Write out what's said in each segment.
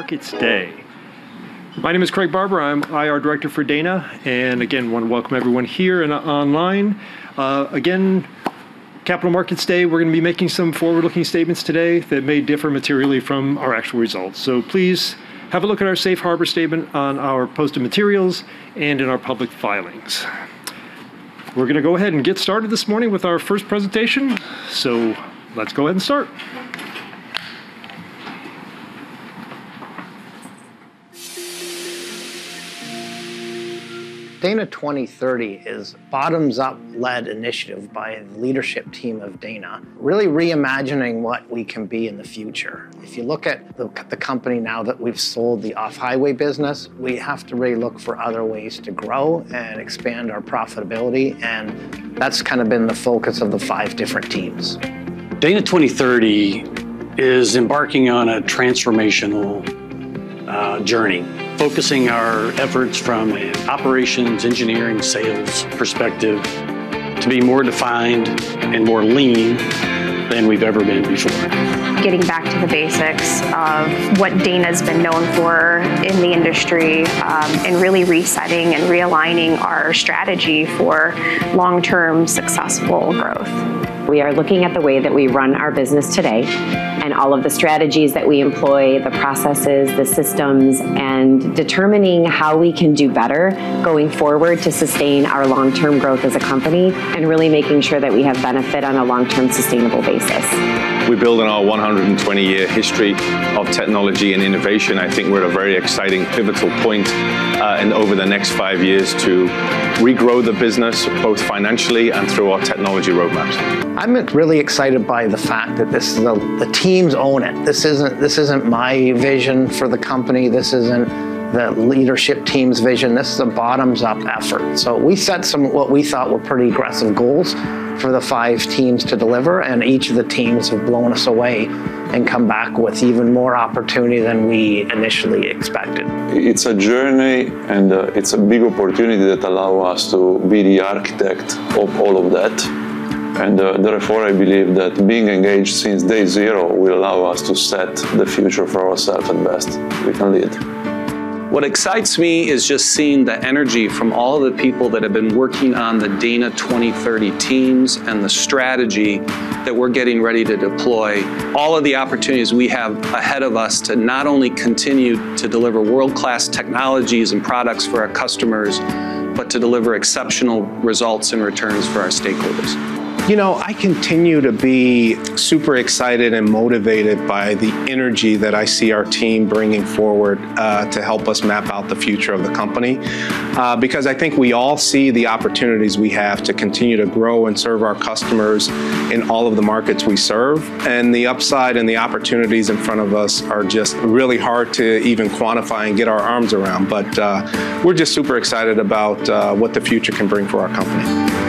Capital Markets Day. My name is Craig Barber. I'm IR director for Dana, and again, wanna welcome everyone here and online. Again, Capital Markets Day, we're gonna be making some forward-looking statements today that may differ materially from our actual results. Please have a look at our safe harbor statement on our posted materials and in our public filings. We're gonna go ahead and get started this morning with our first presentation. Let's go ahead and start. Dana 2030 is a bottoms-up led initiative by the leadership team of Dana, really reimagining what we can be in the future. If you look at the company now that we've sold the Off-Highway business, we have to really look for other ways to grow and expand our profitability, and that's kinda been the focus of the five different teams. Dana 2030 is embarking on a transformational journey, focusing our efforts from an operations, engineering, sales perspective to be more defined and more lean than we've ever been before. Getting back to the basics of what Dana's been known for in the industry, and really resetting and realigning our strategy for long-term successful growth. We are looking at the way that we run our business today and all of the strategies that we employ, the processes, the systems, and determining how we can do better going forward to sustain our long-term growth as a company and really making sure that we have benefit on a long-term sustainable basis. We're building on a 120-year history of technology and innovation. I think we're at a very exciting, pivotal point, and over the next five years to regrow the business, both financially and through our technology roadmap. I'm really excited by the fact that this is a. The teams own it. This isn't my vision for the company. This isn't the leadership team's vision. This is a bottoms-up effort. We set some, what we thought were pretty aggressive goals for the five teams to deliver, and each of the teams have blown us away and come back with even more opportunity than we initially expected. It's a journey, and it's a big opportunity that allow us to be the architect of all of that. Therefore, I believe that being engaged since day zero will allow us to set the future for ourself and best we can lead. What excites me is just seeing the energy from all the people that have been working on the Dana 2030 teams and the strategy that we're getting ready to deploy, all of the opportunities we have ahead of us to not only continue to deliver world-class technologies and products for our customers but to deliver exceptional results and returns for our stakeholders. You know, I continue to be super excited and motivated by the energy that I see our team bringing forward to help us map out the future of the company. Because I think we all see the opportunities we have to continue to grow and serve our customers in all of the markets we serve. The upside and the opportunities in front of us are just really hard to even quantify and get our arms around. We're just super excited about what the future can bring for our company.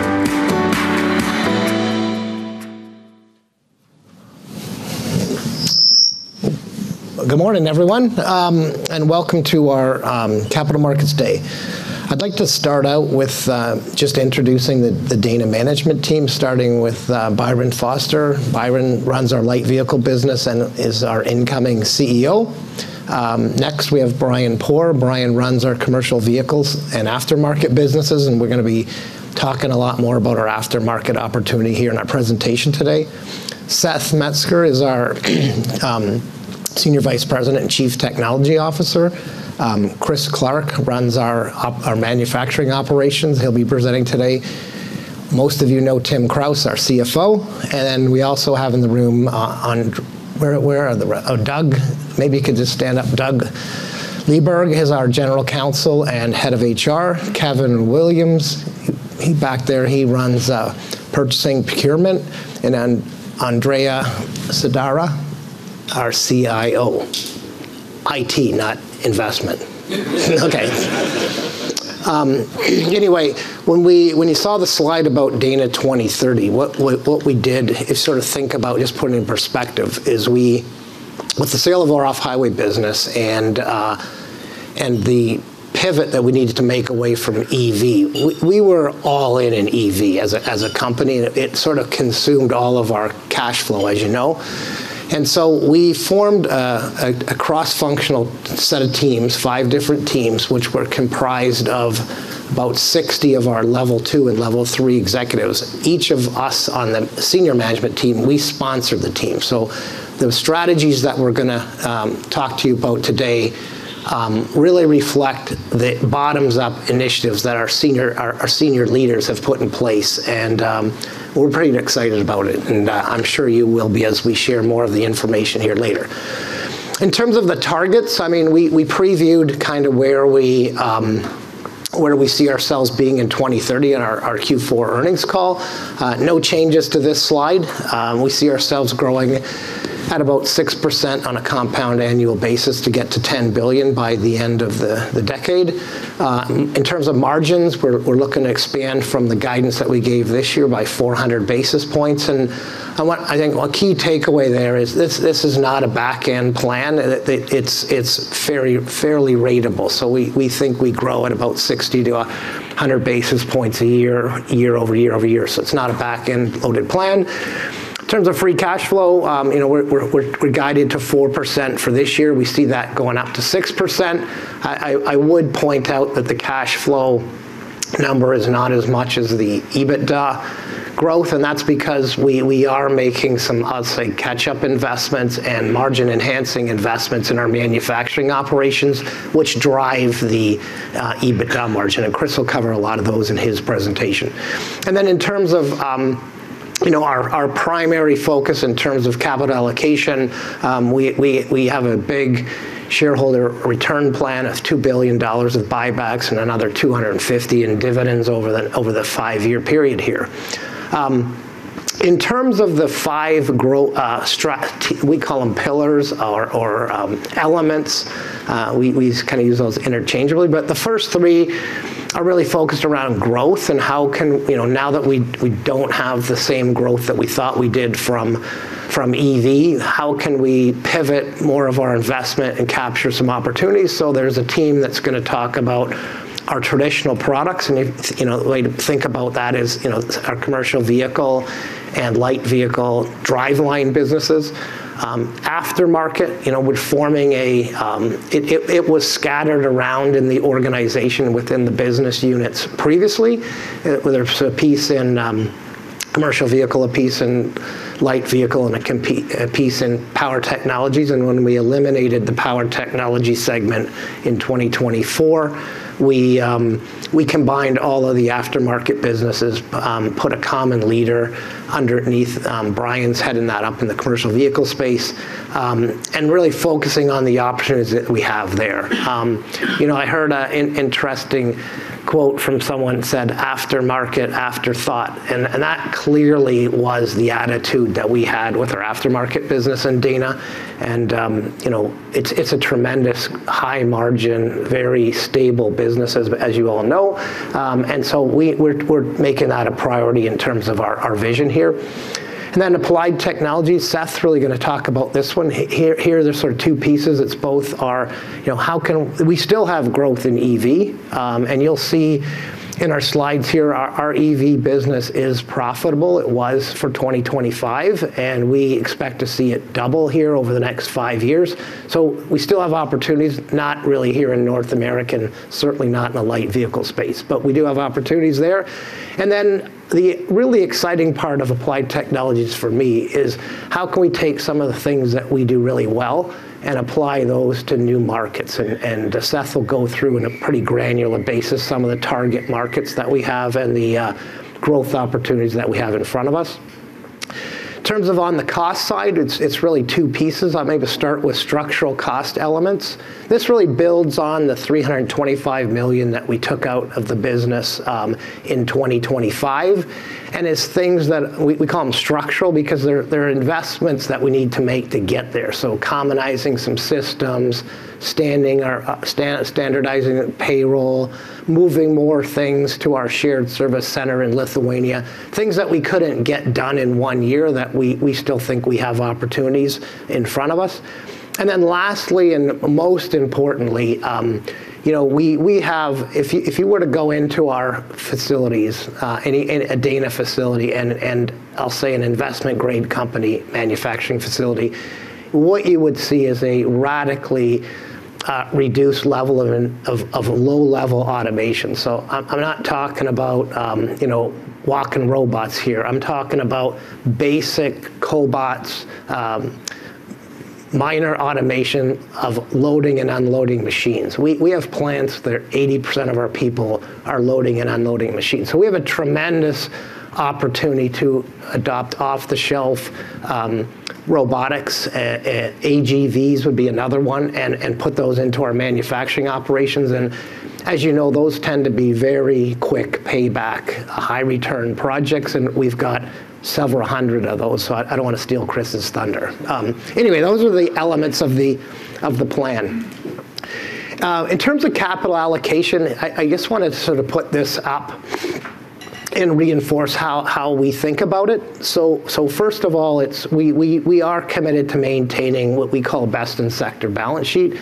Good morning, everyone, and welcome to our Capital Markets Day. I'd like to start out with just introducing the Dana management team, starting with Byron Foster. Byron runs our Light Vehicle business and is our incoming CEO. Next, we have Brian Pour. Brian runs our Commercial Vehicles and Aftermarket businesses, and we're gonna be talking a lot more about our aftermarket opportunity here in our presentation today. Seth Metzger is our Senior Vice President and Chief Technology Officer. Chris Clark runs our manufacturing operations. He'll be presenting today. Most of you know Timothy Kraus, our CFO. We also have in the room Doug. Maybe you could just stand up. Doug Liedberg is our General Counsel and Head of HR. Kevin Williams, he's back there, he runs purchasing, procurement. Then Andrea Siudara, our CIO. IT, not investment. Okay. When you saw the slide about Dana 2030, what we did is sort of think about just putting it in perspective. With the sale of our Off-Highway business and the pivot that we needed to make away from EV, we were all in on EV as a company. It sort of consumed all of our cash flow, as you know. We formed a cross-functional set of teams, five different teams, which were comprised of about 60 of our level II and level III executives. Each of us on the senior management team, we sponsor the team. The strategies that we're gonna talk to you about today really reflect the bottoms-up initiatives that our senior leaders have put in place. We're pretty excited about it, and I'm sure you will be as we share more of the information here later. In terms of the targets, I mean, we previewed kind of where we see ourselves being in 2030 on our Q4 earnings call. No changes to this slide. We see ourselves growing at about 6% on a compound annual basis to get to $10 billion by the end of the decade. In terms of margins, we're looking to expand from the guidance that we gave this year by 400 basis points. I think a key takeaway there is this is not a back-end plan. It's fairly ratable. We think we grow at about 60 basis points-100 basis points a year year-over-year. It's not a back-end-loaded plan. In terms of free cash flow, we're guided to 4% for this year. We see that going up to 6%. I would point out that the cash flow number is not as much as the EBITDA growth, and that's because we are making some, I'll say, catch-up investments and margin-enhancing investments in our manufacturing operations, which drive the EBITDA margin. Chris will cover a lot of those in his presentation. In terms of, you know, our primary focus in terms of capital allocation, we have a big shareholder return plan of $2 billion of buybacks and another $250 million in dividends over the five-year period here. In terms of the five, we call them pillars or elements, we kind of use those interchangeably. But the first three are really focused around growth and how can, you know, now that we don't have the same growth that we thought we did from EV, how can we pivot more of our investment and capture some opportunities? So there's a team that's gonna talk about our traditional products, and, you know, the way to think about that is, you know, our commercial vehicle and light vehicle driveline businesses. Aftermarket, you know, it was scattered around in the organization within the business units previously. There was a piece in commercial vehicle, a piece in light vehicle, and a piece in power technologies. When we eliminated the power technology segment in 2024, we combined all of the aftermarket businesses, put a common leader underneath, Brian's heading that up in the commercial vehicle space, and really focusing on the opportunities that we have there. You know, I heard an interesting quote from someone said, "Aftermarket, afterthought." That clearly was the attitude that we had with our aftermarket business in Dana. You know, it's a tremendous high margin, very stable business as you all know. We're making that a priority in terms of our vision here. Applied technologies, Seth's really gonna talk about this one. Here there's sort of two pieces. It's both our, you know, how can we still have growth in EV, and you'll see in our slides here our EV business is profitable. It was for 2025, and we expect to see it double here over the next five years. We still have opportunities, not really here in North America, and certainly not in the light vehicle space, but we do have opportunities there. The really exciting part of applied technologies for me is how can we take some of the things that we do really well and apply those to new markets? Seth will go through in a pretty granular basis some of the target markets that we have and the growth opportunities that we have in front of us. In terms of on the cost side, it's really two pieces. I'm going to start with structural cost elements. This really builds on the $325 million that we took out of the business in 2025. It's things that we call them structural because they're investments that we need to make to get there. Commonizing some systems, standardizing payroll, moving more things to our shared service center in Lithuania, things that we couldn't get done in one year that we still think we have opportunities in front of us. Lastly, and most importantly, you know, we have. If you were to go into our facilities, any Dana facility and I'll say an investment-grade company manufacturing facility, what you would see is a radically reduced level of low-level automation. So I'm not talking about you know, walking robots here. I'm talking about basic cobots, minor automation of loading and unloading machines. We have plants that are 80% of our people are loading and unloading machines. So we have a tremendous opportunity to adopt off-the-shelf robotics. AGVs would be another one, and put those into our manufacturing operations. As you know, those tend to be very quick payback, high return projects, and we've got several hundred of those, so I don't want to steal Chris's thunder. Anyway, those are the elements of the plan. In terms of capital allocation, I just wanted to sort of put this up and reinforce how we think about it. First of all, we are committed to maintaining what we call best in sector balance sheet.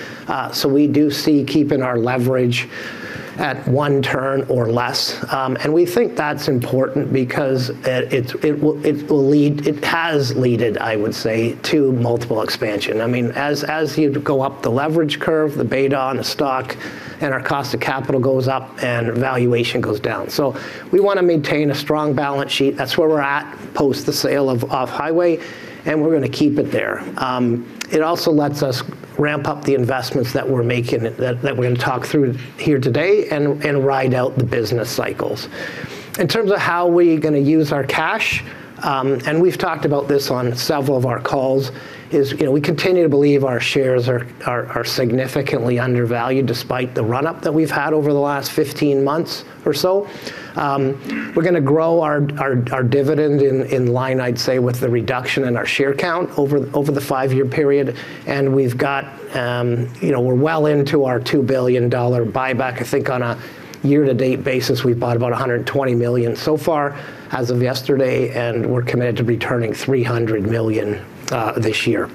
We do see keeping our leverage at one turn or less. We think that's important because it will lead. It has led, I would say, to multiple expansion. I mean, as you go up the leverage curve, the beta on a stock and our cost of capital goes up and valuation goes down. We wanna maintain a strong balance sheet. That's where we're at post the sale of Off-Highway, and we're gonna keep it there. It also lets us ramp up the investments that we're making that we're gonna talk through here today and ride out the business cycles. In terms of how we're gonna use our cash and we've talked about this on several of our calls, is you know we continue to believe our shares are significantly undervalued despite the run-up that we've had over the last 15 months or so. We're gonna grow our dividend in line, I'd say, with the reduction in our share count over the five-year period. We've got you know we're well into our $2 billion buyback. I think on a year-to-date basis, we've bought about $120 million so far as of yesterday, and we're committed to returning $300 million this year.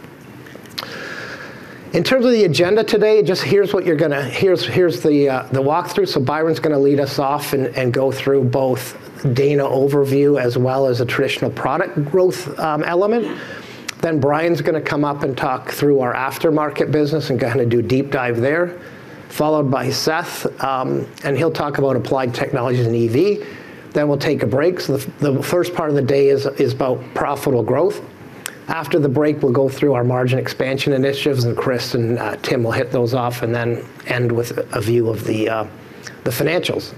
In terms of the agenda today, here's the walkthrough. Byron's gonna lead us off and go through both Dana overview as well as a traditional product growth element. Brian's gonna come up and talk through our aftermarket business and kinda do a deep dive there, followed by Seth, and he'll talk about applied technologies in EV. Then we'll take a break. The first part of the day is about profitable growth. After the break, we'll go through our margin expansion initiatives, and Chris and Tim will hit those off and then end with a view of the financials.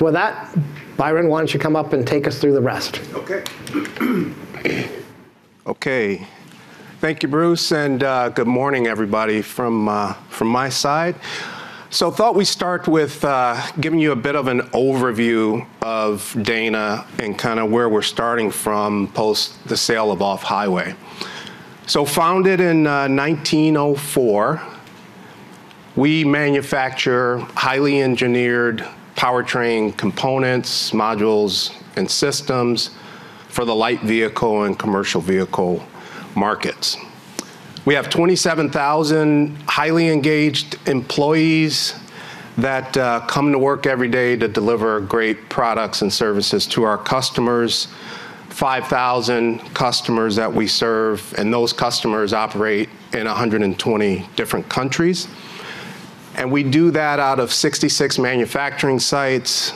With that, Byron, why don't you come up and take us through the rest? Okay. Thank you, Bruce, and good morning, everybody, from my side. Thought we'd start with giving you a bit of an overview of Dana and kinda where we're starting from post the sale of Off-Highway. Founded in 1904, we manufacture highly engineered powertrain components, modules, and systems for the light vehicle and commercial vehicle markets. We have 27,000 highly engaged employees that come to work every day to deliver great products and services to our customers, 5,000 customers that we serve, and those customers operate in 120 different countries. We do that out of 66 manufacturing sites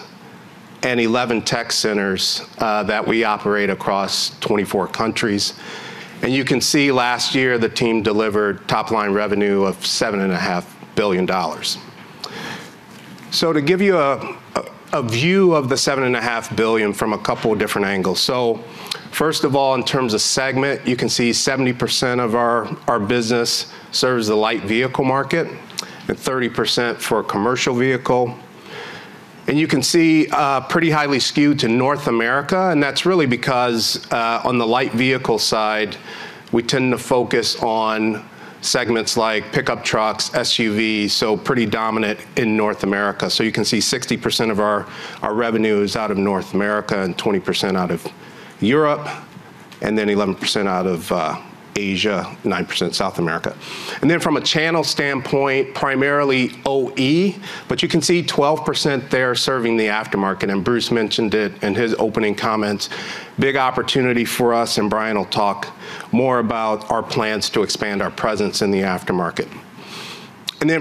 and 11 tech centers that we operate across 24 countries. You can see last year the team delivered top-line revenue of $7.5 billion. To give you a view of the $7.5 billion from a couple of different angles. First of all, in terms of segment, you can see 70% of our business serves the light vehicle market and 30% for commercial vehicle. You can see pretty highly skewed to North America, and that's really because on the light vehicle side, we tend to focus on segments like pickup trucks, SUVs, so pretty dominant in North America. You can see 60% of our revenue is out of North America and 20% out of Europe, and then 11% out of Asia, 9% South America. Then from a channel standpoint, primarily OE, but you can see 12% there serving the aftermarket. Bruce mentioned it in his opening comments, big opportunity for us, and Brian will talk more about our plans to expand our presence in the aftermarket.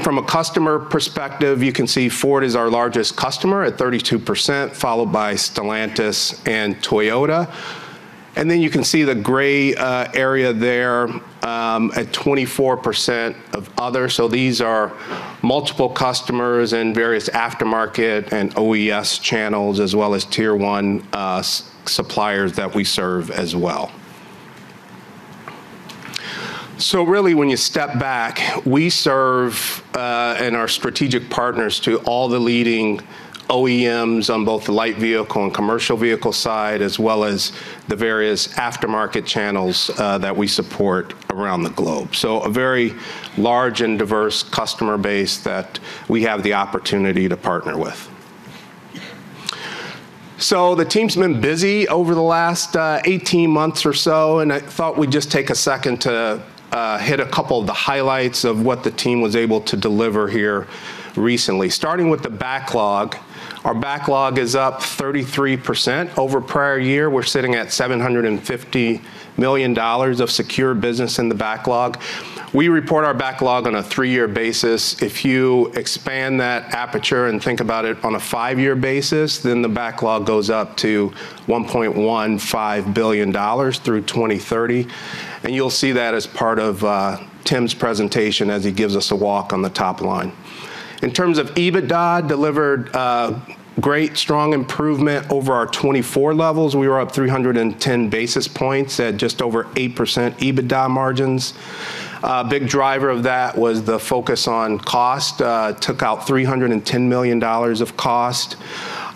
From a customer perspective, you can see Ford is our largest customer at 32%, followed by Stellantis and Toyota. You can see the gray area there at 24% of other. These are multiple customers and various aftermarket and OES channels as well as Tier 1 suppliers that we serve as well. Really, when you step back, we serve and are strategic partners to all the leading OEMs on both the light vehicle and commercial vehicle side, as well as the various aftermarket channels that we support around the globe. A very large and diverse customer base that we have the opportunity to partner with. The team's been busy over the last 18 months or so, and I thought we'd just take a second to hit a couple of the highlights of what the team was able to deliver here recently. Starting with the backlog, our backlog is up 33% over prior year. We're sitting at $750 million of secure business in the backlog. We report our backlog on a three-year basis. If you expand that aperture and think about it on a five-year basis, then the backlog goes up to $1.15 billion through 2030, and you'll see that as part of Tim's presentation as he gives us a walk on the top line. In terms of EBITDA delivered, great strong improvement over our 2024 levels. We were up 310 basis points at just over 8% EBITDA margins. Big driver of that was the focus on cost, took out $310 million of cost.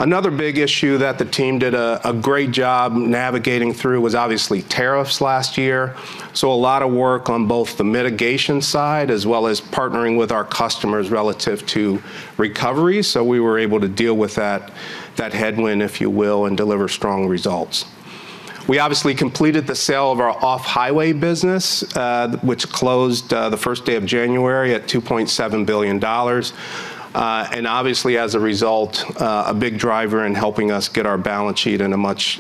Another big issue that the team did a great job navigating through was obviously tariffs last year, so a lot of work on both the mitigation side as well as partnering with our customers relative to recovery, so we were able to deal with that headwind, if you will, and deliver strong results. We obviously completed the sale of our Off-Highway business, which closed the first day of January at $2.7 billion, and obviously, as a result, a big driver in helping us get our balance sheet in a much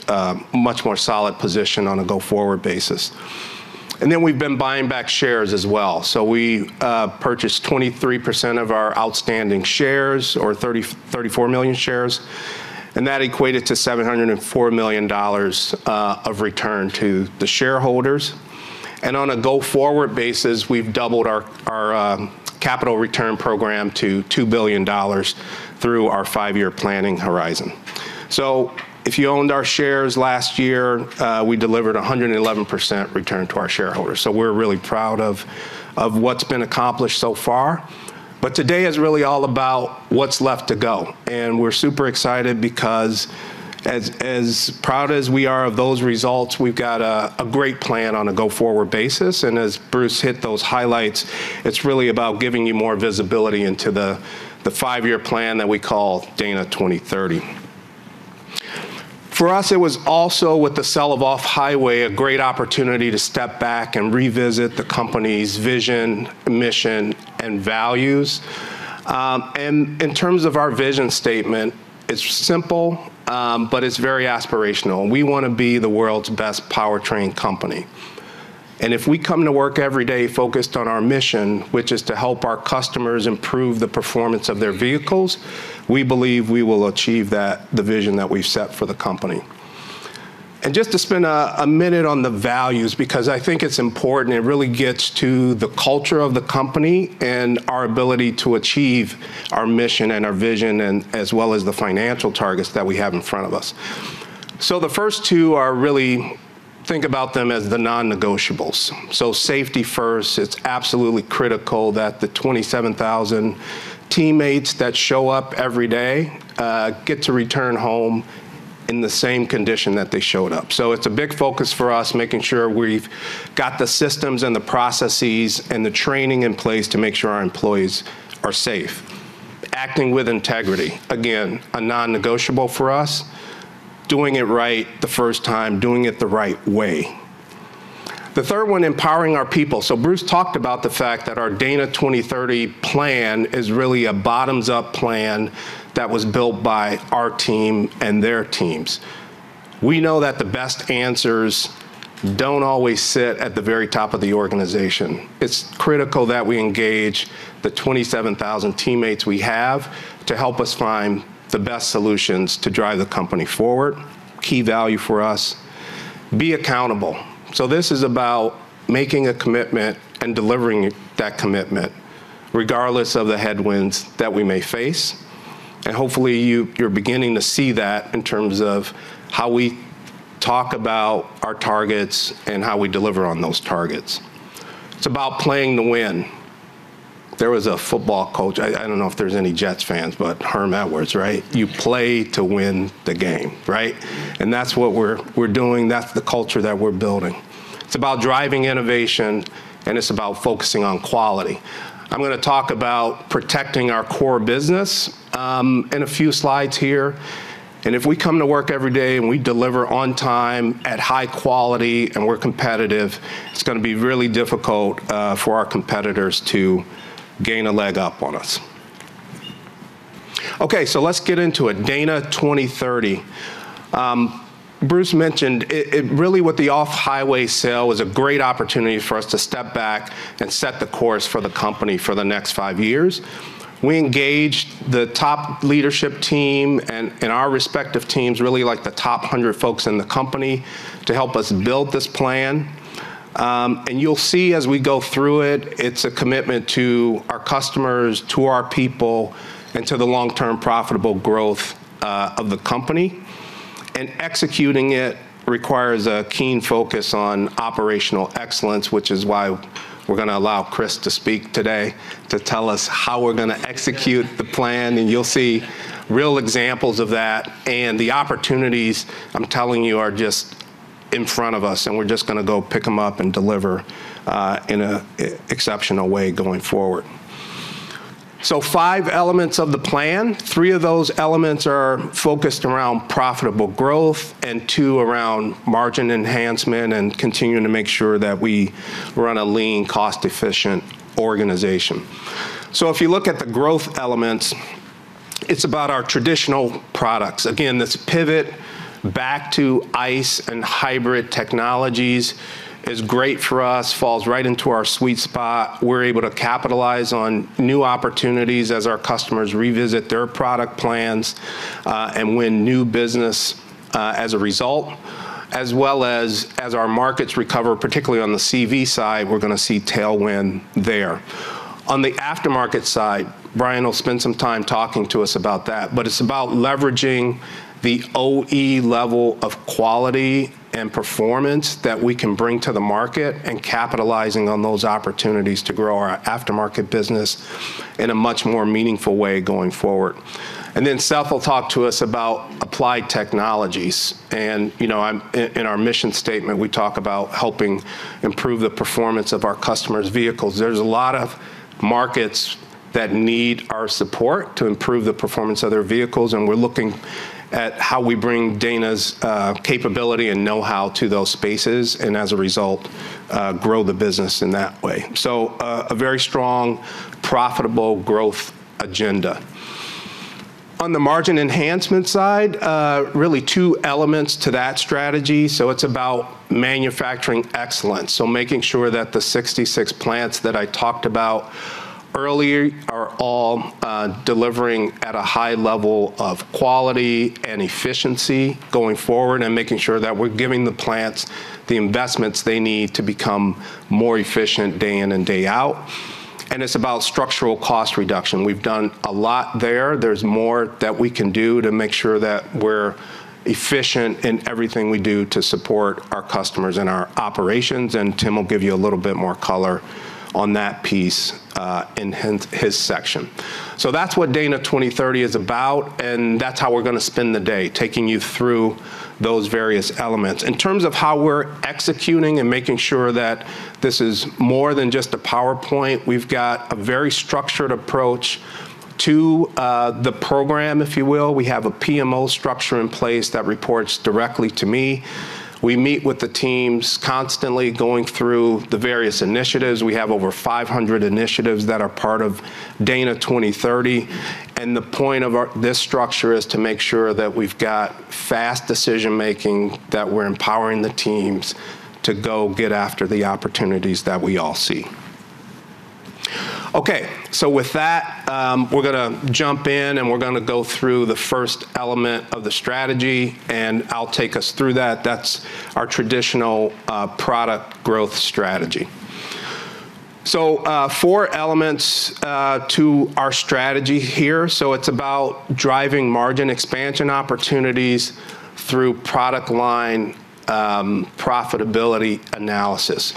more solid position on a go-forward basis. Then we've been buying back shares as well. We purchased 23% of our outstanding shares or 34 million shares, and that equated to $704 million of return to the shareholders. On a go-forward basis, we've doubled our capital return program to $2 billion through our five-year planning horizon. If you owned our shares last year, we delivered a 111% return to our shareholders, so we're really proud of what's been accomplished so far. Today is really all about what's left to go, and we're super excited because as proud as we are of those results, we've got a great plan on a go-forward basis. As Bruce hit those highlights, it's really about giving you more visibility into the five-year plan that we call Dana 2030. For us, it was also with the sale of Off-Highway, a great opportunity to step back and revisit the company's vision, mission, and values. In terms of our vision statement, it's simple, but it's very aspirational. We wanna be the world's best powertrain company. If we come to work every day focused on our mission, which is to help our customers improve the performance of their vehicles, we believe we will achieve that, the vision that we've set for the company. Just to spend a minute on the values because I think it's important. It really gets to the culture of the company and our ability to achieve our mission and our vision and, as well as the financial targets that we have in front of us. The first two are really, think about them as the non-negotiables. Safety first, it's absolutely critical that the 27,000 teammates that show up every day get to return home in the same condition that they showed up. It's a big focus for us, making sure we've got the systems and the processes and the training in place to make sure our employees are safe. Acting with integrity, again, a non-negotiable for us. Doing it right the first time, doing it the right way. The third one, empowering our people. Bruce talked about the fact that our Dana 2030 plan is really a bottoms-up plan that was built by our team and their teams. We know that the best answers don't always sit at the very top of the organization. It's critical that we engage the 27,000 teammates we have to help us find the best solutions to drive the company forward. Key value for us, be accountable. This is about making a commitment and delivering that commitment regardless of the headwinds that we may face. Hopefully you're beginning to see that in terms of how we talk about our targets and how we deliver on those targets. It's about playing to win. There was a football coach. I don't know if there's any Jets fans, but Herm Edwards, right? You play to win the game, right? That's what we're doing. That's the culture that we're building. It's about driving innovation, and it's about focusing on quality. I'm gonna talk about protecting our core business in a few slides here. If we come to work every day and we deliver on time at high quality and we're competitive, it's gonna be really difficult for our competitors to gain a leg up on us. Okay, so let's get into it. Dana 2030. Bruce mentioned it. It really with the Off-Highway sale was a great opportunity for us to step back and set the course for the company for the next five years. We engaged the top leadership team and our respective teams, really, like, the top 100 folks in the company to help us build this plan. You'll see as we go through it's a commitment to our customers, to our people, and to the long-term profitable growth of the company. Executing it requires a keen focus on operational excellence, which is why we're gonna allow Chris to speak today to tell us how we're gonna execute the plan, and you'll see real examples of that and the opportunities I'm telling you are just in front of us, and we're just gonna go pick them up and deliver in an exceptional way going forward. Five elements of the plan. Three of those elements are focused around profitable growth and two around margin enhancement and continuing to make sure that we run a lean, cost-efficient organization. If you look at the growth elements, it's about our traditional products. Again, this pivot back to ICE and hybrid technologies is great for us, falls right into our sweet spot. We're able to capitalize on new opportunities as our customers revisit their product plans, and win new business as a result, as well as our markets recover, particularly on the CV side, we're gonna see tailwind there. On the aftermarket side, Brian will spend some time talking to us about that, but it's about leveraging the OE level of quality and performance that we can bring to the market and capitalizing on those opportunities to grow our aftermarket business in a much more meaningful way going forward. Seth will talk to us about applied technologies. You know, in our mission statement, we talk about helping improve the performance of our customers' vehicles. There's a lot of markets that need our support to improve the performance of their vehicles, and we're looking at how we bring Dana's capability and know-how to those spaces and as a result, grow the business in that way. A very strong, profitable growth agenda. On the margin enhancement side, really two elements to that strategy. It's about manufacturing excellence. Making sure that the 66 plants that I talked about earlier are all delivering at a high level of quality and efficiency going forward and making sure that we're giving the plants the investments they need to become more efficient day in and day out. It's about structural cost reduction. We've done a lot there. There's more that we can do to make sure that we're efficient in everything we do to support our customers and our operations, and Timothy will give you a little bit more color on that piece, in his section. That's what Dana 2030 is about, and that's how we're gonna spend the day, taking you through those various elements. In terms of how we're executing and making sure that this is more than just a PowerPoint, we've got a very structured approach to the program, if you will. We have a PMO structure in place that reports directly to me. We meet with the teams constantly going through the various initiatives. We have over 500 initiatives that are part of Dana 2030, and the point of this structure is to make sure that we've got fast decision-making, that we're empowering the teams to go get after the opportunities that we all see. Okay. With that, we're gonna jump in, and we're gonna go through the first element of the strategy, and I'll take us through that. That's our traditional product growth strategy. Four elements to our strategy here. It's about driving margin expansion opportunities through product line profitability analysis.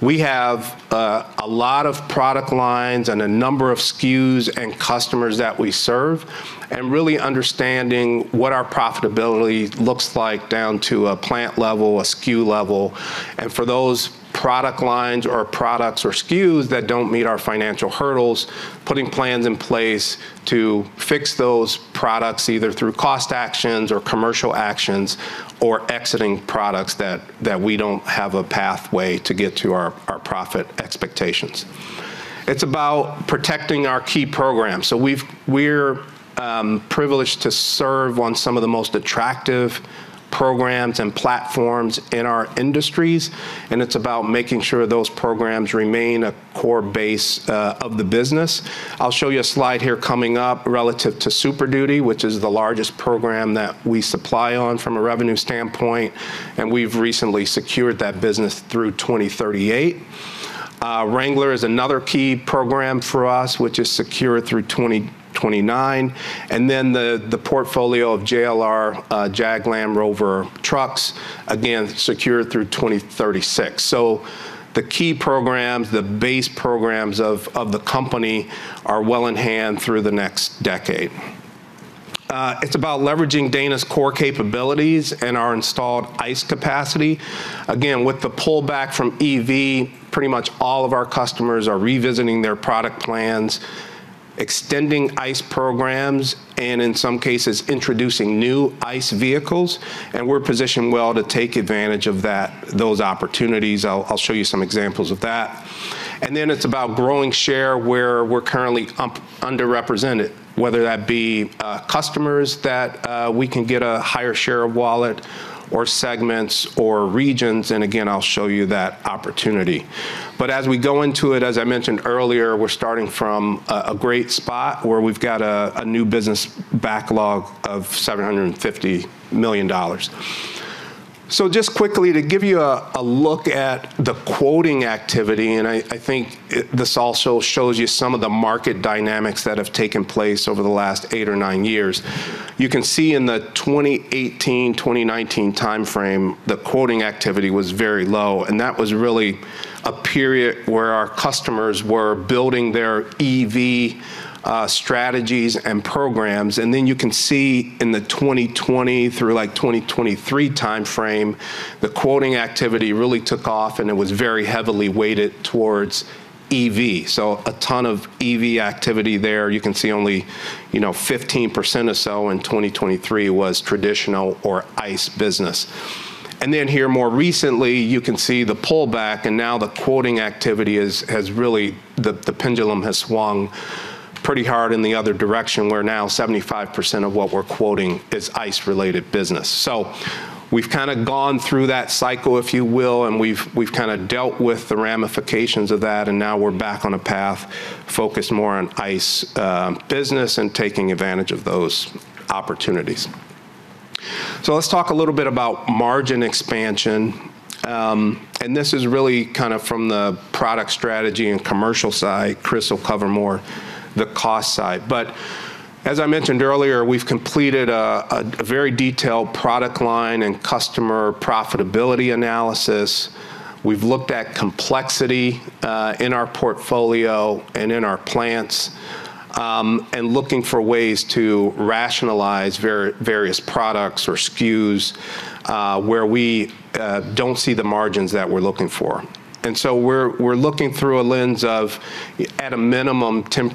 We have a lot of product lines and a number of SKUs and customers that we serve, and really understanding what our profitability looks like down to a plant level, a SKU level. For those product lines or products or SKUs that don't meet our financial hurdles, putting plans in place to fix those products, either through cost actions or commercial actions or exiting products that we don't have a pathway to get to our profit expectations. It's about protecting our key programs. We're privileged to serve on some of the most attractive programs and platforms in our industries, and it's about making sure those programs remain a core base of the business. I'll show you a slide here coming up relative to Super Duty, which is the largest program that we supply on from a revenue standpoint, and we've recently secured that business through 2038. Wrangler is another key program for us, which is secure through 2029. The portfolio of JLR, Jaguar Land Rover trucks, again, secure through 2036. The key programs, the base programs of the company are well in hand through the next decade. It's about leveraging Dana's core capabilities and our installed ICE capacity. Again, with the pullback from EV, pretty much all of our customers are revisiting their product plans, extending ICE programs, and in some cases, introducing new ICE vehicles, and we're positioned well to take advantage of those opportunities. I'll show you some examples of that. It's about growing share where we're currently underrepresented, whether that be customers that we can get a higher share of wallet or segments or regions, and again, I'll show you that opportunity. As we go into it, as I mentioned earlier, we're starting from a great spot where we've got a new business backlog of $750 million. Just quickly to give you a look at the quoting activity, and I think this also shows you some of the market dynamics that have taken place over the last eight years or nine years. You can see in the 2018, 2019 timeframe, the quoting activity was very low, and that was really a period where our customers were building their EV strategies and programs. Then you can see in the 2020 through, like, 2023 timeframe, the quoting activity really took off, and it was very heavily weighted towards EV. A ton of EV activity there. You can see only, you know, 15% or so in 2023 was traditional or ICE business. Then here more recently, you can see the pullback, and now the quoting activity has really the pendulum has swung pretty hard in the other direction, where now 75% of what we're quoting is ICE-related business. We've kind of gone through that cycle, if you will, and we've kind of dealt with the ramifications of that, and now we're back on a path focused more on ICE business and taking advantage of those opportunities. Let's talk a little bit about margin expansion. This is really kind of from the product strategy and commercial side. Chris will cover more the cost side. But as I mentioned earlier, we've completed a very detailed product line and customer profitability analysis. We've looked at complexity in our portfolio and in our plants and looking for ways to rationalize various products or SKUs where we don't see the margins that we're looking for. We're looking through a lens of, at a minimum, 10%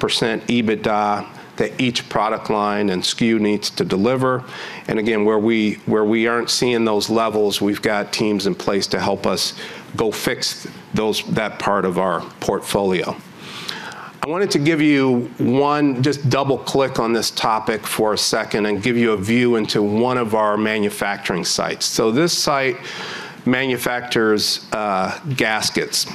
EBITDA that each product line and SKU needs to deliver. Where we aren't seeing those levels, we've got teams in place to help us go fix that part of our portfolio. I wanted to give you one. Just double-click on this topic for a second and give you a view into one of our manufacturing sites. This site manufactures gaskets.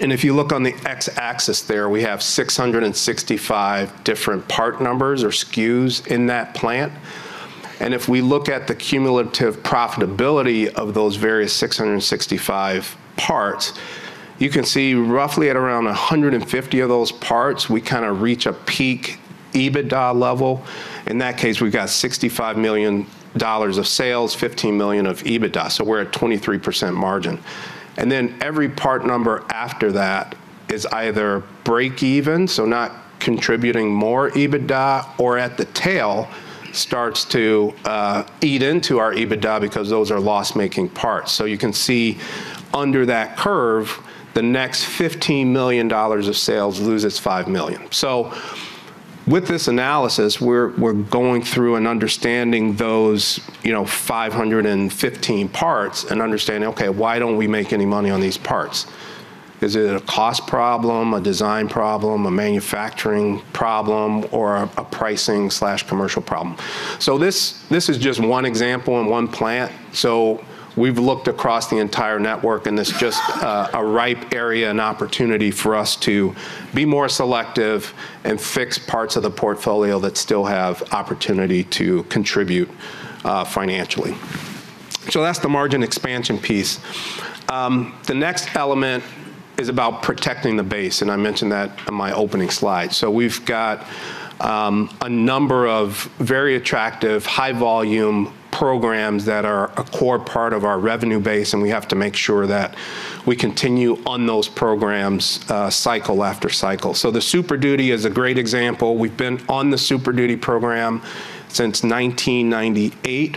If you look on the X-axis there, we have 665 different part numbers or SKUs in that plant. If we look at the cumulative profitability of those various 665 parts, you can see roughly at around 150 of those parts, we kind of reach a peak EBITDA level. In that case, we've got $65 million of sales, $15 million of EBITDA, so we're at 23% margin. Then every part number after that is either break even, so not contributing more EBITDA, or at the tail starts to eat into our EBITDA because those are loss-making parts. You can see under that curve, the next $15 million of sales loses $5 million. With this analysis, we're going through and understanding those, you know, 515 parts and understanding, okay, why don't we make any money on these parts? Is it a cost problem, a design problem, a manufacturing problem, or a pricing/commercial problem? This is just one example in one plant. We've looked across the entire network, and it's just a ripe area and opportunity for us to be more selective and fix parts of the portfolio that still have opportunity to contribute financially. That's the margin expansion piece. The next element is about protecting the base, and I mentioned that in my opening slide. We've got a number of very attractive high-volume programs that are a core part of our revenue base, and we have to make sure that we continue on those programs cycle after cycle. The Super Duty is a great example. We've been on the Super Duty program since 1998,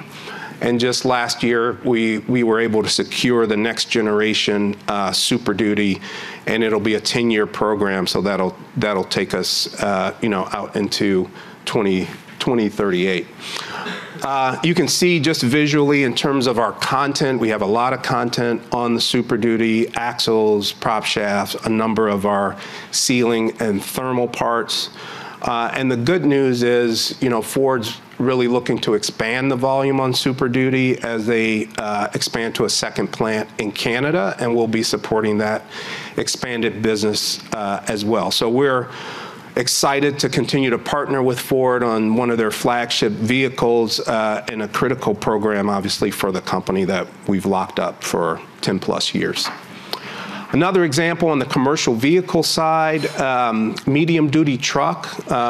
and just last year, we were able to secure the next generation Super Duty, and it'll be a 10-year program. That'll take us, you know, out into 2038. You can see just visually in terms of our content, we have a lot of content on the Super Duty axles, prop shafts, a number of our sealing and thermal parts. The good news is, you know, Ford's really looking to expand the volume on Super Duty as they expand to a second plant in Canada, and we'll be supporting that expanded business as well. We're excited to continue to partner with Ford on one of their flagship vehicles in a critical program, obviously, for the company that we've locked up for 10+ years. Another example on the commercial vehicle side, medium-duty truck.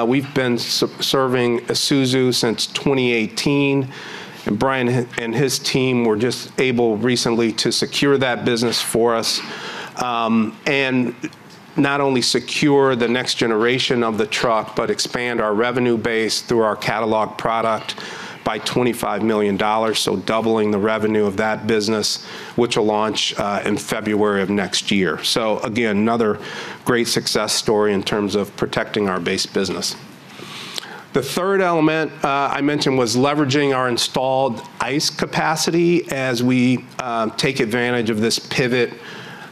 We've been serving Isuzu since 2018, and Brian and his team were just able recently to secure that business for us. not only secure the next generation of the truck, but expand our revenue base through our catalog product by $25 million, so doubling the revenue of that business, which will launch in February of next year. Again, another great success story in terms of protecting our base business. The third element I mentioned was leveraging our installed ICE capacity as we take advantage of this pivot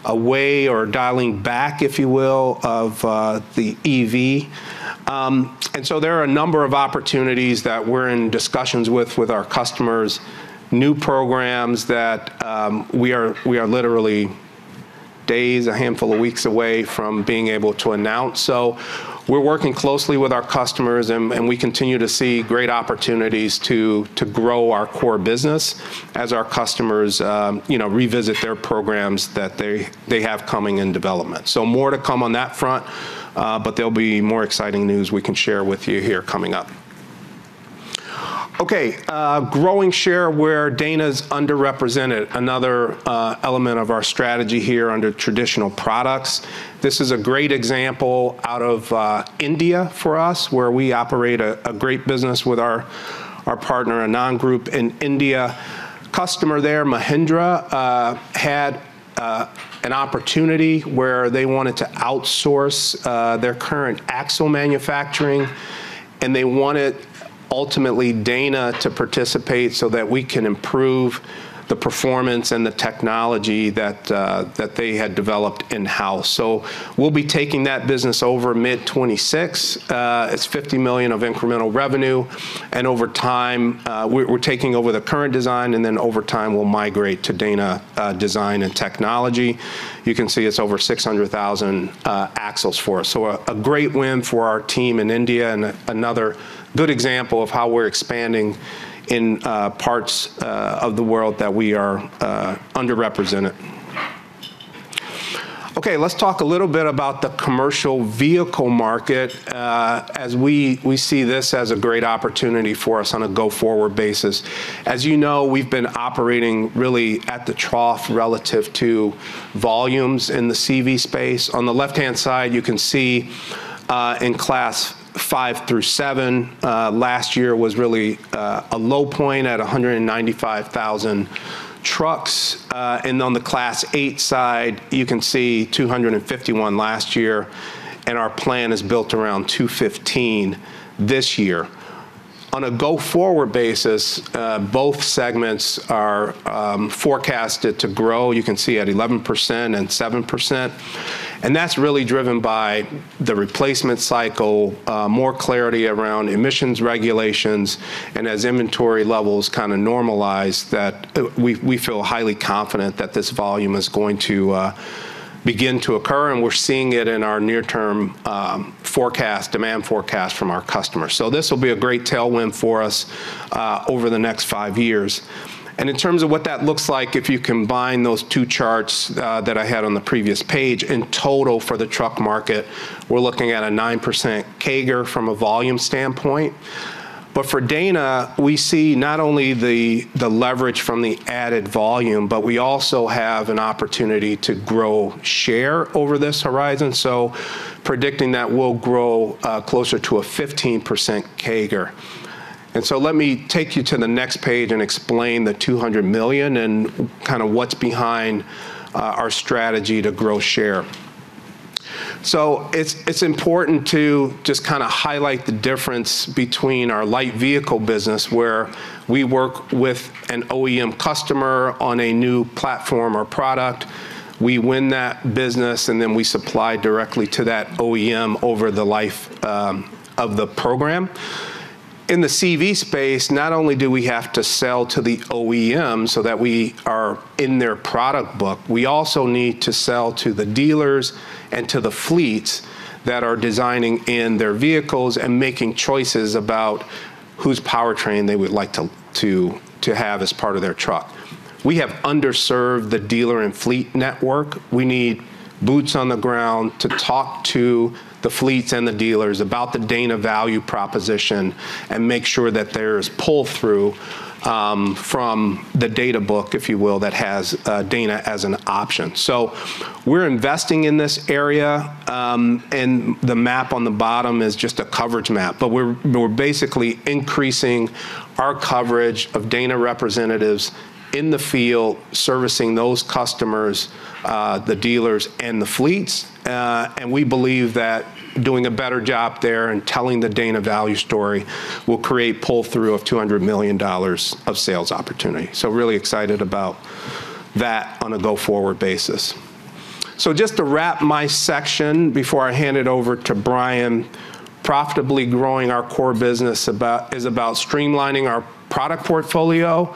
away or dialing back, if you will, of the EV. There are a number of opportunities that we're in discussions with our customers, new programs that we are literally days, a handful of weeks away from being able to announce. We're working closely with our customers and we continue to see great opportunities to grow our core business as our customers, you know, revisit their programs that they have coming in development. More to come on that front, but there'll be more exciting news we can share with you here coming up. Growing share where Dana's underrepresented, another element of our strategy here under traditional products. This is a great example out of India for us, where we operate a great business with our partner, Anand Group in India. Customer there, Mahindra, had an opportunity where they wanted to outsource their current axle manufacturing, and they wanted ultimately Dana to participate so that we can improve the performance and the technology that they had developed in-house. We'll be taking that business over mid-2026. It's $50 million of incremental revenue, and over time, we're taking over the current design, and then over time, we'll migrate to Dana design and technology. You can see it's over 600,000 axles for us. A great win for our team in India and another good example of how we're expanding in parts of the world that we are underrepresented. Okay, let's talk a little bit about the commercial vehicle market, as we see this as a great opportunity for us on a go-forward basis. As you know, we've been operating really at the trough relative to volumes in the CV space. On the left-hand side, you can see in Class V through Class VII last year was really a low point at 195,000 trucks. On the Class VIII side, you can see 251 last year, and our plan is built around 215 this year. On a go-forward basis, both segments are forecasted to grow, you can see at 11% and 7%, and that's really driven by the replacement cycle, more clarity around emissions regulations, and as inventory levels kinda normalize that, we feel highly confident that this volume is going to begin to occur, and we're seeing it in our near-term forecast, demand forecast from our customers. This will be a great tailwind for us over the next five years. In terms of what that looks like, if you combine those two charts that I had on the previous page, in total for the truck market, we're looking at a 9% CAGR from a volume standpoint. For Dana, we see not only the leverage from the added volume, but we also have an opportunity to grow share over this horizon. Predicting that we'll grow closer to a 15% CAGR. Let me take you to the next page and explain the $200 million and kinda what's behind our strategy to grow share. It's important to just kinda highlight the difference between our light vehicle business, where we work with an OEM customer on a new platform or product. We win that business, and then we supply directly to that OEM over the life of the program. In the CV space, not only do we have to sell to the OEM so that we are in their product book, we also need to sell to the dealers and to the fleets that are designing in their vehicles and making choices about whose powertrain they would like to have as part of their truck. We have underserved the dealer and fleet network. We need boots on the ground to talk to the fleets and the dealers about the Dana value proposition and make sure that there's pull-through from the data book, if you will, that has Dana as an option. We're investing in this area, and the map on the bottom is just a coverage map. We're basically increasing our coverage of Dana representatives in the field servicing those customers, the dealers and the fleets, and we believe that doing a better job there and telling the Dana value story will create pull-through of $200 million of sales opportunity. Really excited about that on a go-forward basis. Just to wrap my section before I hand it over to Brian, profitably growing our core business is about streamlining our product portfolio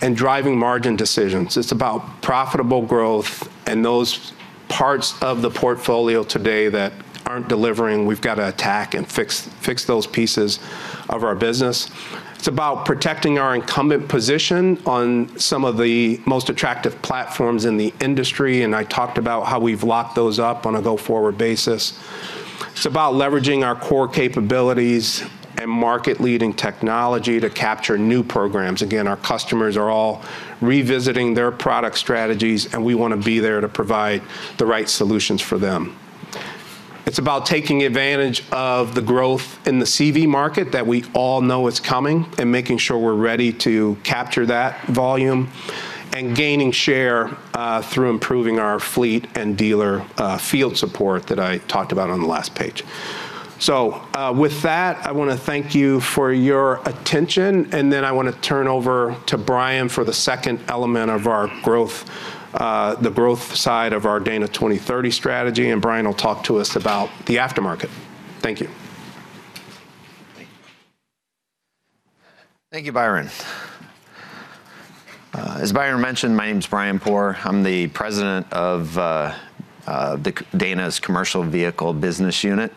and driving margin decisions. It's about profitable growth and those parts of the portfolio today that aren't delivering. We've gotta attack and fix those pieces of our business. It's about protecting our incumbent position on some of the most attractive platforms in the industry, and I talked about how we've locked those up on a go-forward basis. It's about leveraging our core capabilities and market-leading technology to capture new programs. Again, our customers are all revisiting their product strategies, and we wanna be there to provide the right solutions for them. It's about taking advantage of the growth in the CV market that we all know is coming and making sure we're ready to capture that volume and gaining share through improving our fleet and dealer field support that I talked about on the last page. With that, I wanna thank you for your attention, and then I wanna turn over to Brian for the second element of our growth, the growth side of our Dana 2030 strategy, and Brian will talk to us about the aftermarket. Thank you. Thank you, Byron. As Byron mentioned, my name's Brian Pour. I'm the president of Dana's Commercial Vehicle business unit,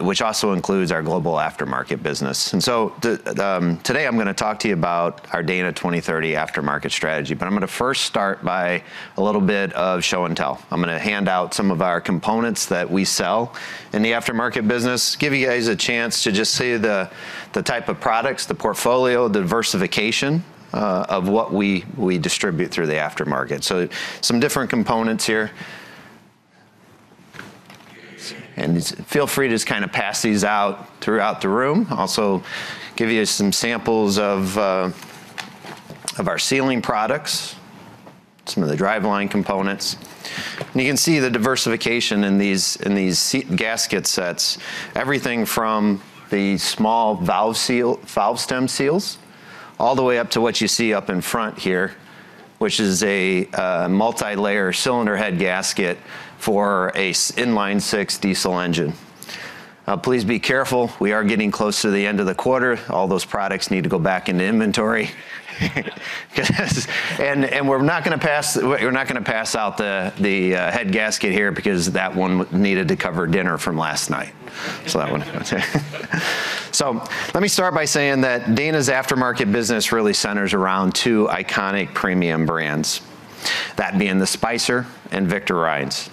which also includes our global aftermarket business. Today I'm gonna talk to you about our Dana 2030 aftermarket strategy, but I'm gonna first start by a little bit of show and tell. I'm gonna hand out some of our components that we sell in the aftermarket business, give you guys a chance to just see the type of products, the portfolio, the diversification of what we distribute through the aftermarket. Some different components here. Feel free to just kinda pass these out throughout the room. Also give you some samples of our sealing products, some of the driveline components. You can see the diversification in these sheet gasket sets. Everything from the small valve seal, valve stem seals, all the way up to what you see up in front here, which is a multilayer cylinder head gasket for a inline six diesel engine. Please be careful. We are getting close to the end of the quarter. All those products need to go back into inventory. We're not gonna pass out the head gasket here because that one needed to cover dinner from last night. That one. Let me start by saying that Dana's aftermarket business really centers around two iconic premium brands, that being the Spicer and Victor Reinz,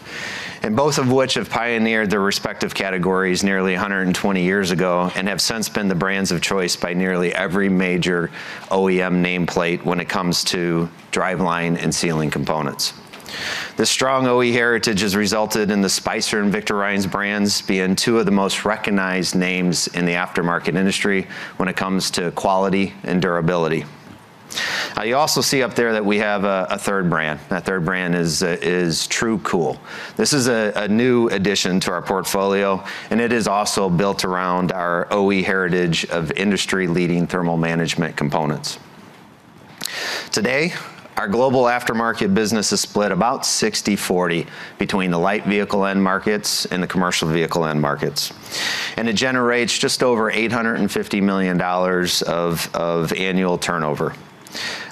and both of which have pioneered their respective categories nearly 120 years ago and have since been the brands of choice by nearly every major OEM nameplate when it comes to driveline and sealing components. The strong OE heritage has resulted in the Spicer and Victor Reinz brands being two of the most recognized names in the aftermarket industry when it comes to quality and durability. Now you also see up there that we have a third brand. That third brand is Tru-Cool. This is a new addition to our portfolio, and it is also built around our OE heritage of industry-leading thermal management components. Today, our global aftermarket business is split about 60/40 between the light vehicle end markets and the commercial vehicle end markets, and it generates just over $850 million of annual turnover.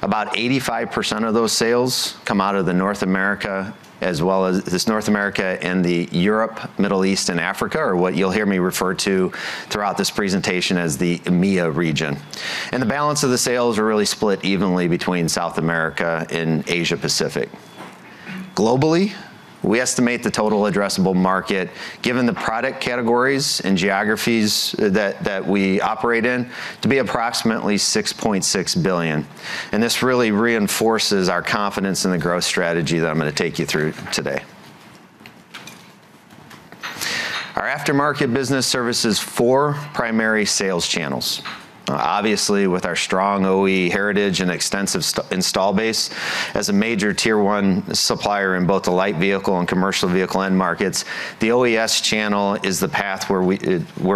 About 85% of those sales come out of North America. This North America and Europe, Middle East and Africa are what you'll hear me refer to throughout this presentation as the EMEA region. The balance of the sales are really split evenly between South America and Asia Pacific. Globally, we estimate the total addressable market, given the product categories and geographies that we operate in, to be approximately $6.6 billion, and this really reinforces our confidence in the growth strategy that I'm gonna take you through today. Our aftermarket business services four primary sales channels. Obviously, with our strong OE heritage and extensive installed base as a major Tier 1 supplier in both the light vehicle and commercial vehicle end markets, the OES channel is the path where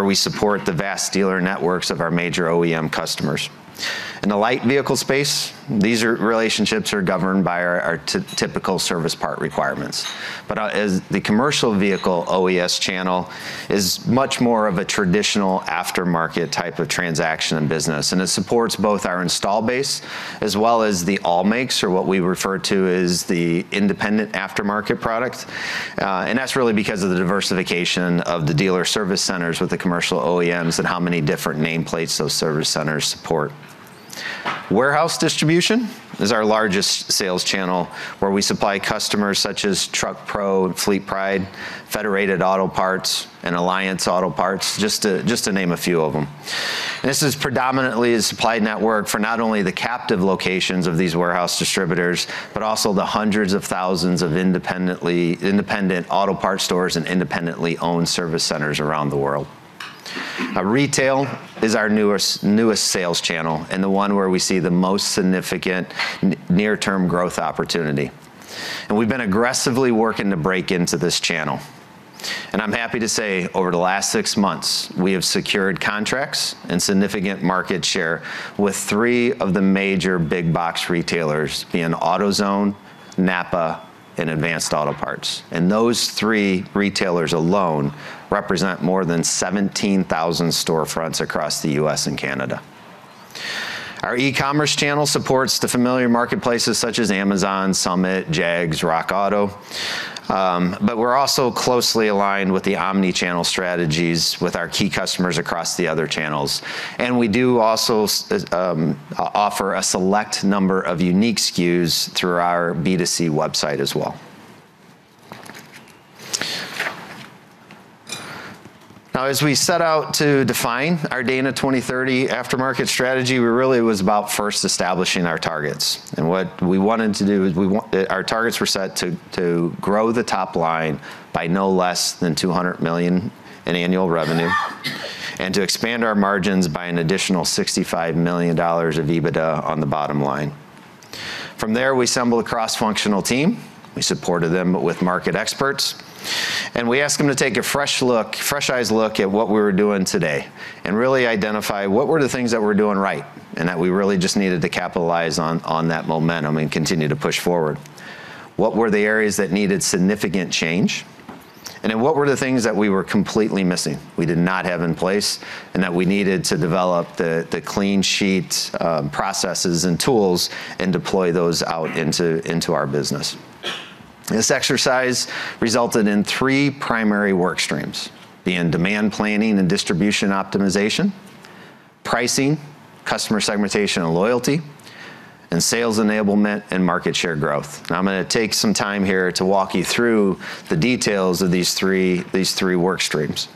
we support the vast dealer networks of our major OEM customers. In the light vehicle space, these relationships are governed by our typical service part requirements. As the commercial vehicle OES channel is much more of a traditional aftermarket type of transaction and business, and it supports both our install base as well as the all makes, or what we refer to as the independent aftermarket product. That's really because of the diversification of the dealer service centers with the commercial OEMs and how many different nameplates those service centers support. Warehouse distribution is our largest sales channel where we supply customers such as TruckPro and FleetPride, Federated Auto Parts, and Alliance Auto Parts, just to name a few of them. This is predominantly a supply network for not only the captive locations of these warehouse distributors, but also the hundreds of thousands of independent auto part stores and independently owned service centers around the world. Our retail is our newest sales channel and the one where we see the most significant near-term growth opportunity. We've been aggressively working to break into this channel. I'm happy to say, over the last six months, we have secured contracts and significant market share with three of the major big box retailers, being AutoZone, NAPA, and Advance Auto Parts. Those three retailers alone represent more than 17,000 storefronts across the U.S. and Canada. Our e-commerce channel supports the familiar marketplaces such as Amazon, Summit, JEGS, RockAuto, but we're also closely aligned with the omni-channel strategies with our key customers across the other channels. We do also offer a select number of unique SKUs through our B2C website as well. Now as we set out to define our Dana 2030 aftermarket strategy, we really was about first establishing our targets. What we wanted to do is our targets were set to grow the top line by no less than $200 million in annual revenue, and to expand our margins by an additional $65 million of EBITDA on the bottom line. From there, we assembled a cross-functional team, we supported them with market experts, and we asked them to take a fresh eyes look at what we were doing today and really identify what were the things that we're doing right and that we really just needed to capitalize on that momentum and continue to push forward. What were the areas that needed significant change? What were the things that we were completely missing, we did not have in place, and that we needed to develop the clean sheet processes and tools and deploy those out into our business? This exercise resulted in three primary work streams, being demand planning and distribution optimization, pricing, customer segmentation and loyalty, and sales enablement and market share growth. Now, I'm gonna take some time here to walk you through the details of these three work streams.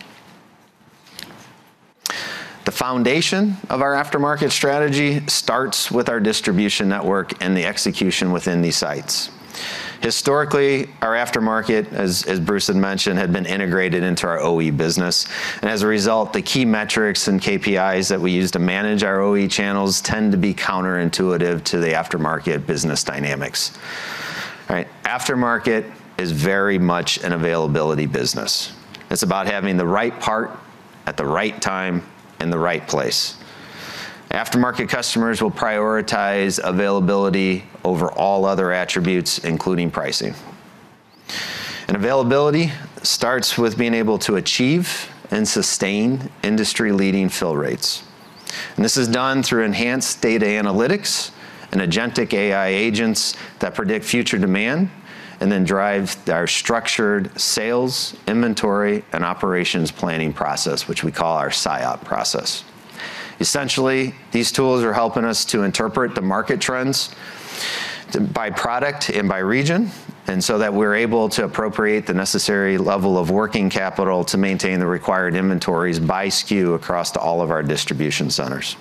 The foundation of our aftermarket strategy starts with our distribution network and the execution within these sites. Historically, our aftermarket, as Bruce had mentioned, had been integrated into our OE business. As a result, the key metrics and KPIs that we use to manage our OE channels tend to be counterintuitive to the aftermarket business dynamics. All right. Aftermarket is very much an availability business. It's about having the right part at the right time in the right place. Aftermarket customers will prioritize availability over all other attributes, including pricing. Availability starts with being able to achieve and sustain industry-leading fill rates. This is done through enhanced data analytics and agentic AI agents that predict future demand and then drive our structured sales, inventory, and operations planning process, which we call our SIOP process. Essentially, these tools are helping us to interpret the market trends by product and by region, and so that we're able to appropriate the necessary level of working capital to maintain the required inventories by SKU across all of our distribution centers.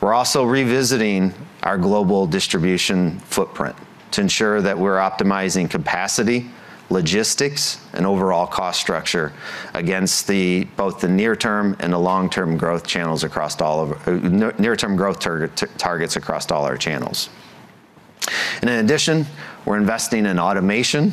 We're also revisiting our global distribution footprint to ensure that we're optimizing capacity, logistics, and overall cost structure against both the near-term and the long-term growth targets across all our channels. In addition, we're investing in automation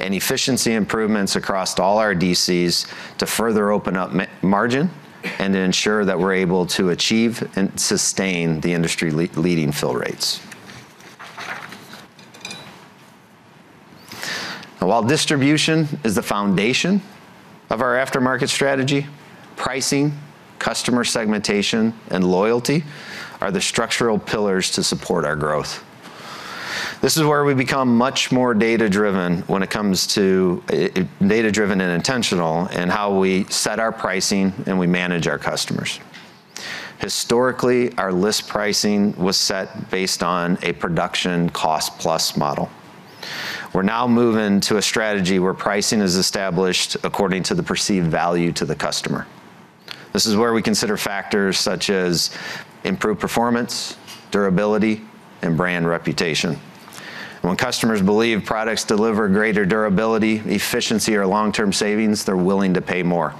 and efficiency improvements across all our DCs to further open up margin and to ensure that we're able to achieve and sustain the industry-leading fill rates. Now, while distribution is the foundation of our aftermarket strategy, pricing, customer segmentation, and loyalty are the structural pillars to support our growth. This is where we become much more data-driven and intentional in how we set our pricing and we manage our customers. Historically, our list pricing was set based on a production cost-plus model. We're now moving to a strategy where pricing is established according to the perceived value to the customer. This is where we consider factors such as improved performance, durability, and brand reputation. When customers believe products deliver greater durability, efficiency, or long-term savings, they're willing to pay more.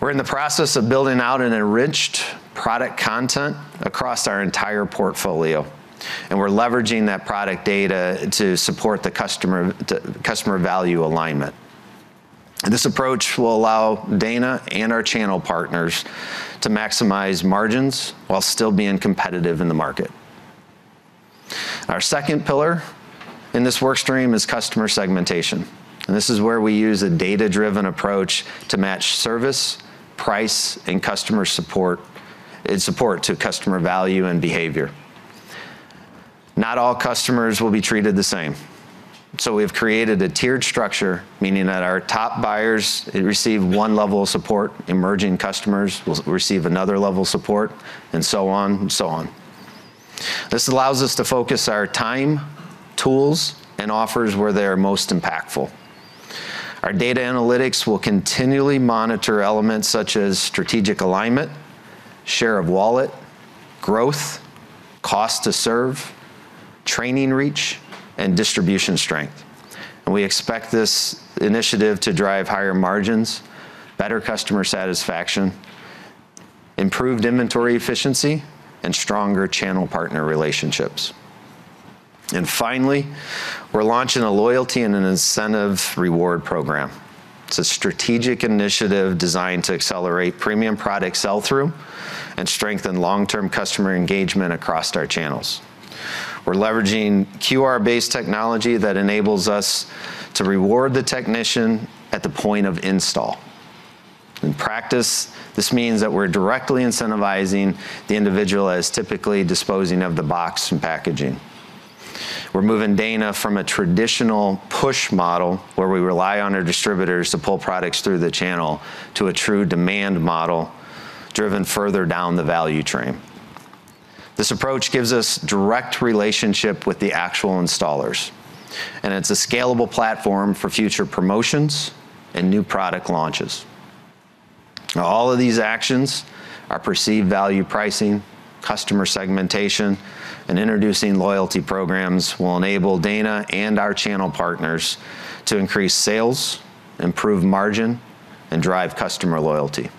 We're in the process of building out an enriched product content across our entire portfolio, and we're leveraging that product data to support the customer, the customer value alignment. This approach will allow Dana and our channel partners to maximize margins while still being competitive in the market. Our second pillar in this work stream is customer segmentation, and this is where we use a data-driven approach to match service, price, and customer support to customer value and behavior. Not all customers will be treated the same. So we've created a tiered structure, meaning that our top buyers receive one level of support, emerging customers will receive another level of support, and so on and so on. This allows us to focus our time, tools, and offers where they are most impactful. Our data analytics will continually monitor elements such as strategic alignment, share of wallet, growth, cost to serve, training reach, and distribution strength. We expect this initiative to drive higher margins, better customer satisfaction, improved inventory efficiency, and stronger channel partner relationships. Finally, we're launching a loyalty and an incentive reward program. It's a strategic initiative designed to accelerate premium product sell-through and strengthen long-term customer engagement across our channels. We're leveraging QR-based technology that enables us to reward the technician at the point of install. In practice, this means that we're directly incentivizing the individual that is typically disposing of the box and packaging. We're moving Dana from a traditional push model, where we rely on our distributors to pull products through the channel, to a true demand model driven further down the value chain. This approach gives us direct relationship with the actual installers, and it's a scalable platform for future promotions and new product launches. Now all of these actions, our perceived value pricing, customer segmentation, and introducing loyalty programs, will enable Dana and our channel partners to increase sales, improve margin, and drive customer loyalty.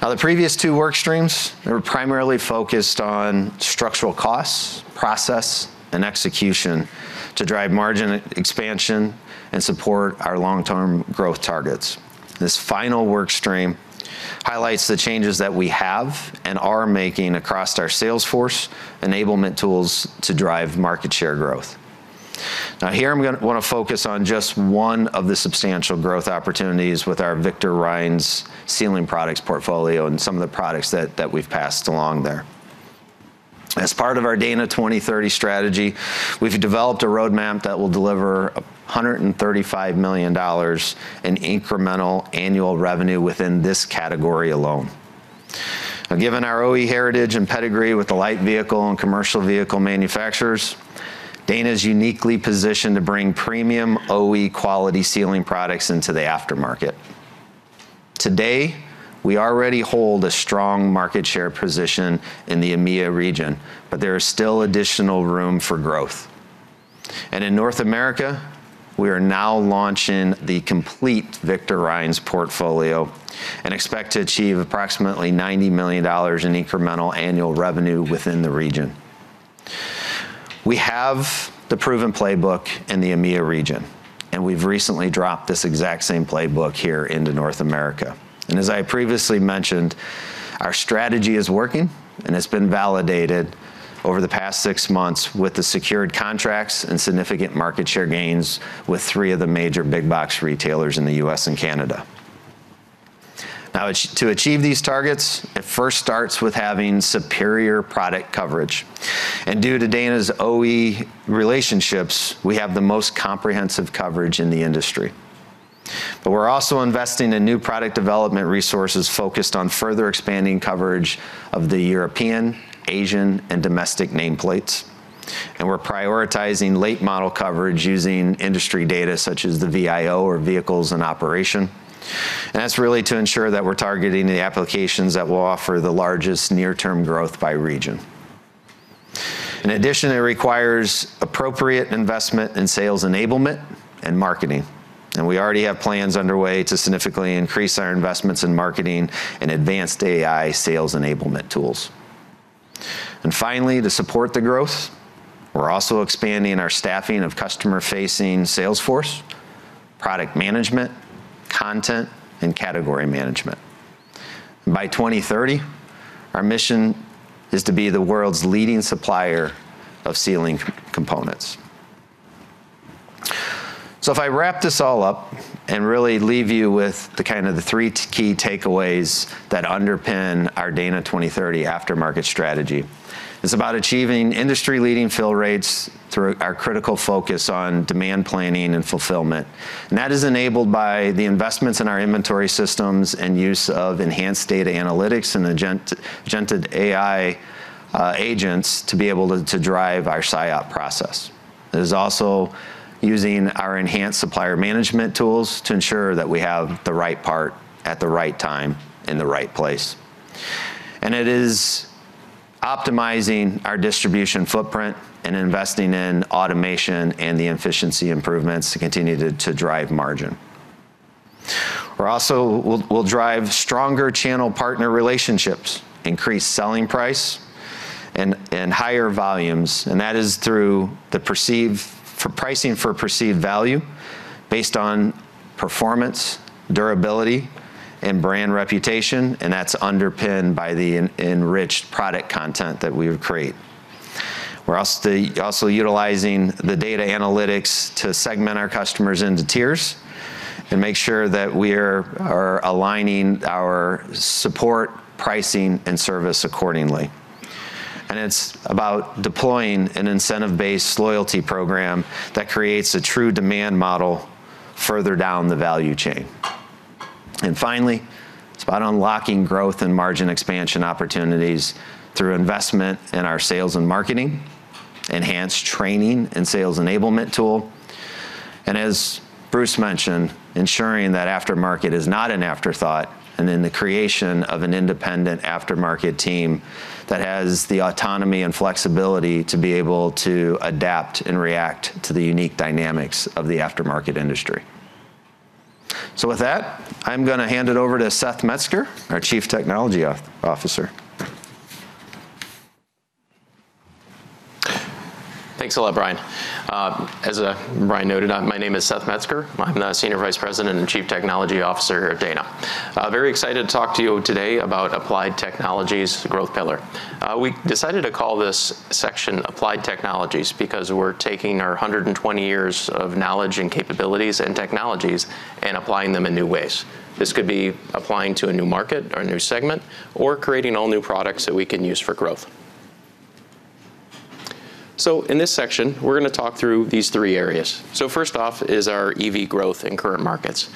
The previous two work streams, they were primarily focused on structural costs, process, and execution to drive margin expansion and support our long-term growth targets. This final work stream highlights the changes that we have and are making across our sales force enablement tools to drive market share growth. Here I'm gonna wanna focus on just one of the substantial growth opportunities with our Victor Reinz sealing products portfolio and some of the products that we've passed along there. As part of our Dana 2030 strategy, we've developed a roadmap that will deliver $135 million in incremental annual revenue within this category alone. Given our OE heritage and pedigree with the light vehicle and commercial vehicle manufacturers, Dana's uniquely positioned to bring premium OE quality sealing products into the aftermarket. Today, we already hold a strong market share position in the EMEA region, but there is still additional room for growth. In North America, we are now launching the complete Victor Reinz portfolio and expect to achieve approximately $90 million in incremental annual revenue within the region. We have the proven playbook in the EMEA region, and we've recently dropped this exact same playbook here into North America. As I previously mentioned, our strategy is working, and it's been validated over the past six months with the secured contracts and significant market share gains with three of the major big box retailers in the U.S. and Canada. Now to achieve these targets, it first starts with having superior product coverage. Due to Dana's OE relationships, we have the most comprehensive coverage in the industry. We're also investing in new product development resources focused on further expanding coverage of the European, Asian, and domestic nameplates. We're prioritizing late model coverage using industry data such as the VIO or vehicles in operation. That's really to ensure that we're targeting the applications that will offer the largest near-term growth by region. In addition, it requires appropriate investment in sales enablement and marketing, and we already have plans underway to significantly increase our investments in marketing and advanced AI sales enablement tools. Finally, to support the growth, we're also expanding our staffing of customer-facing sales force, product management, content, and category management. By 2030, our mission is to be the world's leading supplier of sealing components. If I wrap this all up and really leave you with the kind of the three key takeaways that underpin our Dana 2030 aftermarket strategy, it's about achieving industry-leading fill rates through our critical focus on demand planning and fulfillment. That is enabled by the investments in our inventory systems and use of enhanced data analytics and agentic AI agents to be able to drive our SIOP process. It is also using our enhanced supplier management tools to ensure that we have the right part at the right time in the right place. It is optimizing our distribution footprint and investing in automation and the efficiency improvements to continue to drive margin. We'll drive stronger channel partner relationships, increase selling price and higher volumes, and that is through perceived value-based pricing based on performance, durability, and brand reputation, and that's underpinned by the enriched product content that we create. Also utilizing the data analytics to segment our customers into tiers and make sure that we are aligning our support, pricing, and service accordingly. It's about deploying an incentive-based loyalty program that creates a true demand model further down the value chain. Finally, it's about unlocking growth and margin expansion opportunities through investment in our sales and marketing, enhanced training and sales enablement tool. As Bruce mentioned, ensuring that aftermarket is not an afterthought, and then the creation of an independent aftermarket team that has the autonomy and flexibility to be able to adapt and react to the unique dynamics of the aftermarket industry. With that, I'm gonna hand it over to Seth Metzger, our Chief Technology Officer. Thanks a lot, Brian. As Brian noted, my name is Seth Metzger. I'm the Senior Vice President and Chief Technology Officer here at Dana. Very excited to talk to you today about Applied Technologies growth pillar. We decided to call this section Applied Technologies because we're taking our 120 years of knowledge and capabilities and technologies and applying them in new ways. This could be applying to a new market or a new segment or creating all new products that we can use for growth. In this section, we're gonna talk through these three areas. First off is our EV growth in current markets.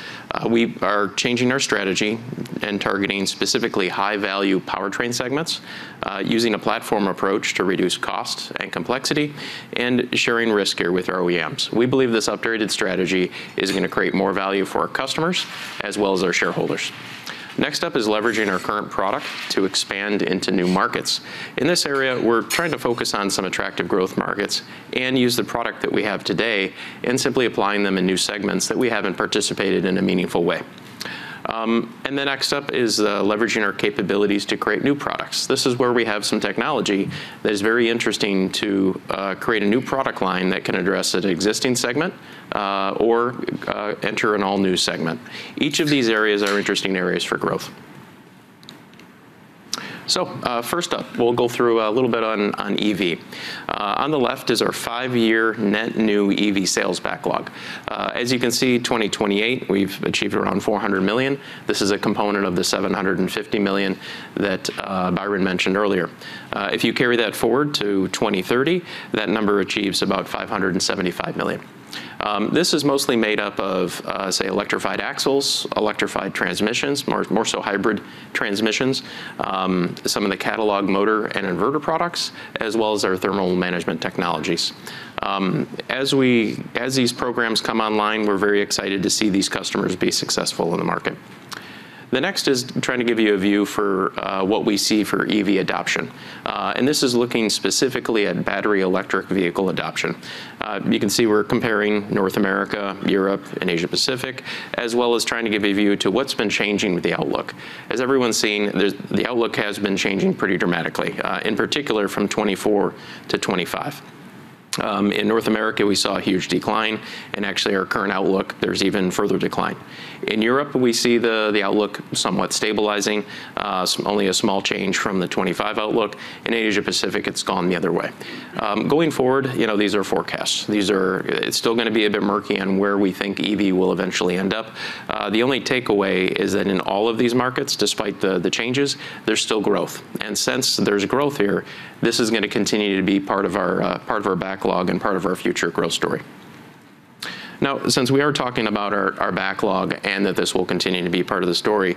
We are changing our strategy and targeting specifically high-value powertrain segments, using a platform approach to reduce costs and complexity and sharing risk here with our OEMs. We believe this upgraded strategy is gonna create more value for our customers as well as our shareholders. Next up is leveraging our current product to expand into new markets. In this area, we're trying to focus on some attractive growth markets and use the product that we have today and simply applying them in new segments that we haven't participated in a meaningful way. Next up is leveraging our capabilities to create new products. This is where we have some technology that is very interesting to create a new product line that can address an existing segment or enter an all-new segment. Each of these areas are interesting areas for growth. First up, we'll go through a little bit on EV. On the left is our five-year net new EV sales backlog. As you can see, 2028, we've achieved around $400 million. This is a component of the $750 million that Byron mentioned earlier. If you carry that forward to 2030, that number achieves about $575 million. This is mostly made up of, say, electrified axles, electrified transmissions, more so hybrid transmissions, some of the catalog motor and inverter products, as well as our thermal management technologies. As these programs come online, we're very excited to see these customers be successful in the market. The next is trying to give you a view for what we see for EV adoption. This is looking specifically at battery electric vehicle adoption. You can see we're comparing North America, Europe, and Asia-Pacific, as well as trying to give a view to what's been changing with the outlook. As everyone's seeing, the outlook has been changing pretty dramatically, in particular from 2024-2025. In North America, we saw a huge decline, and actually our current outlook, there's even further decline. In Europe, we see the outlook somewhat stabilizing, only a small change from the 2025 outlook. In Asia-Pacific, it's gone the other way. Going forward, you know, these are forecasts. It's still gonna be a bit murky on where we think EV will eventually end up. The only takeaway is that in all of these markets, despite the changes, there's still growth. Since there's growth here, this is gonna continue to be part of our backlog and part of our future growth story. Now, since we are talking about our backlog and that this will continue to be part of the story,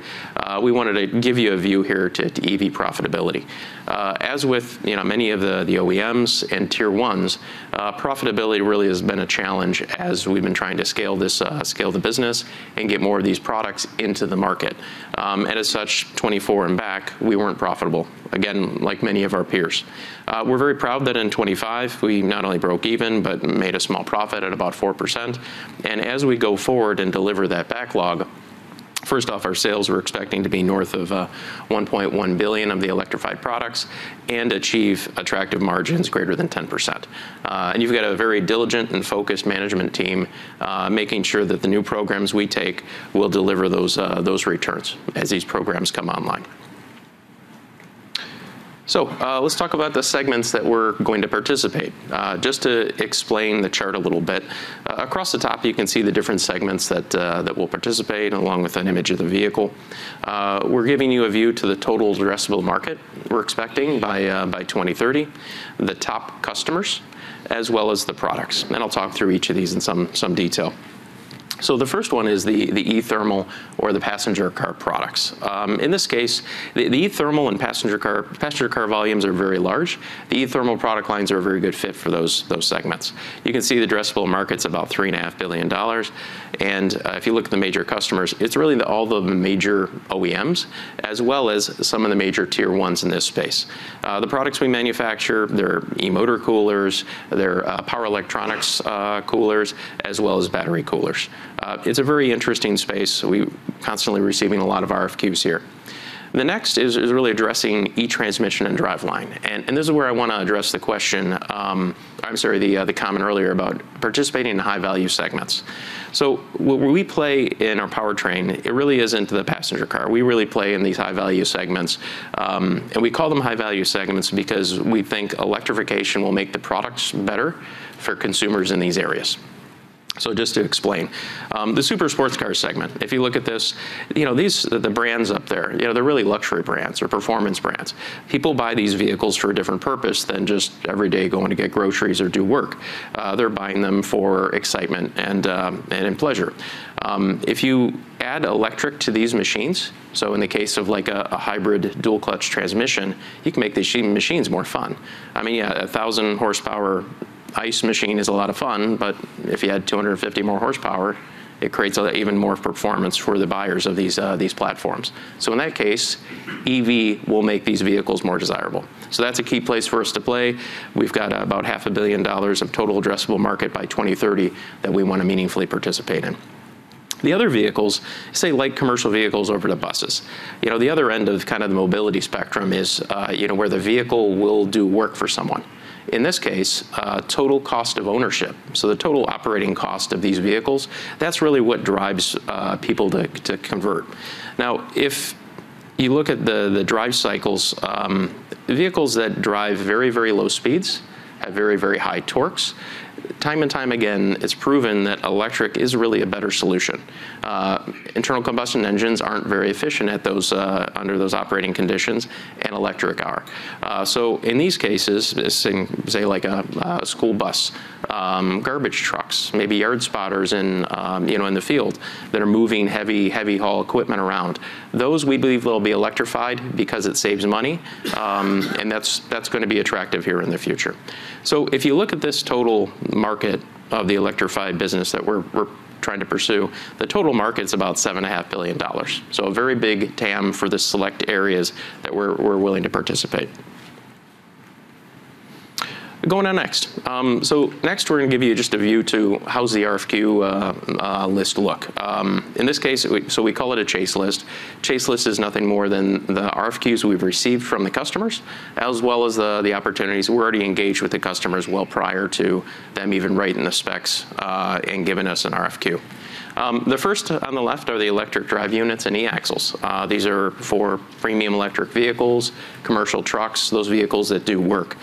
we wanted to give you a view here to EV profitability. As with, you know, many of the OEMs and Tier ones, profitability really has been a challenge as we've been trying to scale the business and get more of these products into the market. As such, 2024 and back, we weren't profitable, again, like many of our peers. We're very proud that in 2025, we not only broke even, but made a small profit at about 4%. As we go forward and deliver that backlog, first off, our sales, we're expecting to be north of $1.1 billion of the electrified products and achieve attractive margins greater than 10%. You've got a very diligent and focused management team making sure that the new programs we take will deliver those returns as these programs come online. Let's talk about the segments that we're going to participate. Just to explain the chart a little bit, across the top, you can see the different segments that will participate along with an image of the vehicle. We're giving you a view to the total addressable market we're expecting by 2030, the top customers, as well as the products. I'll talk through each of these in some detail. The first one is the e-thermal or the passenger car products. In this case, the e-thermal and passenger car volumes are very large. The e-thermal product lines are a very good fit for those segments. You can see the addressable market's about $3.5 billion, and if you look at the major customers, it's really the all the major OEMs, as well as some of the major Tier1s in this space. The products we manufacture, they're e-motor coolers, power electronics coolers, as well as battery coolers. It's a very interesting space, so we're constantly receiving a lot of RFQs here. The next is really addressing e-transmission and driveline. This is where I wanna address the question, I'm sorry, the comment earlier about participating in high-value segments. Where we play in our powertrain, it really isn't the passenger car. We really play in these high-value segments, and we call them high-value segments because we think electrification will make the products better for consumers in these areas. Just to explain, the super sports car segment, if you look at this, you know, these, the brands up there, you know, they're really luxury brands or performance brands. People buy these vehicles for a different purpose than just every day going to get groceries or do work. They're buying them for excitement and pleasure. If you add electric to these machines, in the case of, like, a hybrid dual-clutch transmission, you can make these machines more fun. I mean, a 1,000-horsepower ICE machine is a lot of fun, but if you add 250 more horsepower, it creates even more performance for the buyers of these platforms. In that case, EV will make these vehicles more desirable. That's a key place for us to play. We've got about $500 million of total addressable market by 2030 that we wanna meaningfully participate in. The other vehicles, say light commercial vehicles over to buses. You know, the other end of kind of the mobility spectrum is where the vehicle will do work for someone. In this case, total cost of ownership, so the total operating cost of these vehicles, that's really what drives people to convert. Now, if you look at the drive cycles, vehicles that drive very, very low speeds have very, very high torques. Time and time again, it's proven that electric is really a better solution. Internal combustion engines aren't very efficient at those under those operating conditions, and electric are. In these cases, say like a school bus, garbage trucks, maybe yard spotters in, you know, in the field that are moving heavy haul equipment around, those we believe will be electrified because it saves money, and that's gonna be attractive here in the future. If you look at this total market of the electrified business that we're trying to pursue, the total market's about $7.5 billion. A very big TAM for the select areas that we're willing to participate. Going on next. Next we're gonna give you just a view to how's the RFQ list look. In this case, we call it a chase list. Chase list is nothing more than the RFQs we've received from the customers, as well as the opportunities we're already engaged with the customers well prior to them even writing the specs and giving us an RFQ. The first on the left are the electric drive units and e-axles. These are for premium electric vehicles, commercial trucks, those vehicles that do work.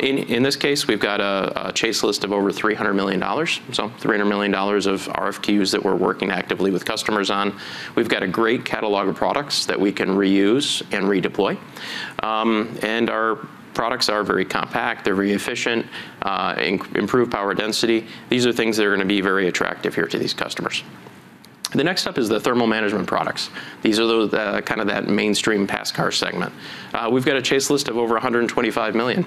In this case, we've got a chase list of over $300 million, so $300 million of RFQs that we're working actively with customers on. We've got a great catalog of products that we can reuse and redeploy. Our products are very compact, they're very efficient, improve power density. These are things that are gonna be very attractive here to these customers. The next up is the thermal management products. These are the kind of that mainstream passenger car segment. We've got a chase list of over $125 million.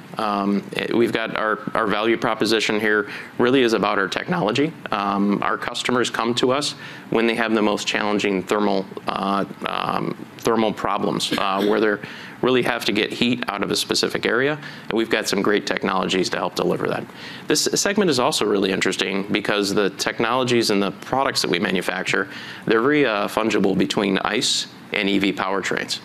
We've got our value proposition here really is about our technology. Our customers come to us when they have the most challenging thermal problems, where they really have to get heat out of a specific area, and we've got some great technologies to help deliver that. This segment is also really interesting because the technologies and the products that we manufacture, they're very fungible between ICE and EV powertrains.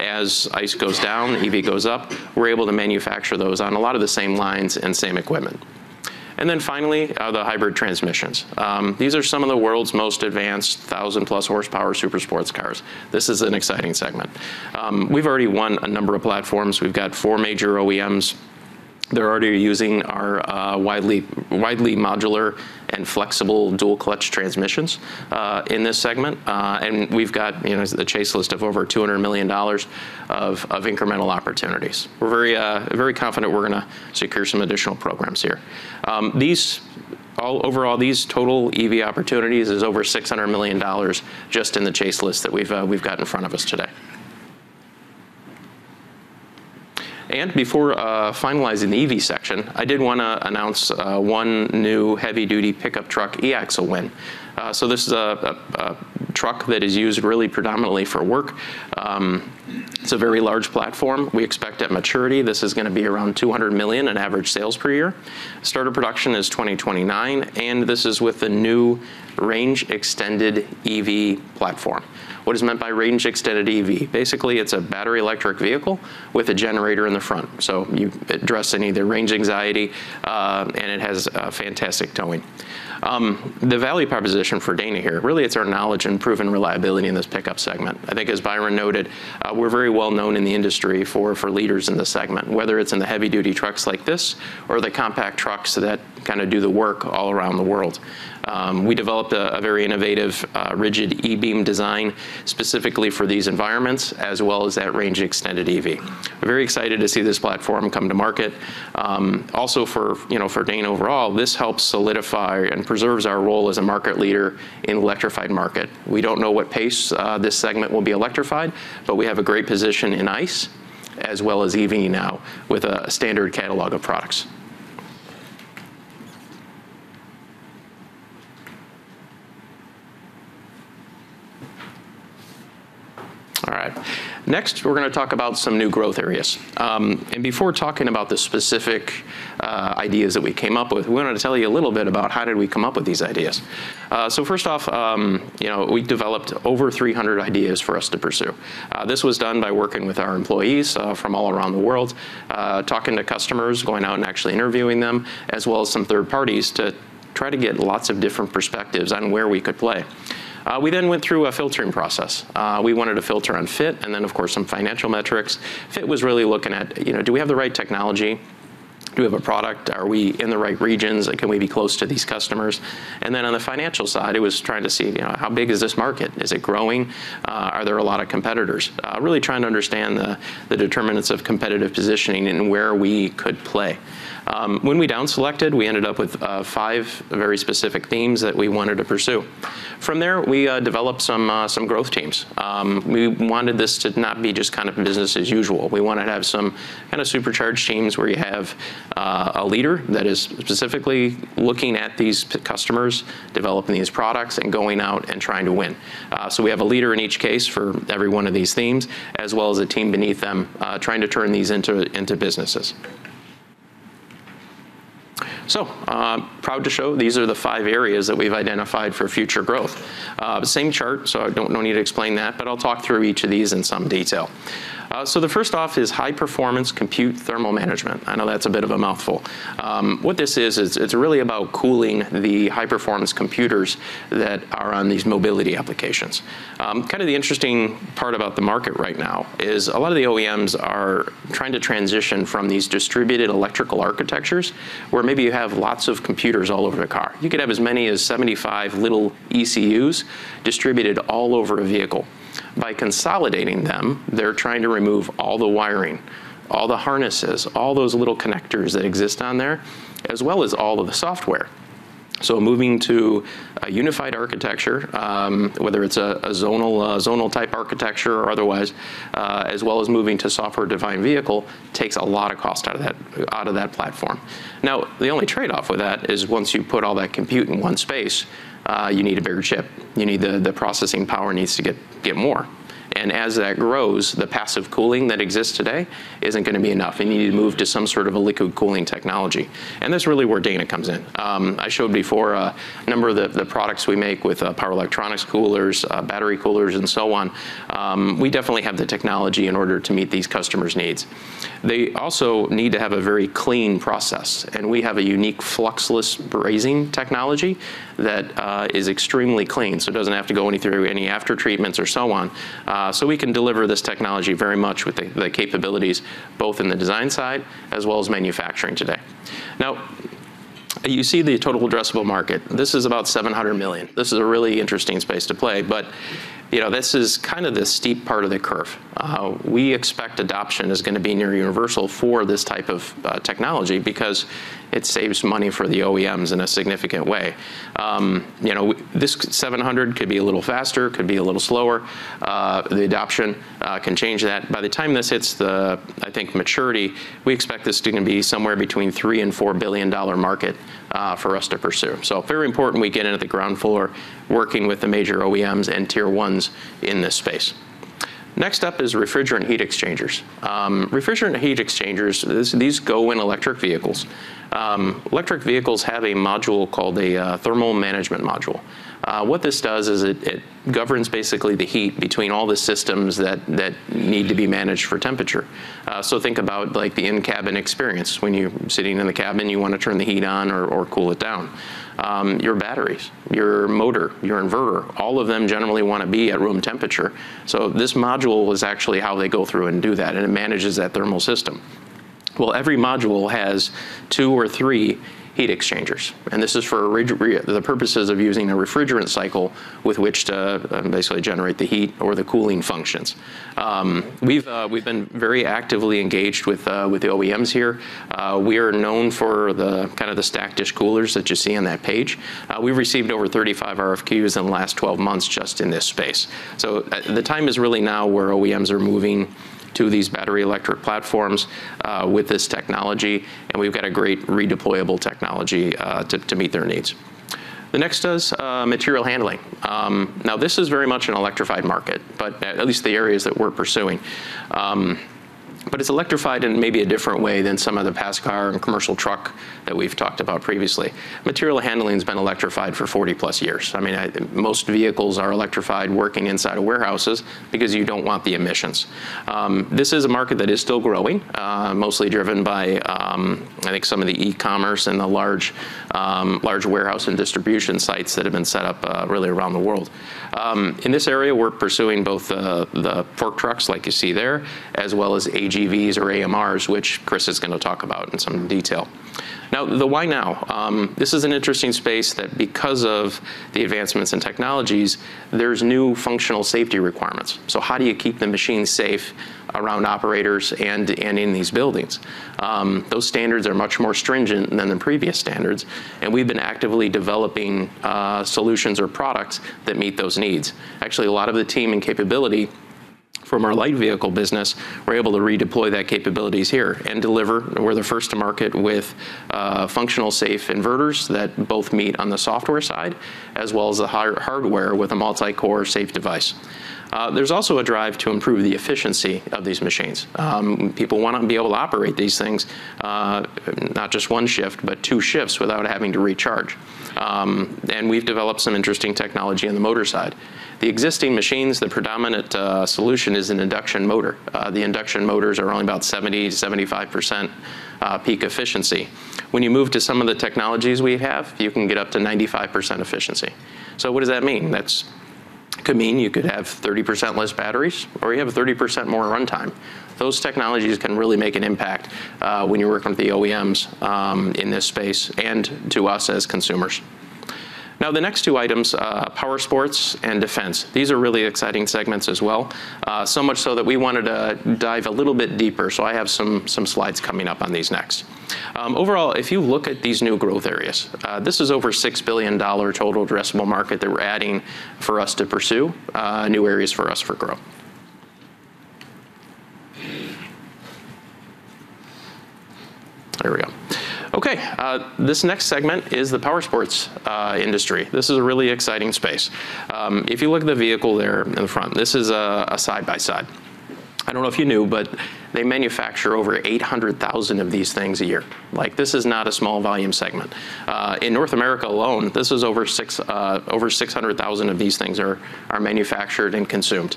As ICE goes down, EV goes up, we're able to manufacture those on a lot of the same lines and same equipment. The hybrid transmissions. These are some of the world's most advanced 1,000+ horsepower super sports cars. This is an exciting segment. We've already won a number of platforms. We've got four major OEMs. They're already using our widely modular and flexible dual-clutch transmissions in this segment. We've got, you know, as the chase list of over $200 million of incremental opportunities. We're very confident we're gonna secure some additional programs here. Overall, these total EV opportunities is over $600 million just in the chase list that we've got in front of us today. Before finalizing the EV section, I did wanna announce one new heavy-duty pickup truck e-axle win. So this is a truck that is used really predominantly for work. It's a very large platform. We expect at maturity, this is gonna be around $200 million in average sales per year. Start of production is 2029, and this is with the new range-extended EV platform. What is meant by range-extended EV? Basically, it's a battery electric vehicle with a generator in the front. You address any of the range anxiety, and it has fantastic towing. The value proposition for Dana here, really it's our knowledge and proven reliability in this pickup segment. I think as Byron noted, we're very well known in the industry for leaders in this segment, whether it's in the heavy-duty trucks like this or the compact trucks that kind of do the work all around the world. We developed a very innovative rigid e-beam design specifically for these environments, as well as that range-extended EV. We're very excited to see this platform come to market. Also for, you know, Dana overall, this helps solidify and preserves our role as a market leader in electrified market. We don't know what pace this segment will be electrified, but we have a great position in ICE as well as EV now with a standard catalog of products. All right. Next, we're gonna talk about some new growth areas. Before talking about the specific ideas that we came up with, we wanted to tell you a little bit about how did we come up with these ideas. So first off, you know, we developed over 300 ideas for us to pursue. This was done by working with our employees from all around the world, talking to customers, going out and actually interviewing them, as well as some third parties to try to get lots of different perspectives on where we could play. We then went through a filtering process. We wanted to filter on fit and then, of course, some financial metrics. Fit was really looking at, you know, do we have the right technology? Do we have a product? Are we in the right regions? Can we be close to these customers? Then on the financial side, it was trying to see, you know, how big is this market? Is it growing? Are there a lot of competitors? Really trying to understand the determinants of competitive positioning and where we could play. When we down selected, we ended up with five very specific themes that we wanted to pursue. From there, we developed some growth teams. We wanted this to not be just kind of business as usual. We wanna have some kinda supercharged teams where you have a leader that is specifically looking at these customers, developing these products, and going out and trying to win. We have a leader in each case for every one of these themes, as well as a team beneath them, trying to turn these into businesses. I'm proud to show these are the five areas that we've identified for future growth. The same chart, so no need to explain that, but I'll talk through each of these in some detail. The first off is high performance compute thermal management. I know that's a bit of a mouthful. What this is, it's really about cooling the high performance computers that are on these mobility applications. Kinda the interesting part about the market right now is a lot of the OEMs are trying to transition from these distributed electrical architectures where maybe you have lots of computers all over the car. You could have as many as 75 little ECUs distributed all over a vehicle. By consolidating them, they're trying to remove all the wiring, all the harnesses, all those little connectors that exist on there, as well as all of the software. Moving to a unified architecture, whether it's a zonal type architecture or otherwise, as well as moving to software-defined vehicle takes a lot of cost out of that platform. Now, the only trade-off with that is once you put all that compute in one space, you need a bigger chip. You need the processing power needs to get more. As that grows, the passive cooling that exists today isn't gonna be enough, and you need to move to some sort of a liquid cooling technology. That's really where Dana comes in. I showed before a number of the products we make with power electronics coolers, battery coolers, and so on. We definitely have the technology in order to meet these customers' needs. They also need to have a very clean process, and we have a unique fluxless brazing technology that is extremely clean, so it doesn't have to go through any after treatments or so on. We can deliver this technology very much with the capabilities both in the design side as well as manufacturing today. Now, you see the total addressable market. This is about $700 million. This is a really interesting space to play. You know, this is kinda the steep part of the curve. We expect adoption is gonna be near universal for this type of technology because it saves money for the OEMs in a significant way. You know, this $700 million could be a little faster, could be a little slower. The adoption can change that. By the time this hits the maturity, we expect this to be somewhere between $3 billion-$4 billion market for us to pursue. Very important we get in at the ground floor working with the major OEMs and tier ones in this space. Next up is refrigerant heat exchangers. Refrigerant heat exchangers, these go in electric vehicles. Electric vehicles have a module called a thermal management module. What this does is it governs basically the heat between all the systems that need to be managed for temperature. Think about, like, the in-cabin experience when you're sitting in the cabin, you wanna turn the heat on or cool it down. Your batteries, your motor, your inverter, all of them generally wanna be at room temperature. This module is actually how they go through and do that, and it manages that thermal system. Well, every module has two or three heat exchangers, and this is for the purposes of using a refrigerant cycle with which to basically generate the heat or the cooling functions. We've been very actively engaged with the OEMs here. We are known for the kind of the stacked plate coolers that you see on that page. We've received over 35 RFQs in the last 12 months just in this space. The time is really now where OEMs are moving to these battery electric platforms with this technology, and we've got a great redeployable technology to meet their needs. The next is material handling. Now this is very much an electrified market, but at least the areas that we're pursuing, but it's electrified in maybe a different way than some of the passenger car and commercial truck that we've talked about previously. Material handling's been electrified for 40+ years. I mean, most vehicles are electrified working inside of warehouses because you don't want the emissions. This is a market that is still growing, mostly driven by, I think some of the e-commerce and the large warehouse and distribution sites that have been set up, really around the world. In this area, we're pursuing both the fork trucks like you see there, as well as AGVs or AMRs, which Chris is gonna talk about in some detail. Now, the why now. This is an interesting space that, because of the advancements in technologies, there's new functional safety requirements. So how do you keep the machine safe around operators and in these buildings? Those standards are much more stringent than the previous standards, and we've been actively developing solutions or products that meet those needs. Actually, a lot of the team and capability from our light vehicle business, we're able to redeploy that capabilities here and deliver. We're the first to market with functional safe inverters that both meet on the software side as well as the hardware with a multi-core safe device. There's also a drive to improve the efficiency of these machines. People wanna be able to operate these things not just one shift, but two shifts without having to recharge. We've developed some interesting technology on the motor side. The existing machines, the predominant solution is an induction motor. The induction motors are only about 70%-75% peak efficiency. When you move to some of the technologies we have, you can get up to 95% efficiency. So what does that mean? That could mean you could have 30% less batteries or you have 30% more runtime. Those technologies can really make an impact, when you're working with the OEMs, in this space and to us as consumers. Now, the next two items, powersports and defense, these are really exciting segments as well. So much so that we wanted to dive a little bit deeper. I have some slides coming up on these next. Overall, if you look at these new growth areas, this is over $6 billion total addressable market that we're adding for us to pursue, new areas for us for growth. There we go. Okay, this next segment is the powersports industry. This is a really exciting space. If you look at the vehicle there in the front, this is a side-by-side. I don't know if you knew, but they manufacture over 800,000 of these things a year. Like, this is not a small volume segment. In North America alone, this is over 600,000 of these things are manufactured and consumed.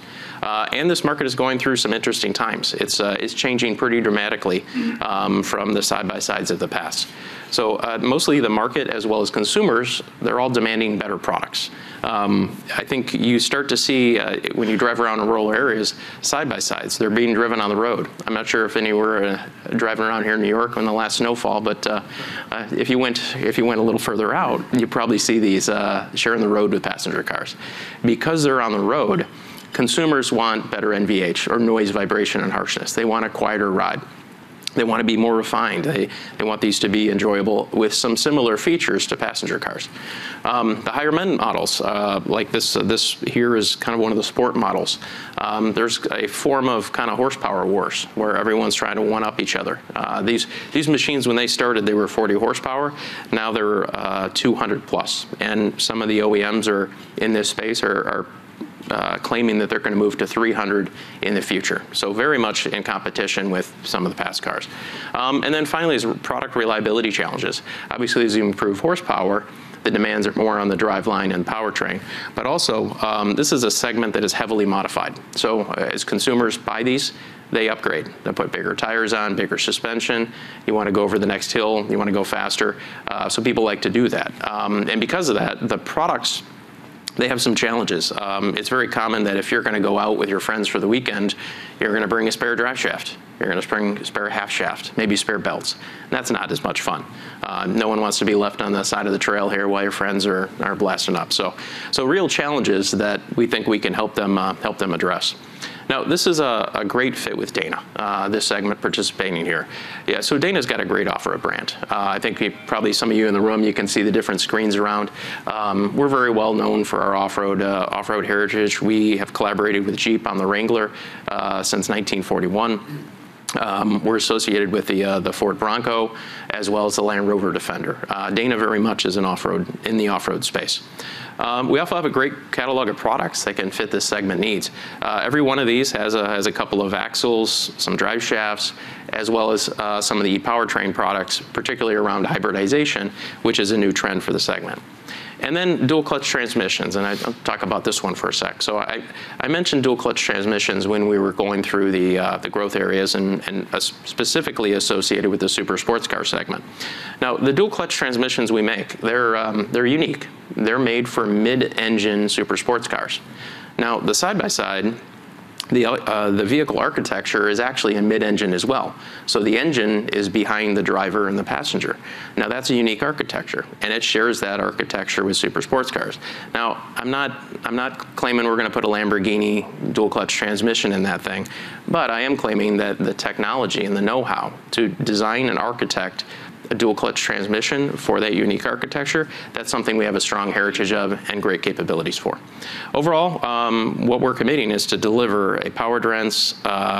This market is going through some interesting times. It's changing pretty dramatically from the side-by-sides of the past. Mostly the market as well as consumers, they're all demanding better products. I think you start to see when you drive around rural areas, side-by-sides, they're being driven on the road. I'm not sure if any were driving around here in New York on the last snowfall, but if you went a little further out, you'd probably see these sharing the road with passenger cars. Because they're on the road, consumers want better NVH or noise, vibration, and harshness. They want a quieter ride. They wanna be more refined. They want these to be enjoyable with some similar features to passenger cars. The higher-end models, like this here is kinda one of the sport models, there's a form of kinda horsepower wars where everyone's trying to one-up each other. These machines, when they started, they were 40 horsepower. Now they're 200+ horsepower, and some of the OEMs in this space are claiming that they're gonna move to 300 horsepower in the future, so very much in competition with some of the passenger cars. Finally is product reliability challenges. Obviously, as you improve horsepower, the demands are more on the driveline and powertrain. Also, this is a segment that is heavily modified. As consumers buy these, they upgrade. They'll put bigger tires on, bigger suspension. You wanna go over the next hill, you wanna go faster, so people like to do that. Because of that, the products, they have some challenges. It's very common that if you're gonna go out with your friends for the weekend, you're gonna bring a spare driveshaft. You're gonna bring a spare half shaft, maybe spare belts. That's not as much fun. No one wants to be left on the side of the trail here while your friends are blasting up. Real challenges that we think we can help them address. This is a great fit with Dana, this segment participating here. Yeah, Dana's got a great offering of brands. I think probably some of you in the room, you can see the different screens around. We're very well known for our off-road heritage. We have collaborated with Jeep on the Wrangler since 1941. We're associated with the Ford Bronco as well as the Land Rover Defender. Dana very much is in the off-road space. We also have a great catalog of products that can fit the segment needs. Every one of these has a couple of axles, some drive shafts, as well as some of the powertrain products, particularly around hybridization, which is a new trend for the segment. Dual-clutch transmissions, and I'll talk about this one for a sec. I mentioned dual-clutch transmissions when we were going through the growth areas and as specifically associated with the super sports car segment. The dual-clutch transmissions we make, they're unique. They're made for mid-engine super sports cars. The side-by-side, the vehicle architecture is actually a mid-engine as well, so the engine is behind the driver and the passenger. That's a unique architecture, and it shares that architecture with super sports cars. I'm not claiming we're gonna put a Lamborghini dual-clutch transmission in that thing, but I am claiming that the technology and the know-how to design and architect a dual-clutch transmission for that unique architecture, that's something we have a strong heritage of and great capabilities for. Overall, what we're committing is to deliver a power dense,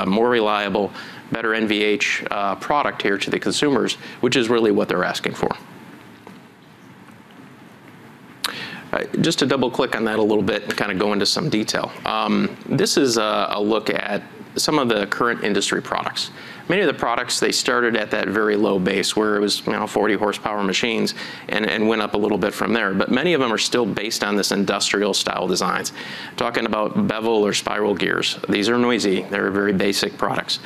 more reliable, better NVH, product here to the consumers, which is really what they're asking for. All right, just to double-click on that a little bit and kinda go into some detail. This is a look at some of the current industry products. Many of the products, they started at that very low base where it was, you know, 40-horsepower machines and went up a little bit from there. But many of them are still based on this industrial style designs. Talking about bevel or spiral gears. These are noisy. They're very basic products.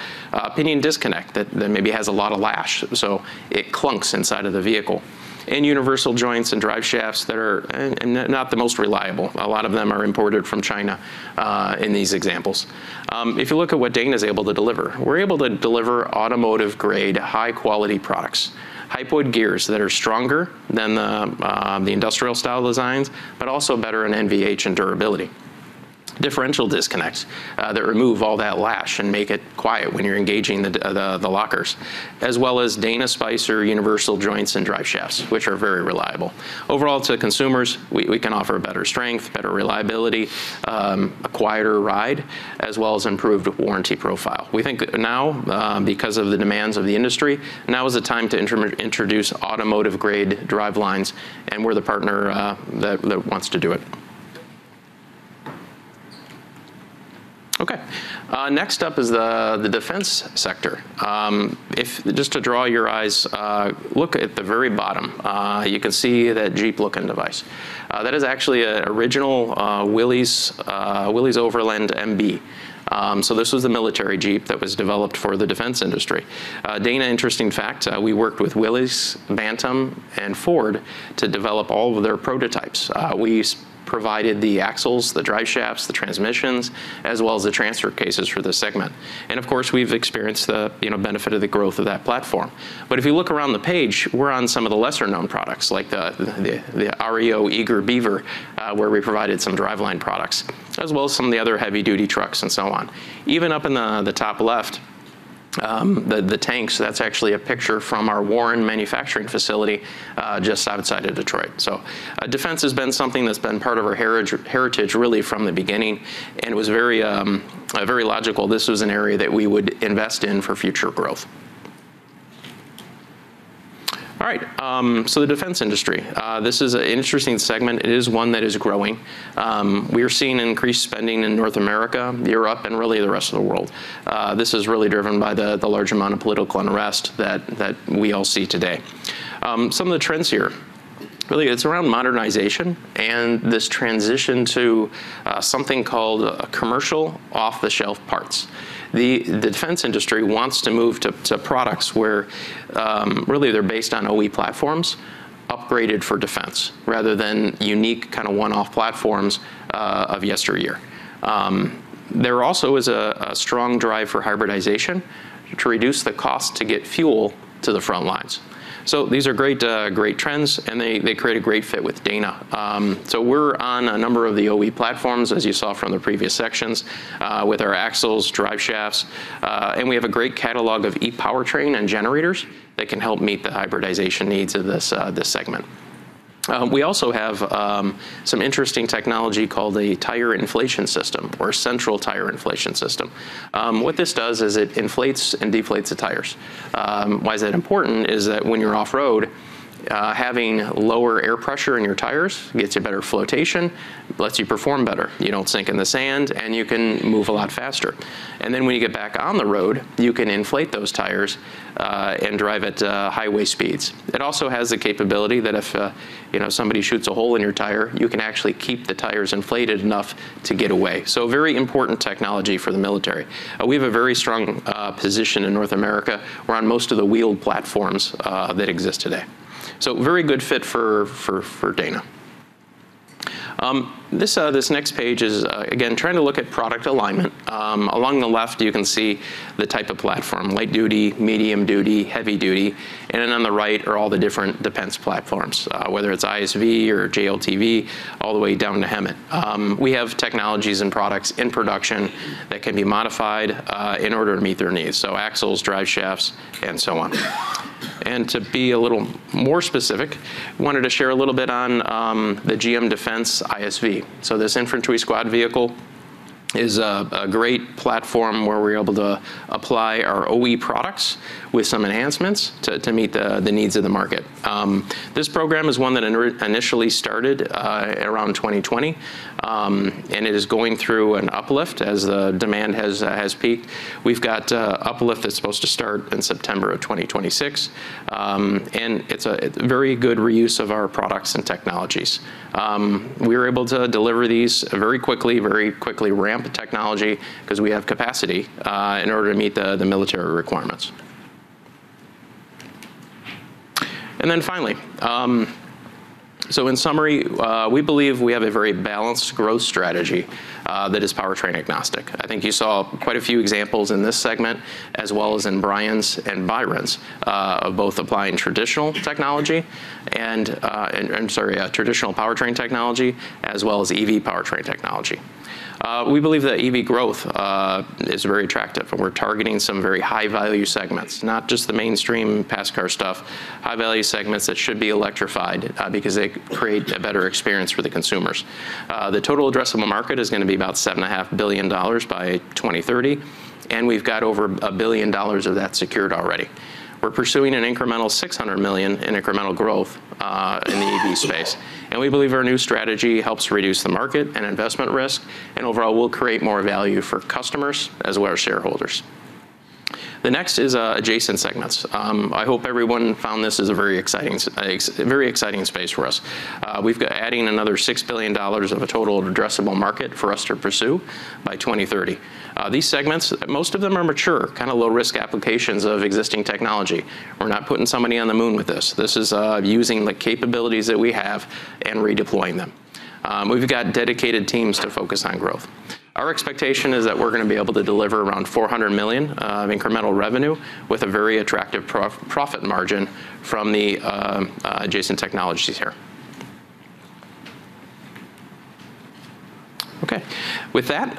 Pinion disconnect that maybe has a lot of lash, so it clunks inside of the vehicle. Universal joints and drive shafts that are not the most reliable. A lot of them are imported from China, in these examples. If you look at what Dana is able to deliver, we're able to deliver automotive-grade, high-quality products. Hypoid gears that are stronger than the industrial style designs, but also better in NVH and durability. Differential disconnects that remove all that lash and make it quiet when you're engaging the lockers, as well as Dana Spicer universal joints and drive shafts, which are very reliable. Overall to consumers, we can offer better strength, better reliability, a quieter ride, as well as improved warranty profile. We think now, because of the demands of the industry, now is the time to introduce automotive-grade drivelines, and we're the partner that wants to do it. Okay. Next up is the defense sector. If... Just to draw your eyes, look at the very bottom. You can see that Jeep-looking device. That is actually an original Willys-Overland MB. This was the military Jeep that was developed for the defense industry. Dana, interesting fact, we worked with Willys-Overland, Bantam, and Ford to develop all of their prototypes. We provided the axles, the drive shafts, the transmissions, as well as the transfer cases for this segment. Of course, we've experienced the, you know, benefit of the growth of that platform. If you look around the page, we're on some of the lesser-known products, like the REO Eager Beaver, where we provided some driveline products, as well as some of the other heavy duty trucks and so on. Even up in the top left, the tanks, that's actually a picture from our Warren manufacturing facility just outside of Detroit. Defense has been something that's been part of our heritage really from the beginning, and it was very logical. This was an area that we would invest in for future growth. All right, the defense industry, this is an interesting segment. It is one that is growing. We are seeing increased spending in North America, Europe, and really the rest of the world. This is really driven by the large amount of political unrest that we all see today. Some of the trends here, really it's around modernization and this transition to something called commercial off-the-shelf parts. The defense industry wants to move to products where really they're based on OE platforms upgraded for defense rather than unique kinda one-off platforms of yesteryear. There also is a strong drive for hybridization to reduce the cost to get fuel to the front lines. These are great trends, and they create a great fit with Dana. We're on a number of the OE platforms, as you saw from the previous sections, with our axles, drive shafts, and we have a great catalog of e-powertrain and generators that can help meet the hybridization needs of this segment. We also have some interesting technology called the tire inflation system or Central Tire Inflation System. What this does is it inflates and deflates the tires. Why is that important? It's that when you're off-road, having lower air pressure in your tires gets you better flotation, lets you perform better. You don't sink in the sand, and you can move a lot faster. Then when you get back on the road, you can inflate those tires, and drive at highway speeds. It also has the capability that if you know, somebody shoots a hole in your tire, you can actually keep the tires inflated enough to get away. Very important technology for the military. We have a very strong position in North America. We're on most of the wheeled platforms that exist today. Very good fit for Dana. This next page is again trying to look at product alignment. Along the left you can see the type of platform, light duty, medium duty, heavy duty, and then on the right are all the different defense platforms, whether it's ISV or JLTV, all the way down to HEMTT. We have technologies and products in production that can be modified in order to meet their needs, so axles, drive shafts, and so on. To be a little more specific, I wanted to share a little bit on the GM Defense ISV. This infantry squad vehicle is a great platform where we're able to apply our OE products with some enhancements to meet the needs of the market. This program is one that initially started around 2020, and it is going through an uplift as the demand has peaked. We've got an uplift that's supposed to start in September 2026, and it's very good reuse of our products and technologies. We were able to deliver these very quickly ramp technology 'cause we have capacity in order to meet the military requirements. In summary, we believe we have a very balanced growth strategy that is powertrain agnostic. I think you saw quite a few examples in this segment as well as in Brian's and Byron's of both applying traditional powertrain technology as well as EV powertrain technology. We believe that EV growth is very attractive, and we're targeting some very high-value segments, not just the mainstream passenger car stuff, high-value segments that should be electrified because they create a better experience for the consumers. The total addressable market is gonna be about $7.5 billion by 2030, and we've got over $1 billion of that secured already. We're pursuing an incremental $600 million in incremental growth in the EV space, and we believe our new strategy helps reduce the market and investment risk, and overall will create more value for customers as well as shareholders. The next is adjacent segments. I hope everyone found this as a very exciting space for us. We've got, adding another $6 billion of a total addressable market for us to pursue by 2030. These segments, most of them are mature, kinda low-risk applications of existing technology. We're not putting somebody on the moon with this. This is using the capabilities that we have and redeploying them. We've got dedicated teams to focus on growth. Our expectation is that we're gonna be able to deliver around $400 million of incremental revenue with a very attractive profit margin from the adjacent technologies here. Okay. With that,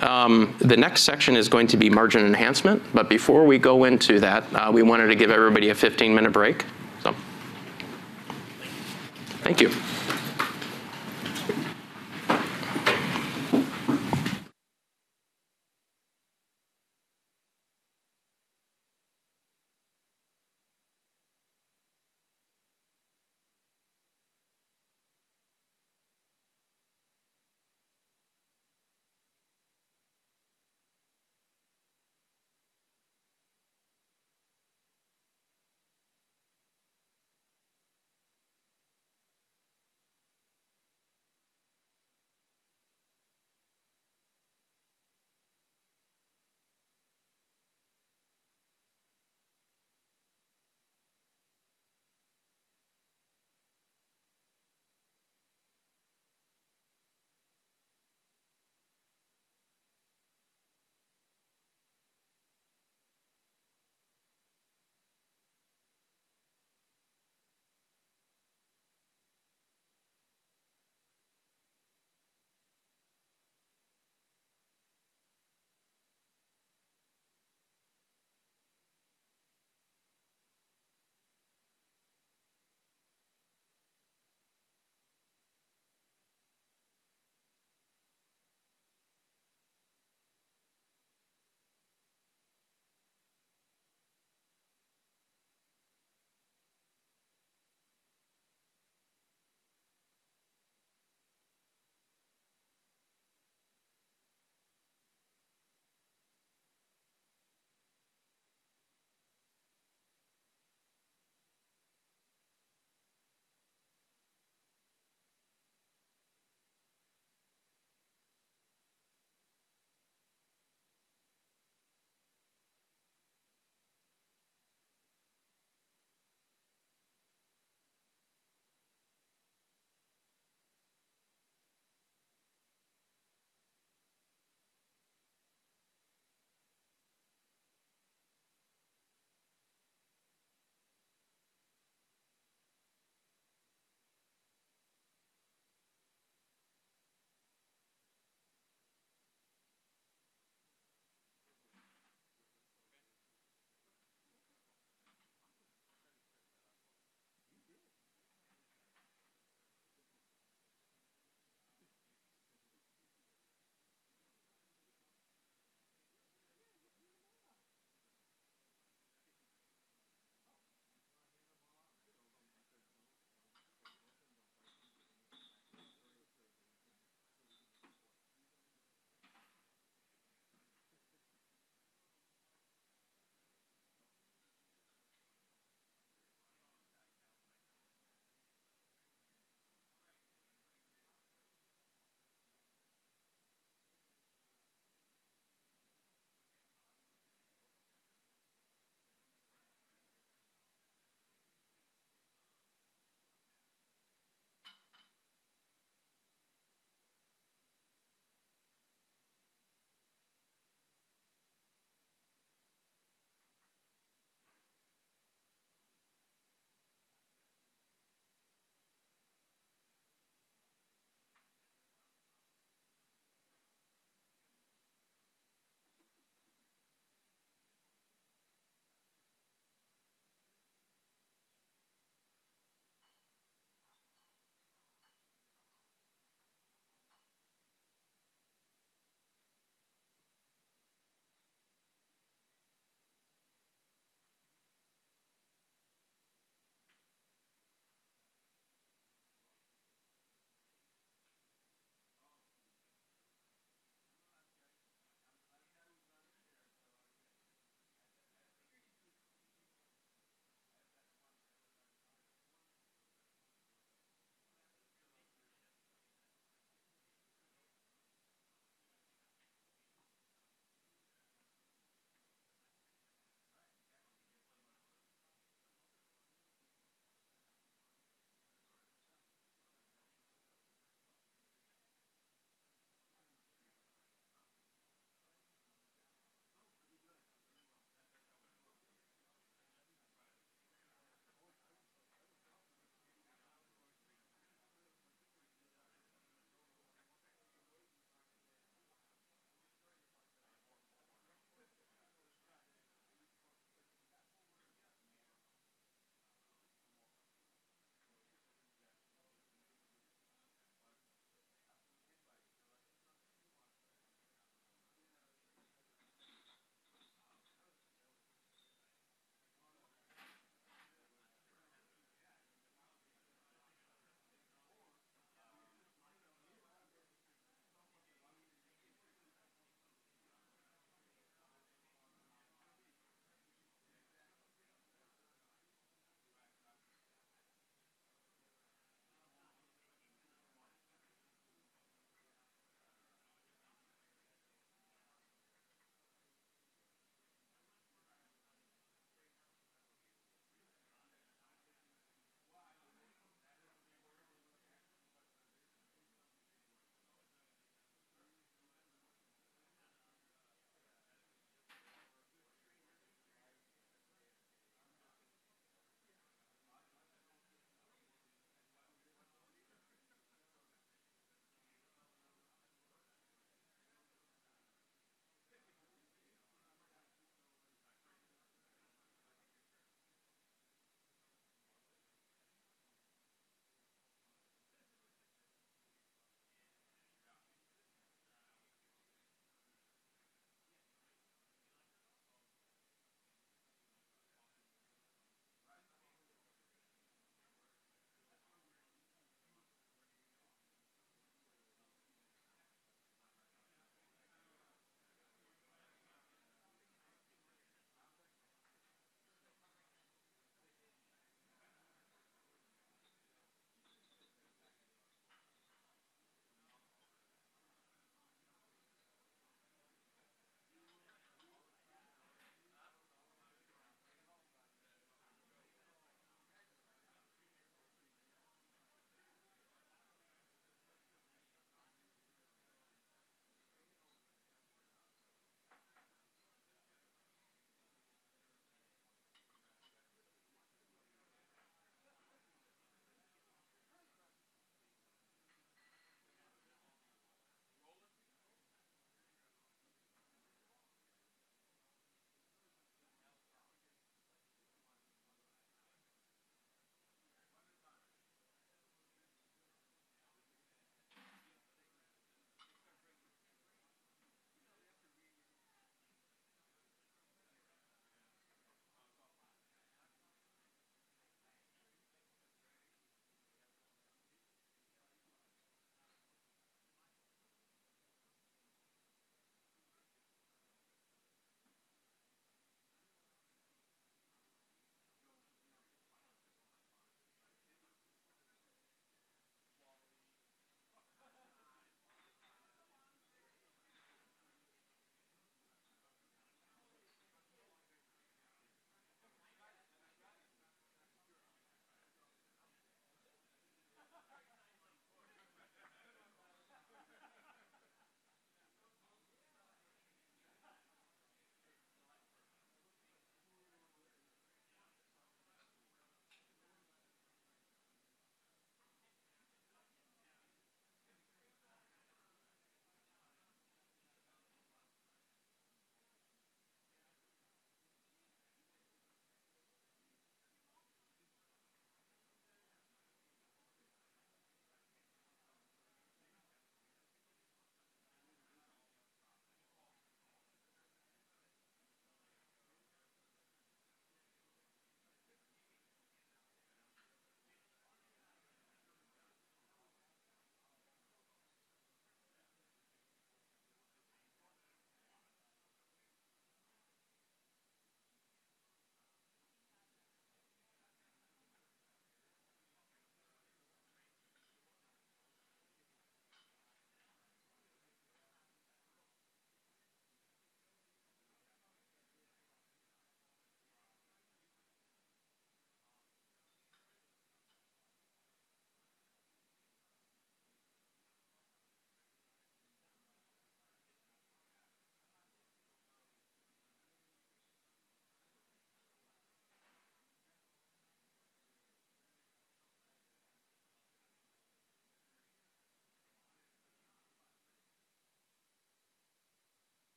the next section is going to be margin enhancement. Before we go into that, we wanted to give everybody a 15-minute break. So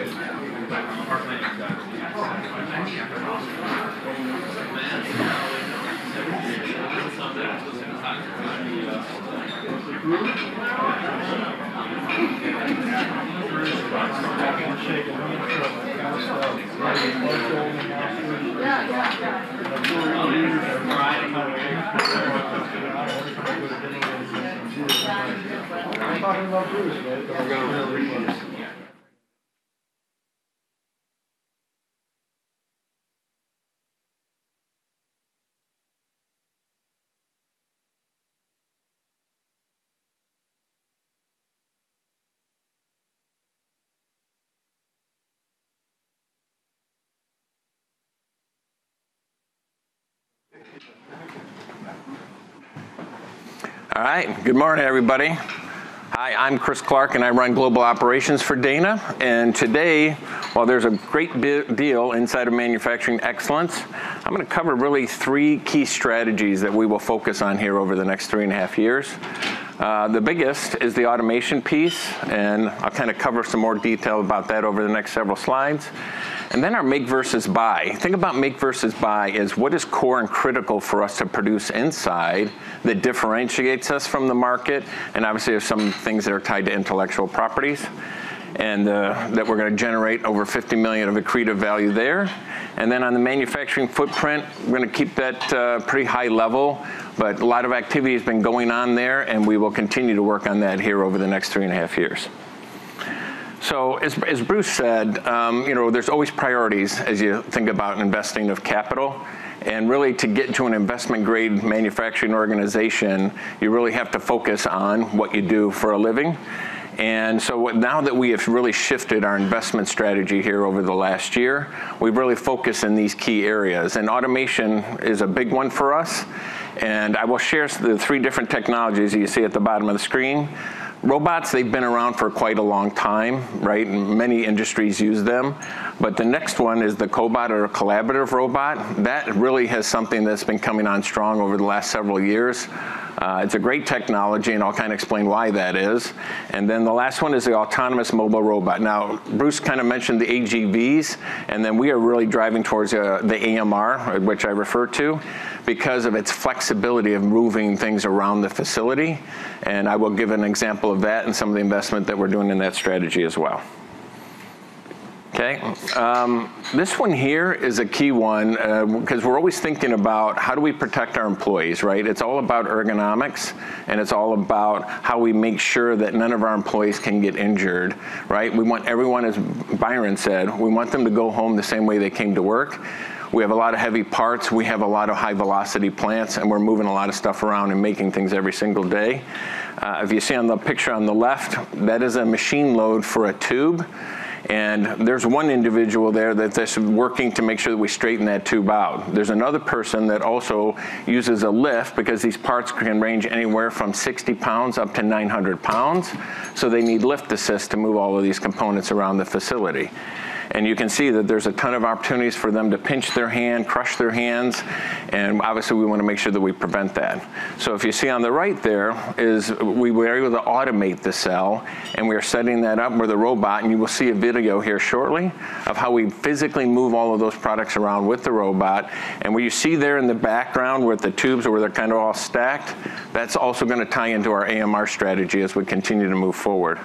thank you. All right. Good morning, everybody. Hi, I'm Chris Clark, and I run global operations for Dana. Today, while there's a great deal inside of manufacturing excellence, I'm gonna cover really three key strategies that we will focus on here over the next three and a half years. The biggest is the automation piece, and I'll kinda cover some more detail about that over the next several slides. Then our make versus buy. The thing about make versus buy is what is core and critical for us to produce inside that differentiates us from the market, and obviously, there's some things that are tied to intellectual properties, and that we're gonna generate over $50 million of accretive value there. Then on the manufacturing footprint, we're gonna keep that pretty high level, but a lot of activity has been going on there, and we will continue to work on that here over the next three and a half years. As Bruce said, you know, there's always priorities as you think about investing of capital. Really to get to an investment-grade manufacturing organization, you really have to focus on what you do for a living. Now that we have really shifted our investment strategy here over the last year, we've really focused on these key areas, and automation is a big one for us. I will share the three different technologies you see at the bottom of the screen. Robots, they've been around for quite a long time, right? Many industries use them. The next one is the cobot or collaborative robot. That really has something that's been coming on strong over the last several years. It's a great technology, and I'll kinda explain why that is. Then the last one is the autonomous mobile robot. Now, Bruce kinda mentioned the AGVs, and then we are really driving towards the AMR, which I refer to because of its flexibility of moving things around the facility, and I will give an example of that and some of the investment that we're doing in that strategy as well. This one here is a key one, 'cause we're always thinking about how do we protect our employees, right? It's all about ergonomics, and it's all about how we make sure that none of our employees can get injured, right? We want everyone, as Byron said, we want them to go home the same way they came to work. We have a lot of heavy parts. We have a lot of high-velocity plants, and we're moving a lot of stuff around and making things every single day. If you see on the picture on the left, that is a machine load for a tube, and there's one individual there that's just working to make sure that we straighten that tube out. There's another person that also uses a lift because these parts can range anywhere from 60 pounds up to 900 pounds, so they need lift assist to move all of these components around the facility. You can see that there's a ton of opportunities for them to pinch their hand, crush their hands, and obviously we wanna make sure that we prevent that. If you see on the right there is we were able to automate the cell, and we are setting that up with a robot, and you will see a video here shortly of how we physically move all of those products around with the robot. What you see there in the background with the tubes where they're kinda all stacked, that's also gonna tie into our AMR strategy as we continue to move forward.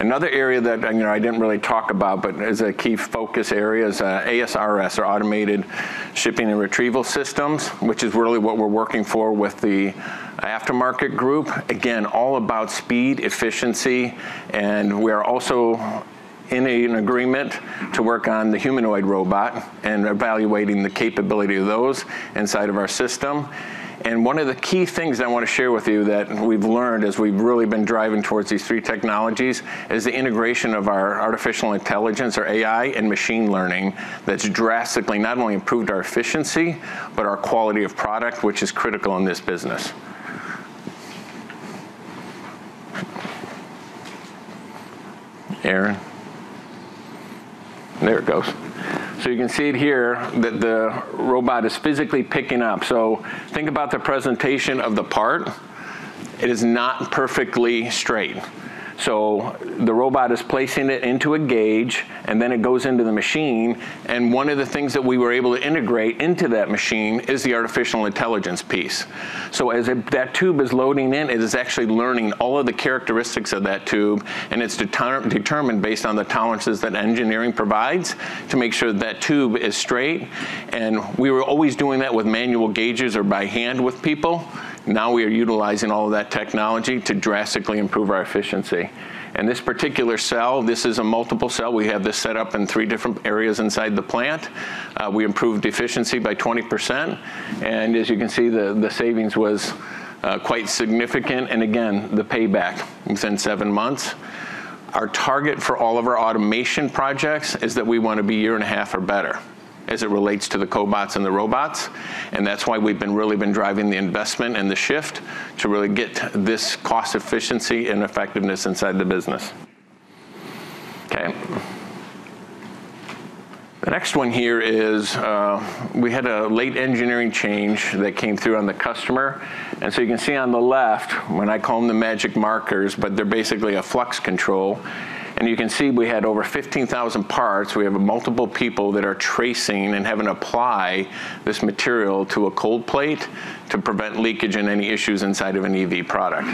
Another area that, you know, I didn't really talk about, but as a key focus area is AS/RS or automated storage and retrieval systems, which is really what we're working for with the aftermarket group. Again, all about speed, efficiency, and we are also in an agreement to work on the humanoid robot and evaluating the capability of those inside of our system. One of the key things I wanna share with you that we've learned as we've really been driving towards these three technologies is the integration of our artificial intelligence or AI and machine learning that's drastically not only improved our efficiency, but our quality of product, which is critical in this business. Aaron. There it goes. You can see it here that the robot is physically picking up. Think about the presentation of the part. It is not perfectly straight. The robot is placing it into a gauge, and then it goes into the machine, and one of the things that we were able to integrate into that machine is the artificial intelligence piece. That tube is loading in, it is actually learning all of the characteristics of that tube, and it's determined based on the tolerances that engineering provides to make sure that tube is straight. We were always doing that with manual gauges or by hand with people. Now we are utilizing all of that technology to drastically improve our efficiency. This particular cell, this is a multiple cell. We have this set up in three different areas inside the plant. We improved efficiency by 20%, and as you can see, the savings was quite significant, and again, the payback within seven months. Our target for all of our automation projects is that we wanna be a year and a half or better as it relates to the cobots and the robots, and that's why we've really been driving the investment and the shift to really get this cost efficiency and effectiveness inside the business. Okay. The next one here is, we had a late engineering change that came through on the customer. You can see on the left when I comb the magic markers, but they're basically a flux control. You can see we had over 15,000 parts. We have multiple people that are tracing and having to apply this material to a cold plate to prevent leakage and any issues inside of an EV product.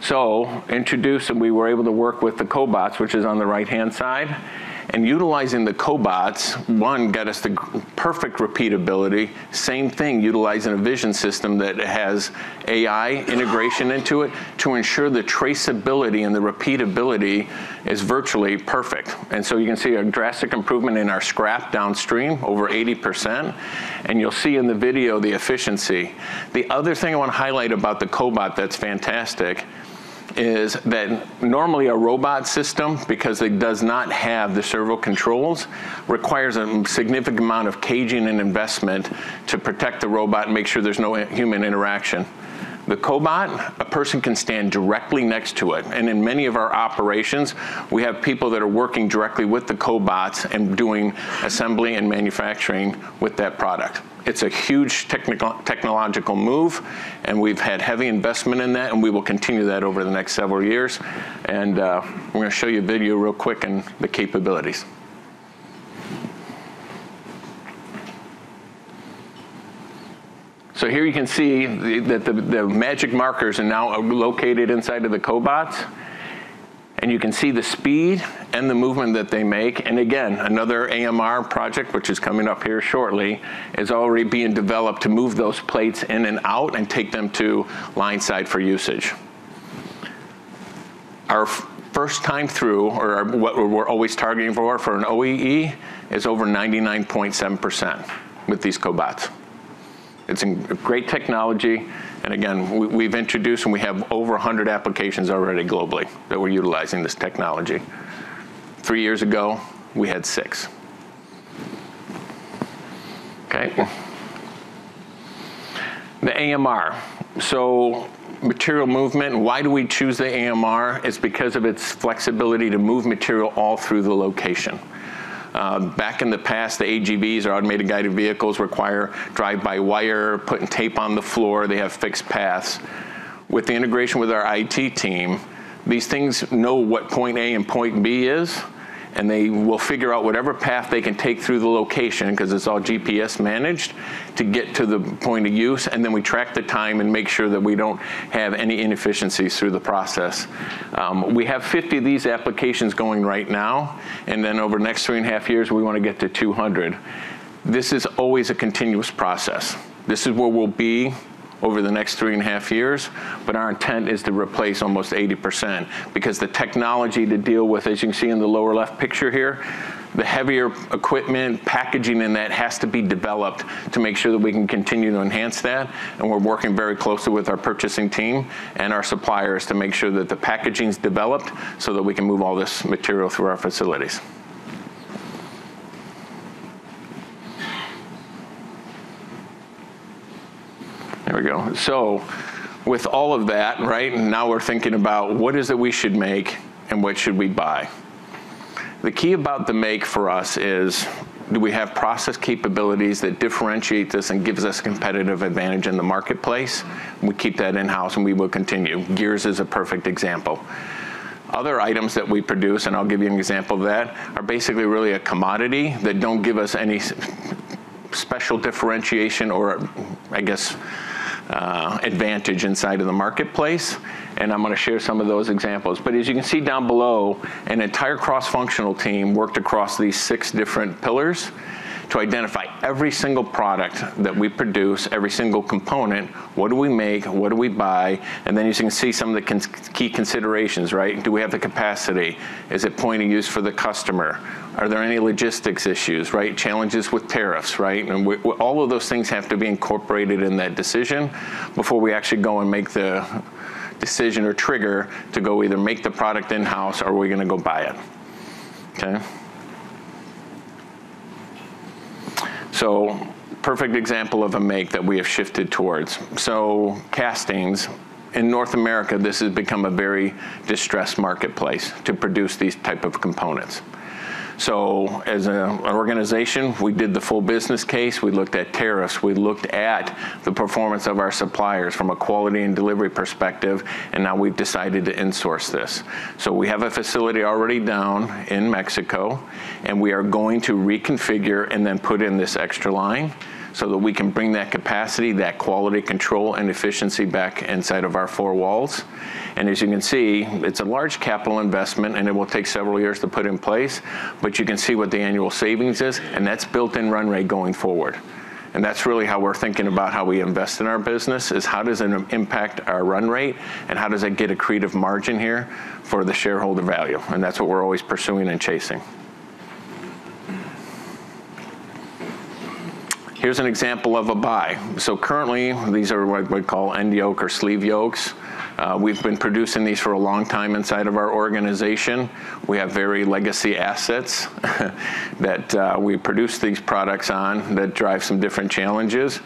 We were able to work with the cobots, which is on the right-hand side. Utilizing the cobots, perfect repeatability, same thing, utilizing a vision system that has AI integration into it to ensure the traceability and the repeatability is virtually perfect. You can see a drastic improvement in our scrap downstream, over 80%, and you'll see in the video the efficiency. The other thing I wanna highlight about the cobot that's fantastic is that normally a robot system, because it does not have the servo controls, requires a significant amount of caging and investment to protect the robot and make sure there's no human interaction. The cobot, a person can stand directly next to it, and in many of our operations, we have people that are working directly with the cobots and doing assembly and manufacturing with that product. It's a huge technological move, and we've had heavy investment in that, and we will continue that over the next several years. I'm gonna show you a video real quick and the capabilities. Here you can see the magic markers are now located inside of the cobots, and you can see the speed and the movement that they make. Again, another AMR project, which is coming up here shortly, is already being developed to move those plates in and out and take them to line side for usage. Our first time through or what we're always targeting for an OEE is over 99.7% with these cobots. It's a great technology, and again, we've introduced and we have over 100 applications already globally that we're utilizing this technology. Three years ago, we had six. Okay. The AMR. Material movement, why do we choose the AMR? It's because of its flexibility to move material all through the location. Back in the past, the AGVs or automated guided vehicles require drive-by wire, putting tape on the floor. They have fixed paths. With the integration with our IT team, these things know what point A and point B is, and they will figure out whatever path they can take through the location, 'cause it's all GPS managed, to get to the point of use, and then we track the time and make sure that we don't have any inefficiencies through the process. We have 50 of these applications going right now, and then over the next three and a half years, we wanna get to 200. This is always a continuous process. This is where we'll be over the nextthree and a half years, but our intent is to replace almost 80% because the technology to deal with, as you can see in the lower left picture here, the heavier equipment, packaging, and that has to be developed to make sure that we can continue to enhance that, and we're working very closely with our purchasing team and our suppliers to make sure that the packaging's developed so that we can move all this material through our facilities. There we go. With all of that, right? Now we're thinking about what is it we should make and what should we buy. The key about the make for us is do we have process capabilities that differentiate this and gives us competitive advantage in the marketplace? We keep that in-house, and we will continue. Gears is a perfect example. Other items that we produce, and I'll give you an example of that, are basically really a commodity that don't give us any special differentiation or, I guess, advantage inside of the marketplace. I'm gonna share some of those examples. As you can see down below, an entire cross-functional team worked across these six different pillars to identify every single product that we produce, every single component. What do we make? What do we buy? As you can see, some of the key considerations, right? Do we have the capacity? Is it point of use for the customer? Are there any logistics issues, right? Challenges with tariffs, right? All of those things have to be incorporated in that decision before we actually go and make the decision or trigger to go either make the product in-house or are we gonna go buy it. Okay. Perfect example of a make that we have shifted towards. Castings. In North America, this has become a very distressed marketplace to produce these type of components. As an organization, we did the full business case. We looked at tariffs, we looked at the performance of our suppliers from a quality and delivery perspective, and now we've decided to insource this. We have a facility already down in Mexico, and we are going to reconfigure and then put in this extra line so that we can bring that capacity, that quality control and efficiency back inside of our four walls. As you can see, it's a large capital investment and it will take several years to put in place. You can see what the annual savings is, and that's built in run rate going forward. That's really how we're thinking about how we invest in our business, is how does it impact our run rate and how does it get accretive margin here for the shareholder value? That's what we're always pursuing and chasing. Here's an example of a buy. Currently, these are what we call end yoke or sleeve yokes. We've been producing these for a long time inside of our organization. We have very legacy assets that we produce these products on that drive some different challenges.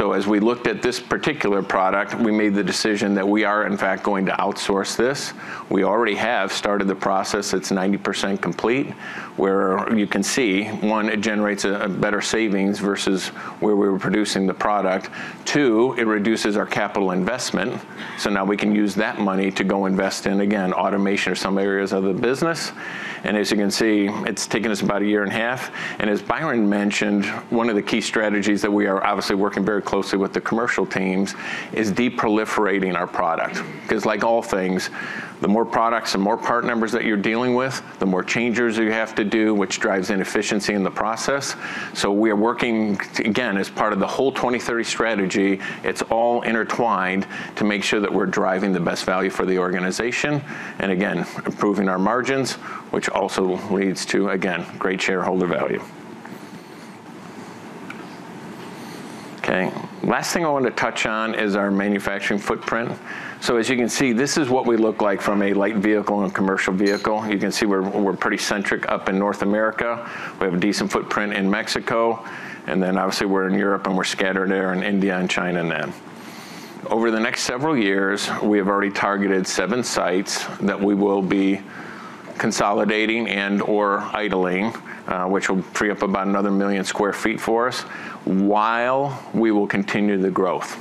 As we looked at this particular product, we made the decision that we are in fact going to outsource this. We already have started the process. It's 90% complete, where you can see, one, it generates a better savings versus where we were producing the product. Two, it reduces our capital investment, so now we can use that money to go invest in, again, automation or some areas of the business. As you can see, it's taken us about a year and a half. As Byron mentioned, one of the key strategies that we are obviously working very closely with the commercial teams is de-proliferating our product. 'Cause like all things, the more products, the more part numbers that you're dealing with, the more changeovers you have to do, which drives inefficiency in the process. We are working, again, as part of the whole 2030 strategy. It's all intertwined to make sure that we're driving the best value for the organization, and again, improving our margins, which also leads to, again, great shareholder value. Okay. Last thing I want to touch on is our manufacturing footprint. As you can see, this is what we look like from a light vehicle and a commercial vehicle. You can see we're pretty centric up in North America. We have a decent footprint in Mexico, and then obviously we're in Europe and we're scattered there in India and China now. Over the next several years, we have already targeted seven sites that we will be consolidating and/or idling, which will free up about another 1 million sq ft for us while we will continue the growth.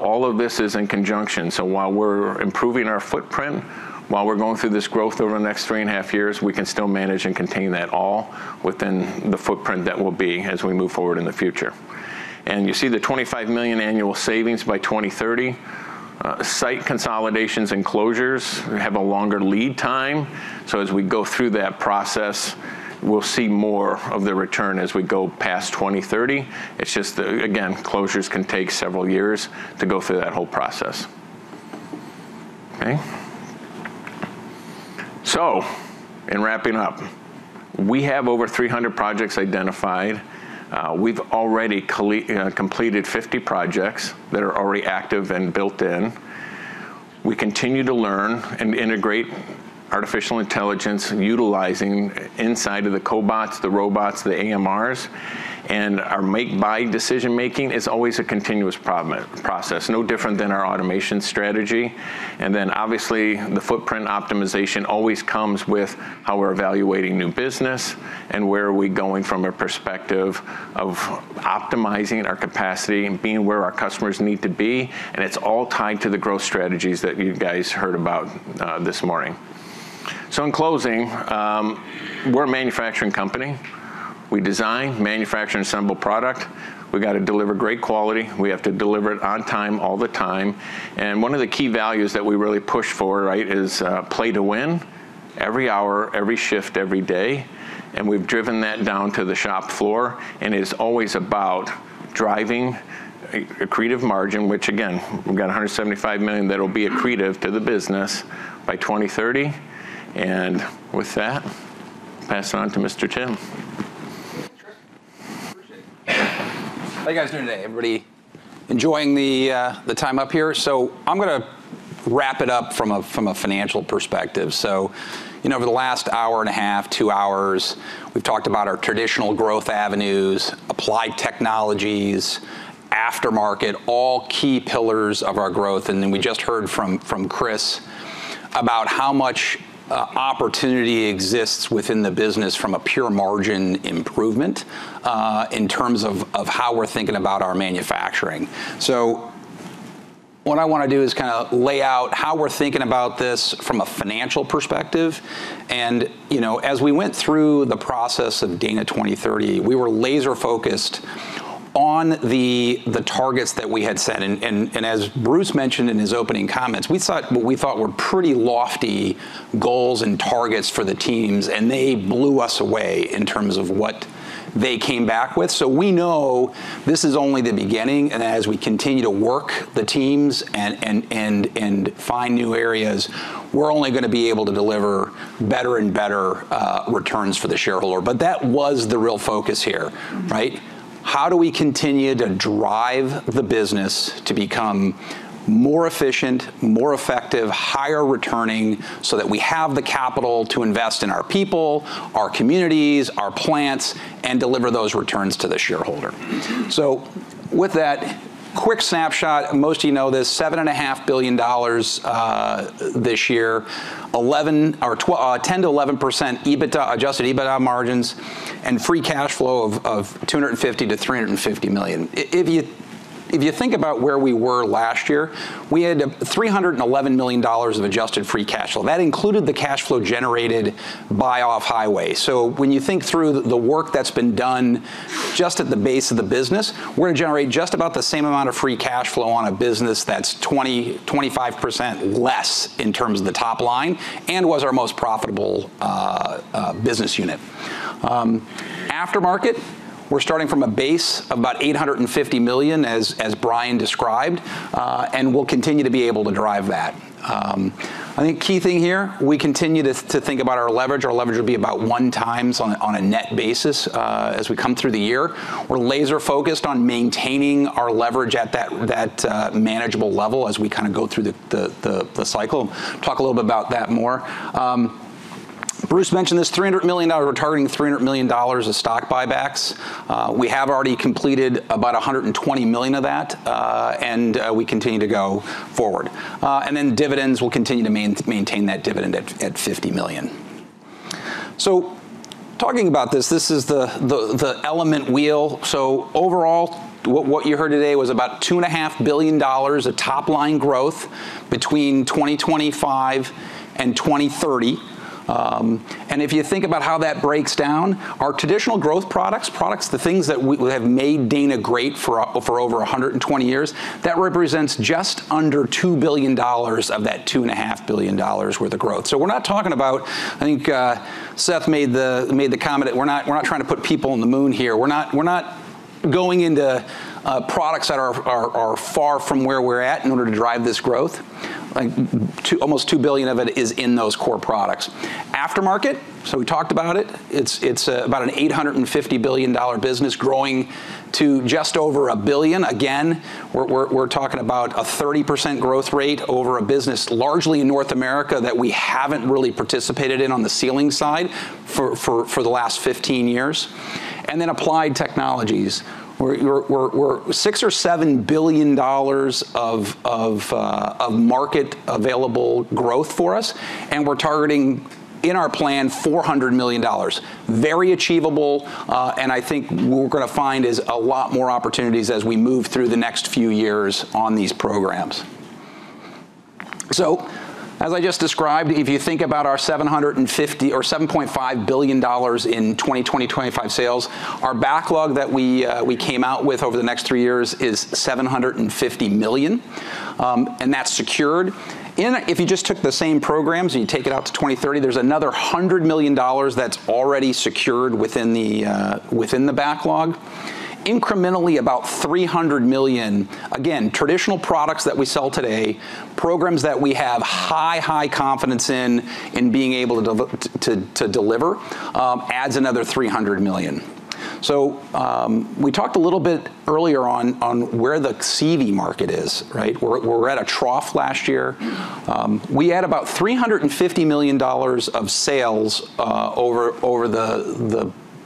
All of this is in conjunction. While we're improving our footprint, while we're going through this growth over the next three and a half years, we can still manage and contain that all within the footprint that we'll be as we move forward in the future. You see the $25 million annual savings by 2030. Site consolidations and closures have a longer lead time, so as we go through that process, we'll see more of the return as we go past 2030. It's just, again, closures can take several years to go through that whole process. Okay. In wrapping up, we have over 300 projects identified. We've already completed 50 projects that are already active and built in. We continue to learn and integrate artificial intelligence, utilizing inside of the cobots, the robots, the AMRs. Our make, buy decision-making is always a continuous process, no different than our automation strategy. Obviously, the footprint optimization always comes with how we're evaluating new business and where are we going from a perspective of optimizing our capacity and being where our customers need to be. It's all tied to the growth strategies that you guys heard about this morning. In closing, we're a manufacturing company. We design, manufacture, and assemble product. We gotta deliver great quality. We have to deliver it on time, all the time. One of the key values that we really push for, right, is play to win every hour, every shift, every day. We've driven that down to the shop floor, and it is always about driving accretive margin, which again, we've got $175 million that'll be accretive to the business by 2030. With that, pass it on to Mr. Timothy. How you guys doing today? Everybody enjoying the time up here? I'm gonna wrap it up from a financial perspective. You know, over the last hour and a half, two hours, we've talked about our traditional growth avenues, applied technologies, aftermarket, all key pillars of our growth. Then we just heard from Chris about how much opportunity exists within the business from a pure margin improvement in terms of how we're thinking about our manufacturing. What I wanna do is kinda lay out how we're thinking about this from a financial perspective. You know, as we went through the process of Dana 2030, we were laser-focused on the targets that we had set. as Bruce mentioned in his opening comments, we thought what we thought were pretty lofty goals and targets for the teams, and they blew us away in terms of what they came back with. We know this is only the beginning, and as we continue to work the teams and find new areas, we're only gonna be able to deliver better and better returns for the shareholder. That was the real focus here, right? How do we continue to drive the business to become more efficient, more effective, higher returning, so that we have the capital to invest in our people, our communities, our plants, and deliver those returns to the shareholder? With that quick snapshot, most of you know this, $7.5 billion this year, 10%-11% adjusted EBITDA margins, and free cash flow of $250 million-$350 million. If you think about where we were last year, we had $311 million of adjusted free cash flow. That included the cash flow generated by Off-Highway. When you think through the work that's been done just at the base of the business, we're gonna generate just about the same amount of free cash flow on a business that's 20%-25% less in terms of the top line and was our most profitable business unit. Aftermarket, we're starting from a base about $850 million, as Brian described, and we'll continue to be able to drive that. I think key thing here, we continue to think about our leverage. Our leverage will be about 1x on a net basis, as we come through the year. We're laser-focused on maintaining our leverage at that manageable level as we kinda go through the cycle. Talk a little bit about that more. Bruce mentioned this $300 million. We're targeting $300 million of stock buybacks. We have already completed about $120 million of that, and we continue to go forward. Then dividends, we'll continue to maintain that dividend at $50 million. Talking about this is the element wheel. Overall, what you heard today was about $2.5 billion of top-line growth between 2025 and 2030. If you think about how that breaks down, our traditional growth products, the things that we have made Dana great for over 120 years, that represents just under $2 billion of that $2.5 billion worth of growth. We're not talking about, I think, Seth made the comment that we're not trying to put people on the moon here. We're not going into products that are far from where we're at in order to drive this growth. Like almost $2 billion of it is in those core products. Aftermarket, we talked about it. It's about an $850 billion business growing to just over $1 billion. Again, we're talking about a 30% growth rate over a business largely in North America that we haven't really participated in on the sealing side for the last 15 years. Then Applied Technologies, we're $6-$7 billion of market available growth for us, and we're targeting in our plan $400 million. Very achievable, and I think what we're gonna find is a lot more opportunities as we move through the next few years on these programs. As I just described, if you think about our $7.5 billion in 2025 sales, our backlog that we came out with over the next three years is $750 million, and that's secured. If you just took the same programs, and you take it out to 2030, there's another $100 million that's already secured within the backlog. Incrementally about $300 million, again, traditional products that we sell today, programs that we have high confidence in being able to deliver, adds another $300 million. We talked a little bit earlier on where the CV market is, right? We were at a trough last year. We add about $350 million of sales over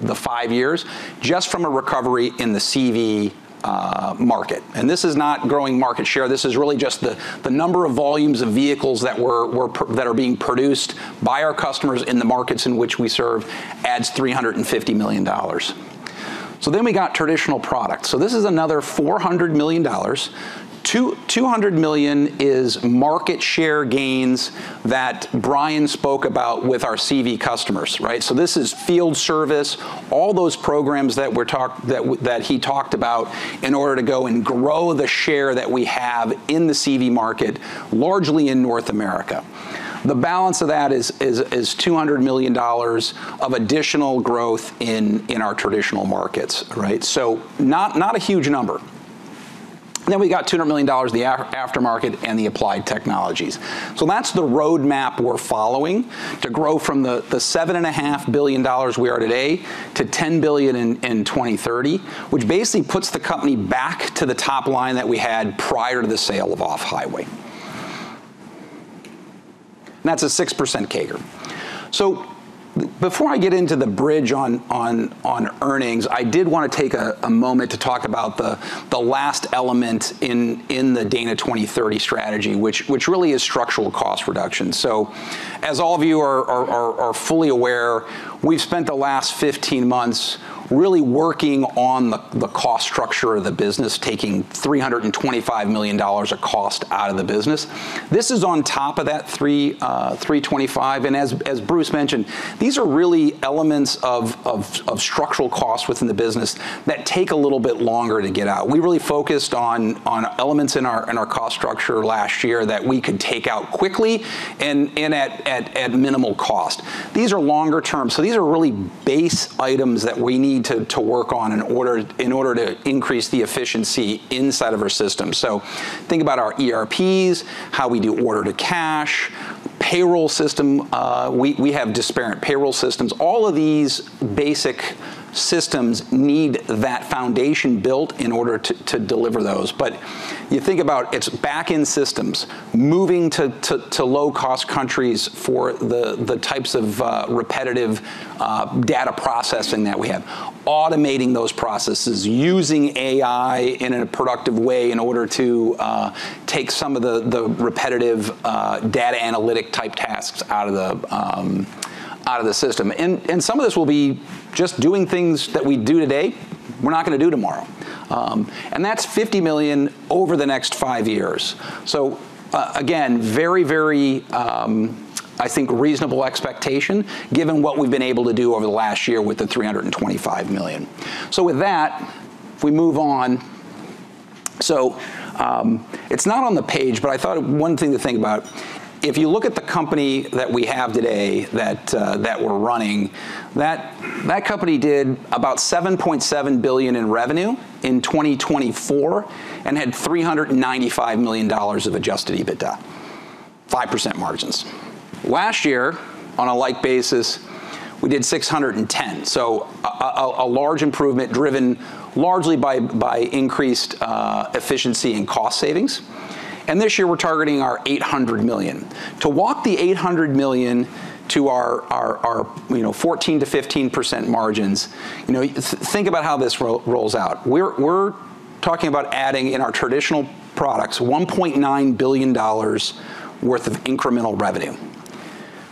the five years just from a recovery in the CV market. This is not growing market share. This is really just the number of volumes of vehicles that are being produced by our customers in the markets in which we serve adds $350 million. We got traditional products. This is another $400 million. $200 million is market share gains that Brian spoke about with our CV customers, right? This is field service, all those programs that he talked about in order to go and grow the share that we have in the CV market, largely in North America. The balance of that is $200 million of additional growth in our traditional markets, right? Not a huge number. We got $200 million in the aftermarket and the Applied Technologies. That's the roadmap we're following to grow from the $7.5 billion we are today to $10 billion in 2030, which basically puts the company back to the top line that we had prior to the sale of Off-Highway. That's a 6% CAGR. Before I get into the bridge on earnings, I did want to take a moment to talk about the last element in the Dana 2030 strategy, which really is structural cost reduction. As all of you are fully aware, we've spent the last 15 months really working on the cost structure of the business, taking $325 million of cost out of the business. This is on top of that $325, and as Bruce mentioned, these are really elements of structural costs within the business that take a little bit longer to get out. We really focused on elements in our cost structure last year that we could take out quickly and at minimal cost. These are longer-term. These are really base items that we need to work on in order to increase the efficiency inside of our system. Think about our ERPs, how we do order to cash, payroll system. We have disparate payroll systems. All of these basic systems need that foundation built in order to deliver those. You think about its back-end systems moving to low-cost countries for the types of repetitive data processing that we have, automating those processes, using AI in a productive way in order to take some of the repetitive data analytic-type tasks out of the system. Some of this will be just doing things that we do today we're not gonna do tomorrow. That's $50 million over the next five years. Again, very reasonable expectation given what we've been able to do over the last year with the $325 million. With that, if we move on. It's not on the page, but I thought one thing to think about, if you look at the company that we have today that we're running, that company did about $7.7 billion in revenue in 2024 and had $395 million of adjusted EBITDA, 5% margins. Last year, on a like basis, we did $610 million, so a large improvement driven largely by increased efficiency and cost savings. This year we're targeting our $800 million. To walk the $800 million to our, you know, 14%-15% margins, you know, think about how this rolls out. We're talking about adding in our traditional products $1.9 billion worth of incremental revenue.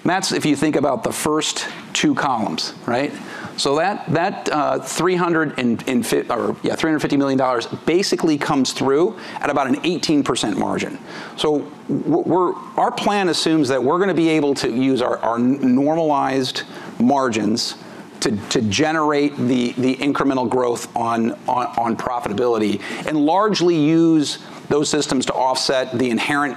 That's if you think about the first two columns, right? $350 million basically comes through at about an 18% margin. Our plan assumes that we're gonna be able to use our normalized margins to generate the incremental growth on profitability and largely use those systems to offset the inherent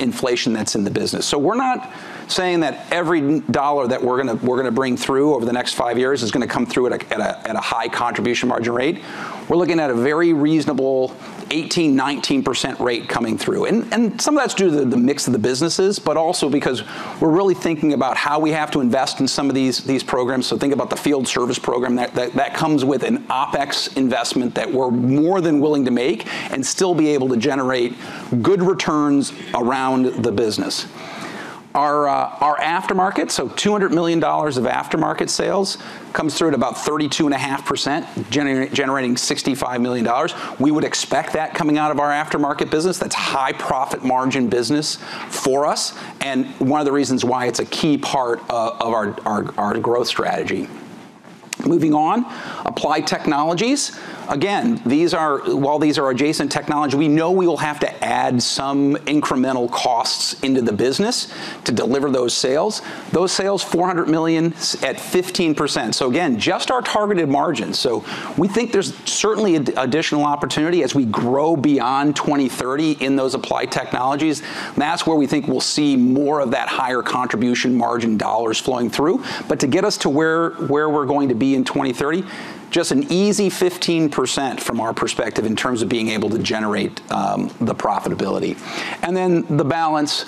inflation that's in the business. We're not saying that every dollar that we're gonna bring through over the next five years is gonna come through at a high contribution margin rate. We're looking at a very reasonable 18%-19% rate coming through and some of that's due to the mix of the businesses, but also because we're really thinking about how we have to invest in some of these programs. Think about the field service program that comes with an OpEx investment that we're more than willing to make and still be able to generate good returns around the business. Our aftermarket, so $200 million of aftermarket sales comes through at about 32.5%, generating $65 million. We would expect that coming out of our aftermarket business. That's high profit margin business for us, and one of the reasons why it's a key part of our growth strategy. Moving on. Applied Technologies. Again, these are while these are adjacent technology, we know we will have to add some incremental costs into the business to deliver those sales. Those sales, $400 million at 15%. Again, just our targeted margins. We think there's certainly additional opportunity as we grow beyond 2030 in those applied technologies. That's where we think we'll see more of that higher contribution margin dollars flowing through. To get us to where we're going to be in 2030, just an easy 15% from our perspective in terms of being able to generate the profitability. Then the balance,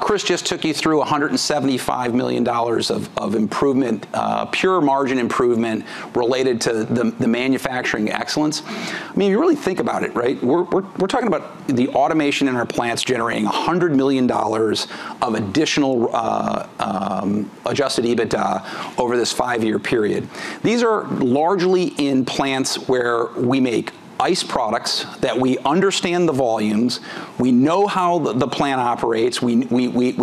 Chris just took you through $175 million of improvement, pure margin improvement related to the manufacturing excellence. I mean, you really think about it, right? We're talking about the automation in our plants generating $100 million of additional adjusted EBITDA over this five-year period. These are largely in plants where we make ICE products that we understand the volumes. We know how the plant operates. We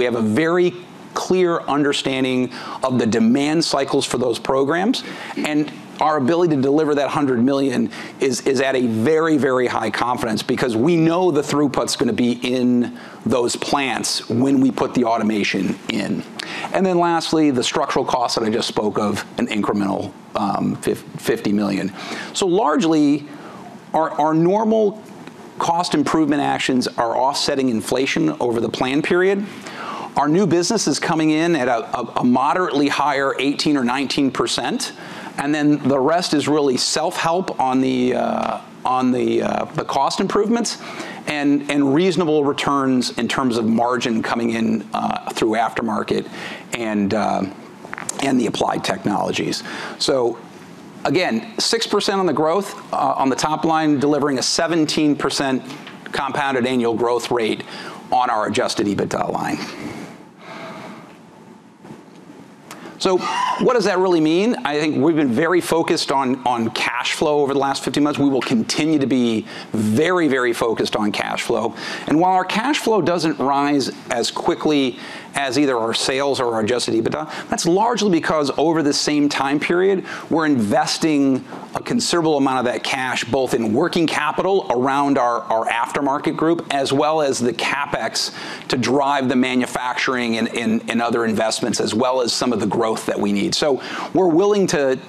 have a very clear understanding of the demand cycles for those programs, and our ability to deliver that $100 million is at a very high confidence because we know the throughput's gonna be in those plants when we put the automation in. Lastly, the structural costs that I just spoke of, an incremental $50 million. Largely, our normal cost improvement actions are offsetting inflation over the plan period. Our new business is coming in at a moderately higher 18% or 19%, and then the rest is really self-help on the cost improvements and reasonable returns in terms of margin coming in through aftermarket and the applied technologies. Again, 6% on the growth on the top line, delivering a 17% compounded annual growth rate on our adjusted EBITDA line. What does that really mean? I think we've been very focused on cash flow over the last 15 months. We will continue to be very, very focused on cash flow. While our cash flow doesn't rise as quickly as either our sales or our adjusted EBITDA, that's largely because over the same time period, we're investing a considerable amount of that cash, both in working capital around our aftermarket group, as well as the CapEx to drive the manufacturing and other investments, as well as some of the growth that we need. We're willing to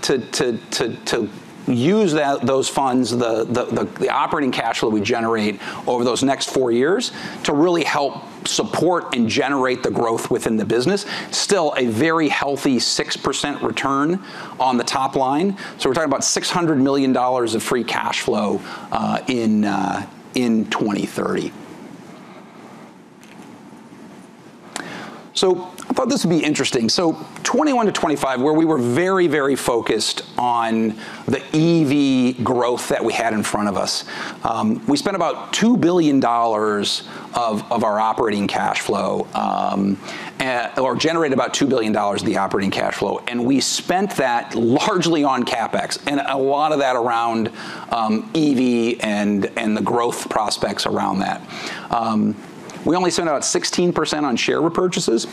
use those funds, the operating cash flow we generate over those next four years to really help support and generate the growth within the business. Still a very healthy 6% return on the top line. We're talking about $600 million of free cash flow in 2030. I thought this would be interesting. 2021-2025, where we were very focused on the EV growth that we had in front of us, we spent about $2 billion of our operating cash flow or generated about $2 billion of the operating cash flow. We spent that largely on CapEx and a lot of that around EV and the growth prospects around that. We only spent about 16% on share repurchases.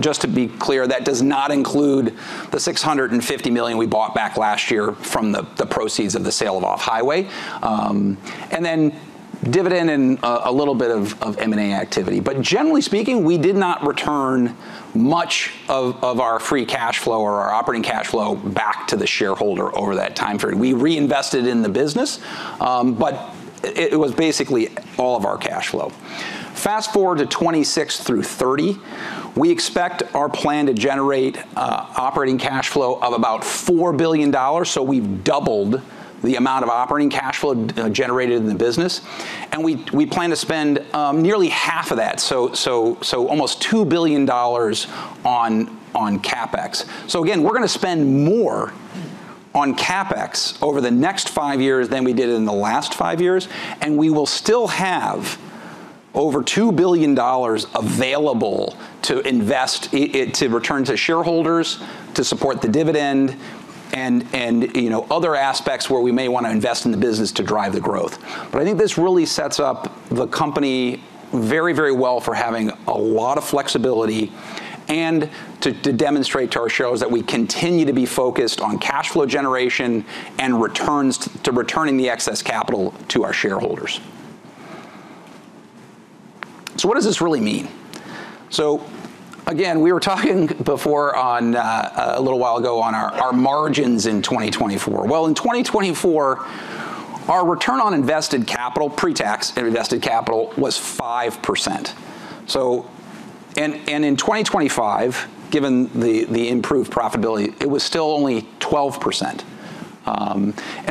Just to be clear, that does not include the $650 million we bought back last year from the proceeds of the sale of Off-Highway. Then dividend and a little bit of M&A activity. Generally speaking, we did not return much of our free cash flow or our operating cash flow back to the shareholder over that time frame. We reinvested in the business, it was basically all of our cash flow. Fast-forward to 2026 through 2030, we expect our plan to generate operating cash flow of about $4 billion, so we've doubled the amount of operating cash flow generated in the business. We plan to spend nearly 1/2 of that, almost $2 billion on CapEx. Again, we're gonna spend more on CapEx over the next five years than we did in the last five years, and we will still have over $2 billion available to invest to return to shareholders, to support the dividend and, you know, other aspects where we may wanna invest in the business to drive the growth. I think this really sets up the company very, very well for having a lot of flexibility and to demonstrate to our shareholders that we continue to be focused on cash flow generation and returns to returning the excess capital to our shareholders. What does this really mean? Again, we were talking before on a little while ago on our margins in 2024. Well, in 2024, our return on invested capital, pre-tax and invested capital, was 5%. In 2025, given the improved profitability, it was still only 12%.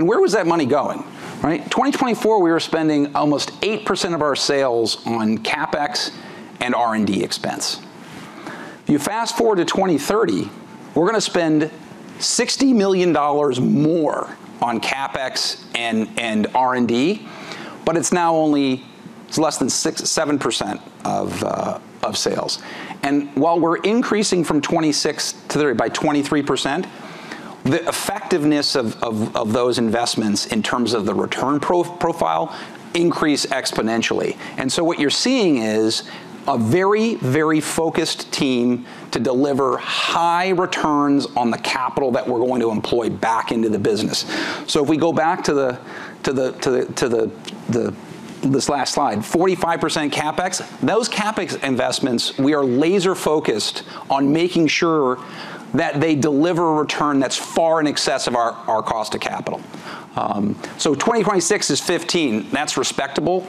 Where was that money going, right? 2024, we were spending almost 8% of our sales on CapEx and R&D expense. If you fast-forward to 2030, we're gonna spend $60 million more on CapEx and R&D, but it's now only less than 6%-7% of sales. While we're increasing from 2026-2030 by 23%, the effectiveness of those investments in terms of the return profile increase exponentially. What you're seeing is a very, very focused team to deliver high returns on the capital that we're going to employ back into the business. If we go back to this last slide, 45% CapEx. Those CapEx investments, we are laser-focused on making sure that they deliver a return that's far in excess of our cost to capital. 2026 is 15%. That's respectable.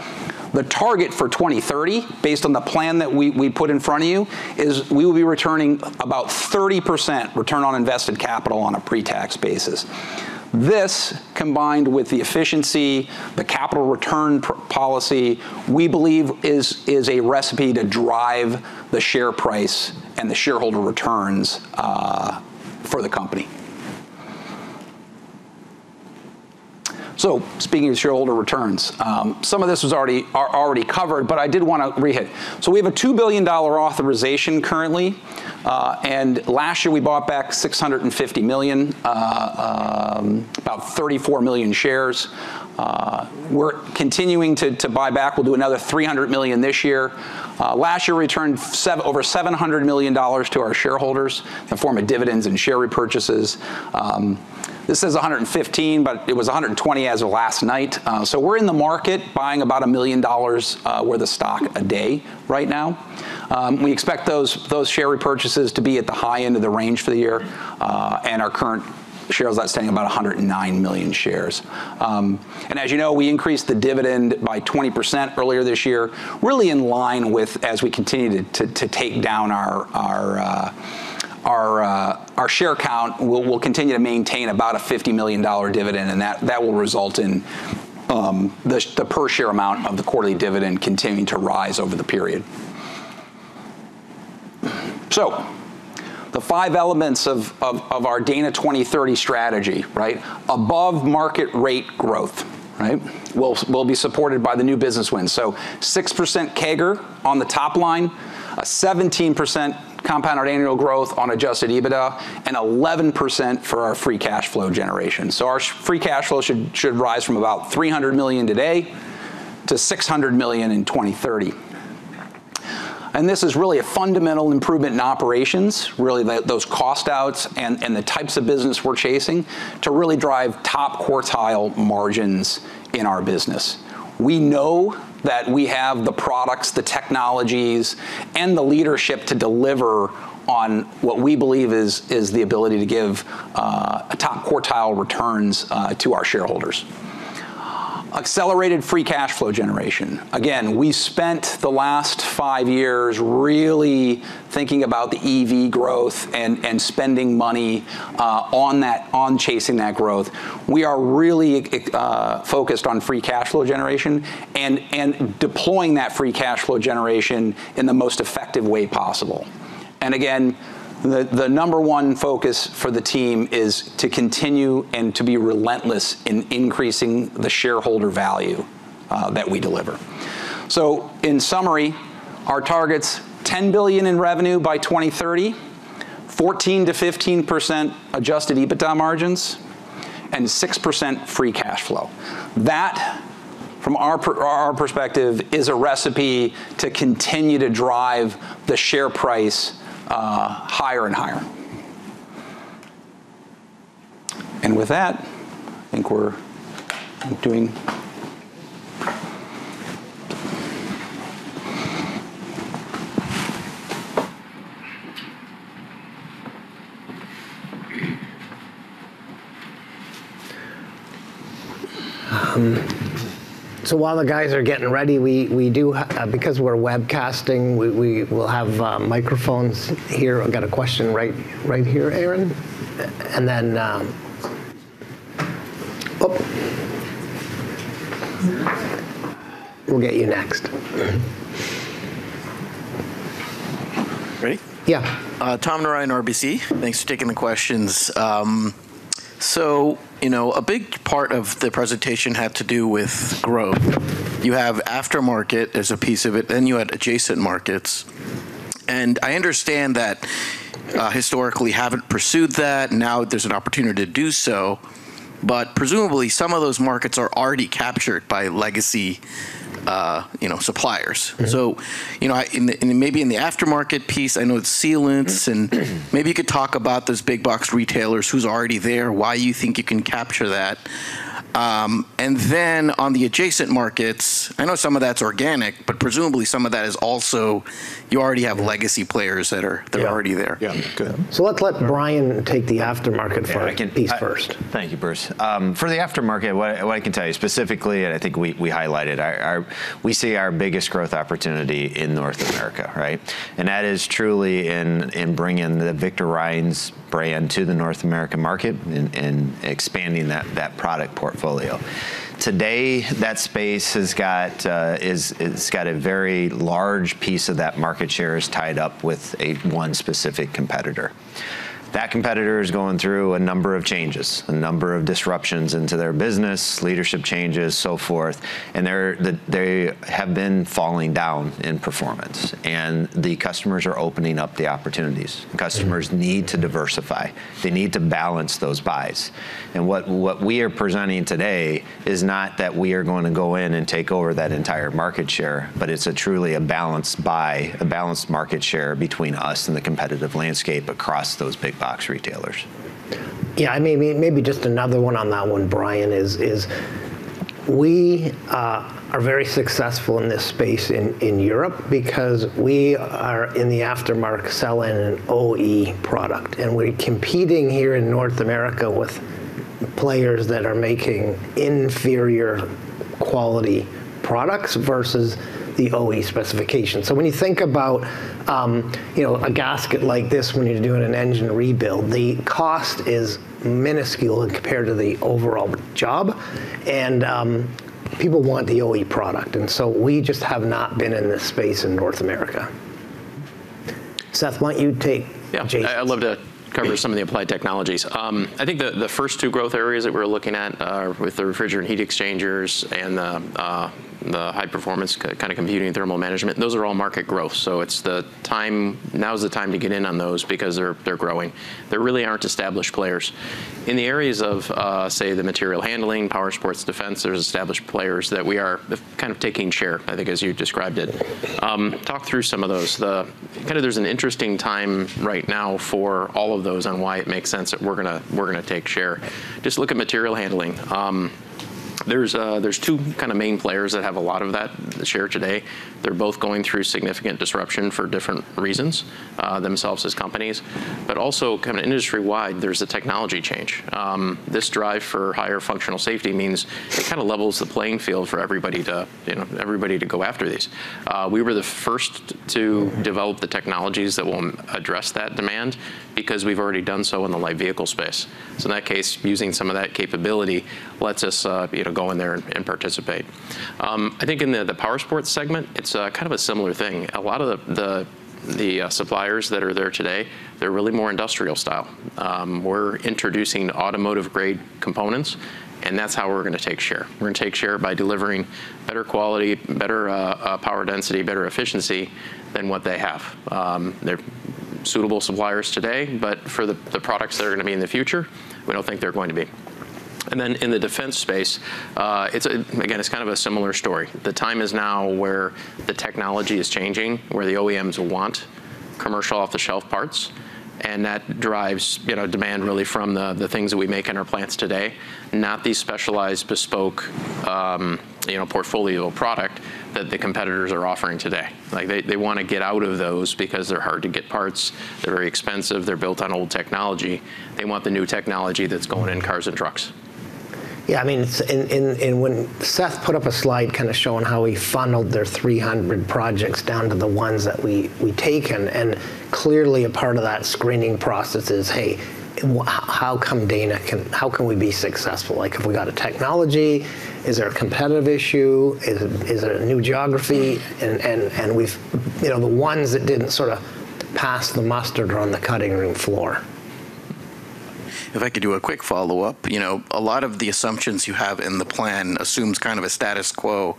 The target for 2030, based on the plan that we put in front of you, is we will be returning about 30% return on invested capital on a pre-tax basis. This, combined with the efficiency, the capital return policy, we believe is a recipe to drive the share price and the shareholder returns for the company. Speaking of shareholder returns, some of this are already covered, but I did wanna re-hit. We have a $2 billion authorization currently, and last year we bought back $650 million, about 34 million shares. We're continuing to buy back. We'll do another $300 million this year. Last year returned over $700 million to our shareholders in the form of dividends and share repurchases. This says 115, but it was 120 as of last night. We're in the market buying about $1 million worth of stock a day right now. We expect those share repurchases to be at the high end of the range for the year, and our current shares outstanding about 109 million shares. As you know, we increased the dividend by 20% earlier this year, really in line with, as we continue to take down our share count. We will continue to maintain about a $50 million dividend, and that will result in the per share amount of the quarterly dividend continuing to rise over the period. The five elements of our Dana 2030 strategy, right? Above market rate growth, right? Will be supported by the new business wins. 6% percent CAGR on the top line, a 17% compound annual growth on adjusted EBITDA, and 11% for our free cash flow generation. Our free cash flow should rise from about $300 million today to $600 million in 2030. This is really a fundamental improvement in operations, really those cost outs and the types of business we're chasing to really drive top quartile margins in our business. We know that we have the products, the technologies, and the leadership to deliver on what we believe is the ability to give a top quartile returns to our shareholders. Accelerated free cash flow generation. Again, we spent the last five years really thinking about the EV growth and spending money on that, on chasing that growth. We are really focused on free cash flow generation and deploying that free cash flow generation in the most effective way possible. The number one focus for the team is to continue and to be relentless in increasing the shareholder value that we deliver. In summary, our targets $10 billion in revenue by 2030, 14%-15% adjusted EBITDA margins, and 6% free cash flow. That, from our perspective, is a recipe to continue to drive the share price higher and higher. With that, While the guys are getting ready, we'll have microphones here. I've got a question right here, Aaron. And then we'll get you next. Ready? Yeah. Tom Narayan, RBC. Thanks for taking the questions. You know, a big part of the presentation had to do with growth. You have aftermarket as a piece of it, then you had adjacent markets. I understand that, historically you haven't pursued that, now there's an opportunity to do so, but presumably some of those markets are already captured by legacy, you know, suppliers. Mm-hmm. you know, in the, maybe, in the aftermarket piece, I know the sealing and Mm-hmm. Maybe you could talk about those big box retailers, who's already there, why you think you can capture that? On the adjacent markets, I know some of that's organic, but presumably some of that is also, you already have legacy players that are- Yeah. That are already there. Yeah. Good. Let's let Brian take the aftermarket first piece first. Thank you, Bruce. For the aftermarket, what I can tell you specifically, and I think we highlighted. We see our biggest growth opportunity in North America, right? That is truly in bringing the Victor Reinz brand to the North American market and expanding that product portfolio. Today, that space has got it's got a very large piece of that market share is tied up with one specific competitor. That competitor is going through a number of changes, a number of disruptions into their business, leadership changes, so forth, and they have been falling down in performance, and the customers are opening up the opportunities. Mm-hmm. Customers need to diversify. They need to balance those buys. What we are presenting today is not that we are gonna go in and take over that entire market share, but it's a truly a balanced buy, a balanced market share between us and the competitive landscape across those big box retailers. Yeah, I mean, maybe just another one on that one, Brian, is we are very successful in this space in Europe because we are in the aftermarket selling an OE product, and we're competing here in North America with players that are making inferior quality products versus the OE specification. When you think about, you know, a gasket like this when you're doing an engine rebuild, the cost is minuscule compared to the overall job and people want the OE product, and so we just have not been in this space in North America. Seth, why don't you take adjacent? Yeah. I'd love to cover some of the applied technologies. I think the first two growth areas that we're looking at are with the refrigerant heat exchangers and the high performance kind of computing and thermal management. Those are all market growth, so now's the time to get in on those because they're growing. There really aren't established players. In the areas of say the material handling, power sports, defense, there's established players that we are kind of taking share, I think as you described it. Talk through some of those. Kinda there's an interesting time right now for all of those on why it makes sense that we're gonna take share. Just look at material handling. There's two kinda main players that have a lot of that share today. They're both going through significant disruption for different reasons themselves as companies. Also kinda industry-wide, there's a technology change. This drive for higher functional safety means it kinda levels the playing field for everybody to, you know, everybody to go after these. We were the first to Mm-hmm Develop the technologies that will address that demand because we've already done so in the light vehicle space. In that case, using some of that capability lets us, you know, go in there and participate. I think in the powersports segment it's kind of a similar thing. A lot of the suppliers that are there today, they're really more industrial style. We're introducing automotive-grade components and that's how we're gonna take share. We're gonna take share by delivering better quality, better power density, better efficiency than what they have. They're suitable suppliers today. Mm-hmm For the products that are gonna be in the future, we don't think they're going to be. In the defense space, again, it's kind of a similar story. The time is now where the technology is changing, where the OEMs want commercial off-the-shelf parts, and that drives, you know, demand really from the things that we make in our plants today, not these specialized bespoke, you know, portfolio product that the competitors are offering today. Like, they wanna get out of those because they're hard to get parts, they're very expensive, they're built on old technology. They want the new technology that's going in cars and trucks. Yeah, I mean, when Seth put up a slide kinda showing how he funneled their 300 projects down to the ones that we've taken, and clearly a part of that screening process is, "Hey, how come Dana can, how can we be successful? Like, have we got a technology? Is there a competitive issue? Is it a new geography?" And we've, you know, the ones that didn't sorta pass muster are on the cutting room floor. If I could do a quick follow-up. You know, a lot of the assumptions you have in the plan assumes kind of a status quo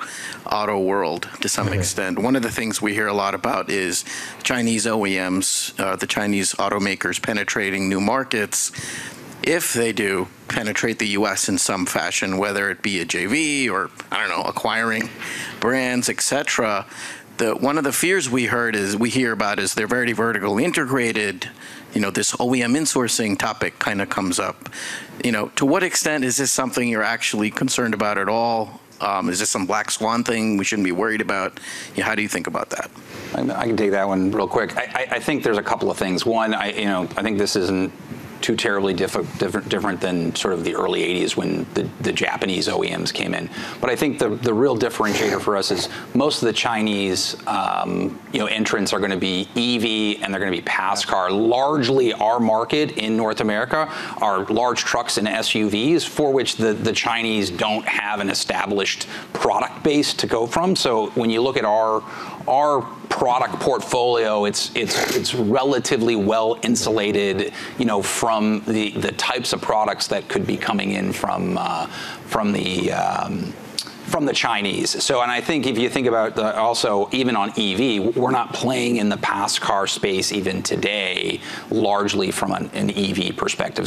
auto world to some extent. Mm-hmm. One of the things we hear a lot about is Chinese OEMs, the Chinese automakers penetrating new markets. If they do penetrate the U.S. in some fashion, whether it be a JV or, I don't know, acquiring brands, et cetera, one of the fears we hear about is they're very vertically integrated. You know, this OEM insourcing topic kinda comes up. You know, to what extent is this something you're actually concerned about at all? Is this some black swan thing we shouldn't be worried about? You know, how do you think about that? I can take that one real quick. I think there's a couple of things. One, you know, I think this isn't too terribly different than sort of the early eighties when the Japanese OEMs came in. I think the real differentiator for us is most of the Chinese, you know, entrants are gonna be EV and they're gonna be passenger car. Largely, our market in North America are large trucks and SUVs for which the Chinese don't have an established product base to go from. When you look at our product portfolio, it's relatively well-insulated, you know, from the types of products that could be coming in from the Chinese. I think if you think about the also even on EV, we're not playing in the passenger car space even today largely from an EV perspective.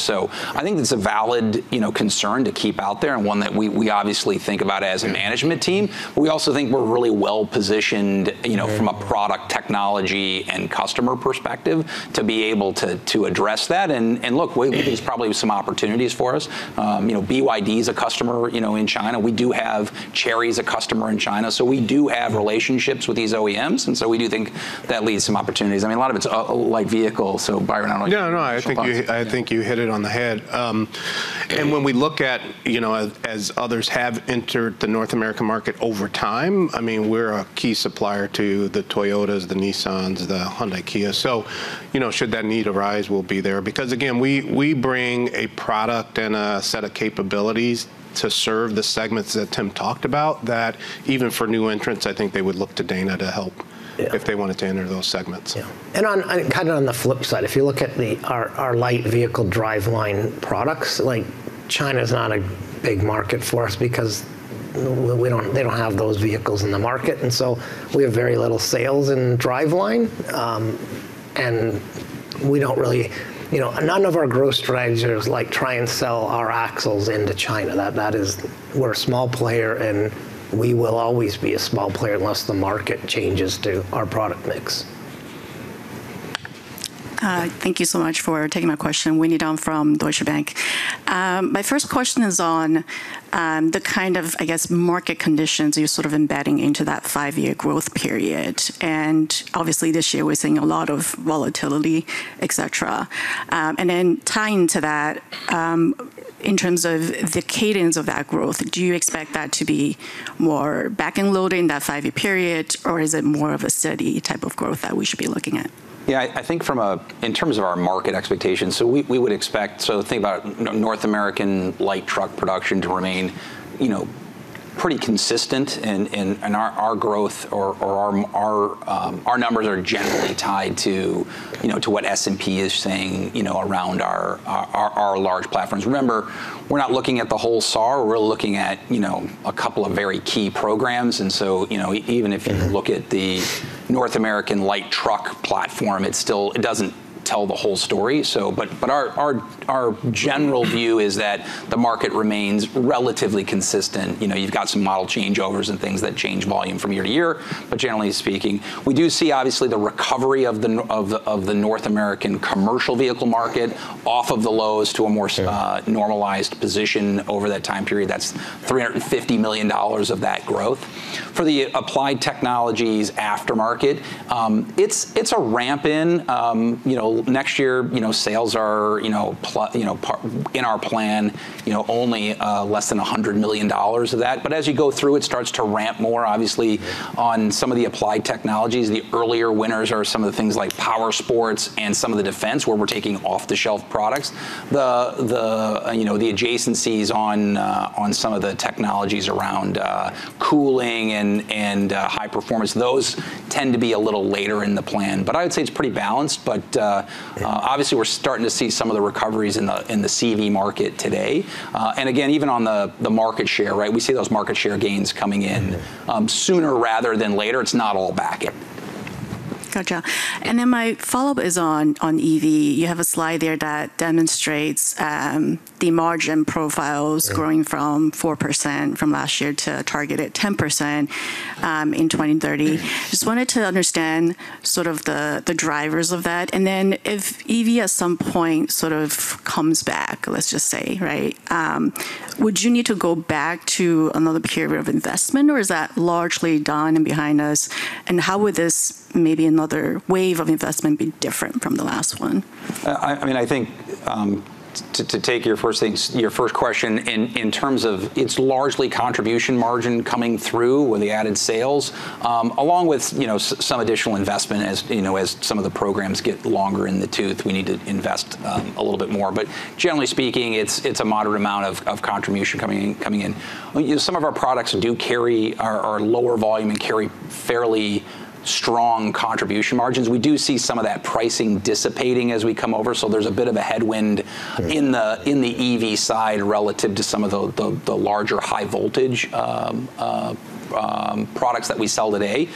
I think that's a valid, you know, concern to keep out there and one that we obviously think about as a management team. We also think we're really well-positioned- Mm-hmm... you know, from a product technology and customer perspective to be able to address that. Look, there's probably some opportunities for us. You know, BYD is a customer, you know, in China. We do have Chery as a customer in China. We do have relationships with these OEMs, and so we do think that leaves some opportunities. I mean, a lot of it's a light vehicle, so Byron. Yeah. No. I think you hit it on the head. And when we look at, you know, as others have entered the North American market over time, I mean, we're a key supplier to the Toyotas, the Nissans, the Hyundai Kia. So, you know, should that need arise, we'll be there because again, we bring a product and a set of capabilities to serve the segments that Tim talked about, that even for new entrants I think they would look to Dana to help. Yeah If they wanted to enter those segments. Yeah. Kinda on the flip side, if you look at our light vehicle driveline products, like, China's not a big market for us because they don't have those vehicles in the market, and so we have very little sales in driveline. You know, none of our growth strategy is like try and sell our axles into China. That is. We're a small player, and we will always be a small player unless the market changes to our product mix. Thank you so much for taking my question. Winnie Dong from Deutsche Bank. My first question is on the kind of, I guess, market conditions you're sort of embedding into that five-year growth period. Obviously this year we're seeing a lot of volatility, et cetera. Tying to that, in terms of the cadence of that growth, do you expect that to be more back-end loading, that five-year period? Or is it more of a steady type of growth that we should be looking at? Yeah. I think in terms of our market expectations. Think about North American light truck production to remain, you know, pretty consistent in our growth or our numbers are generally tied to, you know, to what S&P is saying, you know, around our large platforms. Remember, we're not looking at the whole SAR. We're looking at, you know, a couple of very key programs. You know, even if you look at the North American light truck platform, it's still. It doesn't Tell the whole story. Our general view is that the market remains relatively consistent. You know, you've got some model changeovers and things that change volume from year to year, but generally speaking, we do see obviously the recovery of the North American commercial vehicle market off of the lows to a more- Yeah A normalized position over that time period. That's $350 million of that growth. For the applied technologies aftermarket, it's a ramp in. You know, next year, you know, sales are in our plan only less than $100 million of that. But as you go through, it starts to ramp more obviously on some of the applied technologies. The earlier winners are some of the things like power sports and some of the defense where we're taking off-the-shelf products. You know, the adjacencies on some of the technologies around cooling and high performance, those tend to be a little later in the plan. Yeah Obviously we're starting to see some of the recoveries in the CV market today. Again, even on the market share, right, we see those market share gains coming in. Mm-hmm Sooner rather than later. It's not all backing. Gotcha. My follow-up is on EV. You have a slide there that demonstrates the margin profiles. Yeah... growing from 4% from last year to a target at 10%, in 2030. Just wanted to understand sort of the drivers of that. If EV at some point sort of comes back, let's just say, right, would you need to go back to another period of investment, or is that largely done and behind us? How would this maybe another wave of investment be different from the last one? I mean, I think to take first things first, your first question in terms of it's largely contribution margin coming through with the added sales, along with, you know, some additional investment as, you know, as some of the programs get longer in the tooth, we need to invest a little bit more. Generally speaking, it's a moderate amount of contribution coming in. You know, some of our products do carry lower volume and carry fairly strong contribution margins. We do see some of that pricing dissipating as we come over, so there's a bit of a headwind in the- Mm-hmm... in the EV side relative to some of the larger high voltage products that we sell today.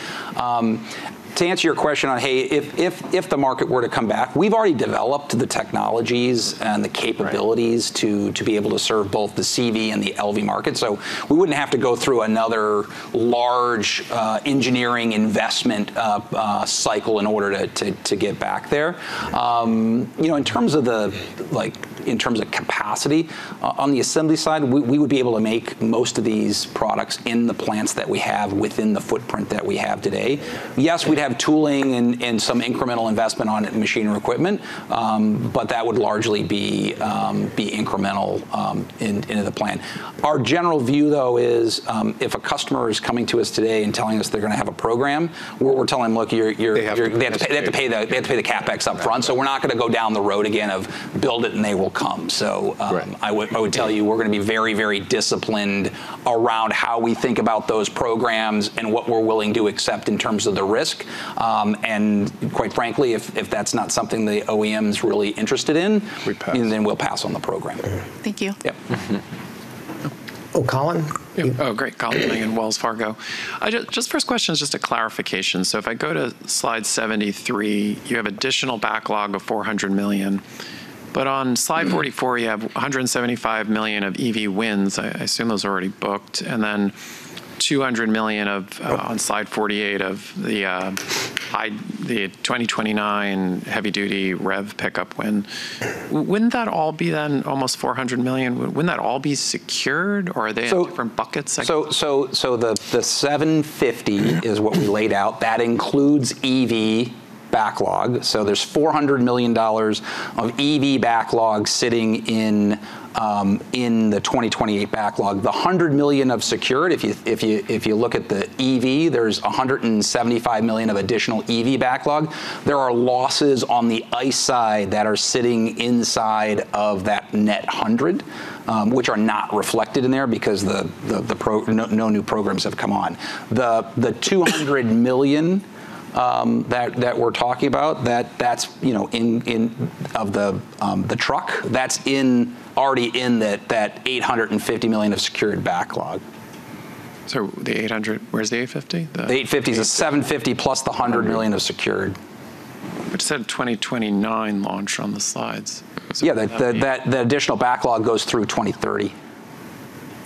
To answer your question on, hey, if the market were to come back, we've already developed the technologies and the capabilities- Right to be able to serve both the CV and the LV market. We wouldn't have to go through another large engineering investment cycle in order to get back there. You know, in terms of like, in terms of capacity on the assembly side, we would be able to make most of these products in the plants that we have within the footprint that we have today. Yes, we'd have tooling and some incremental investment on it, machinery equipment, but that would largely be incremental into the plan. Our general view, though, is if a customer is coming to us today and telling us they're gonna have a program, we're telling them, "Look, you're They have to pay. They have to pay the CapEx upfront. We're not gonna go down the road again of build it and they will come. Right. I would tell you we're gonna be very, very disciplined around how we think about those programs and what we're willing to accept in terms of the risk. Quite frankly, if that's not something the OEM is really interested in- We pass. We'll pass on the program. Mm-hmm. Thank you. Yep. Oh, Colin? Oh, great. Colin Langan, Wells Fargo. Just first question is just a clarification. If I go to slide 73, you have additional backlog of $400 million. On slide 44, you have $175 million of EV wins, I assume those are already booked, and then $200 million on slide 48 of the 2029 heavy-duty rev pickup win. Wouldn't that all be then almost $400 million? Wouldn't that all be secured, or are they in different buckets? The $750 is what we laid out. That includes EV backlog. There's $400 million of EV backlog sitting in the 2028 backlog. The $100 million of secured. If you look at the EV, there's $175 million of additional EV backlog. There are losses on the ICE side that are sitting inside of that net $100, which are not reflected in there because no new programs have come on. The $200 million that we're talking about, that's, you know, in the truck, that's already in that $850 million of secured backlog. The $800 million. Where's the $850 million? The $850 million is the $750 million plus the $100 million of secured. Which said 2029 launch on the slides. Yeah. The additional backlog goes through 2030.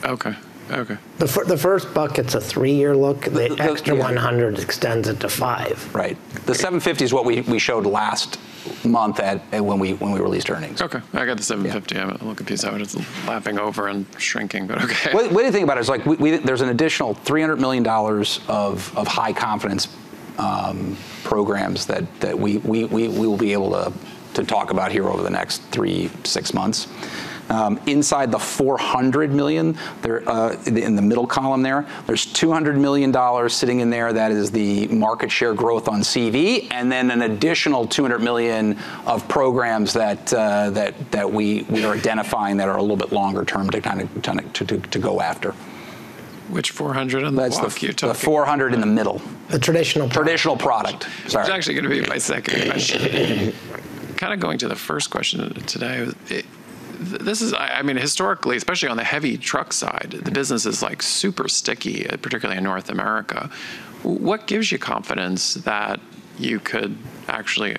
Okay. Okay. The first bucket's a three-year look. The extra 100 extends it to five. Right. The $750 is what we showed last month at when we released earnings. Okay, I got the $7.50. I'm a little confused how it's lapping over and shrinking, but okay. Way to think about it is like there's an additional $300 million of high confidence programs that we will be able to talk about here over the next three months-6 months. Inside the $400 million there, in the middle column there's $200 million sitting in there, that is the market share growth on CV, and then an additional $200 million of programs that we are identifying that are a little bit longer term to kind of go after. Which 400 in the block you're talking? The 400 in the middle. The traditional product. Traditional product. Sorry. It's actually gonna be my second question. Kind of going to the first question today. I mean, historically, especially on the heavy truck side, the business is, like, super sticky, particularly in North America. What gives you confidence that you could actually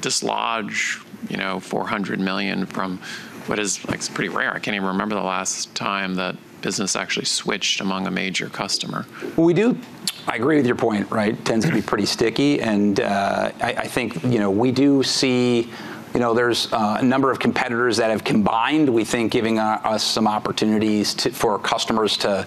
dislodge, you know, $400 million from what is like, it's pretty rare. I can't even remember the last time that business actually switched among a major customer. I agree with your point, right? It tends to be pretty sticky, and I think, you know, we do see, you know, there's a number of competitors that have combined, we think giving us some opportunities for customers to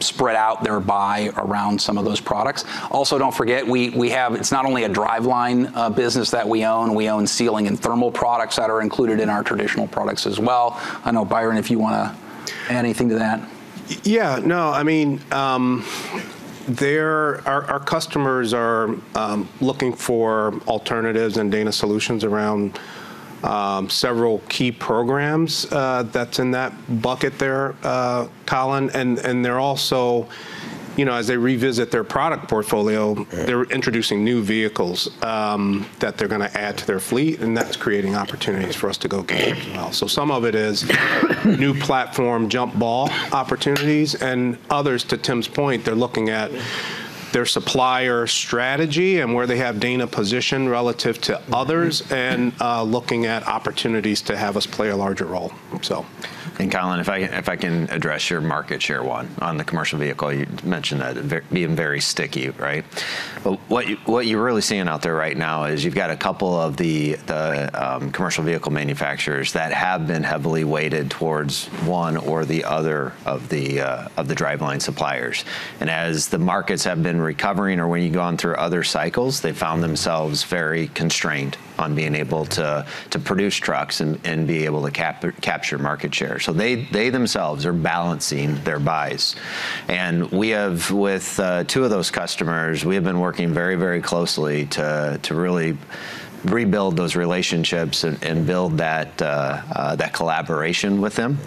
spread out their buy around some of those products. Also, don't forget, we have. It's not only a driveline business that we own. We own sealing and thermal products that are included in our traditional products as well. I don't know, Byron, if you wanna add anything to that. Yeah. No, I mean, our customers are looking for alternatives and Dana solutions around several key programs, that's in that bucket there, Colin, and they're also, you know, as they revisit their product portfolio, they're introducing new vehicles that they're gonna add to their fleet, and that's creating opportunities for us to go get as well. Some of it is new platform jump ball opportunities, and others, to Timothy's point, they're looking at their supplier strategy and where they have Dana positioned relative to others and looking at opportunities to have us play a larger role. Colin, if I can address your market share one on the commercial vehicle, you mentioned that we've been very sticky, right? What you're really seeing out there right now is you've got a couple of the commercial vehicle manufacturers that have been heavily weighted towards one or the other of the driveline suppliers. As the markets have been recovering or when you've gone through other cycles, they've found themselves very constrained on being able to produce trucks and be able to capture market share. So they themselves are balancing their buys. We have, with two of those customers, we have been working very closely to really rebuild those relationships and build that collaboration with them.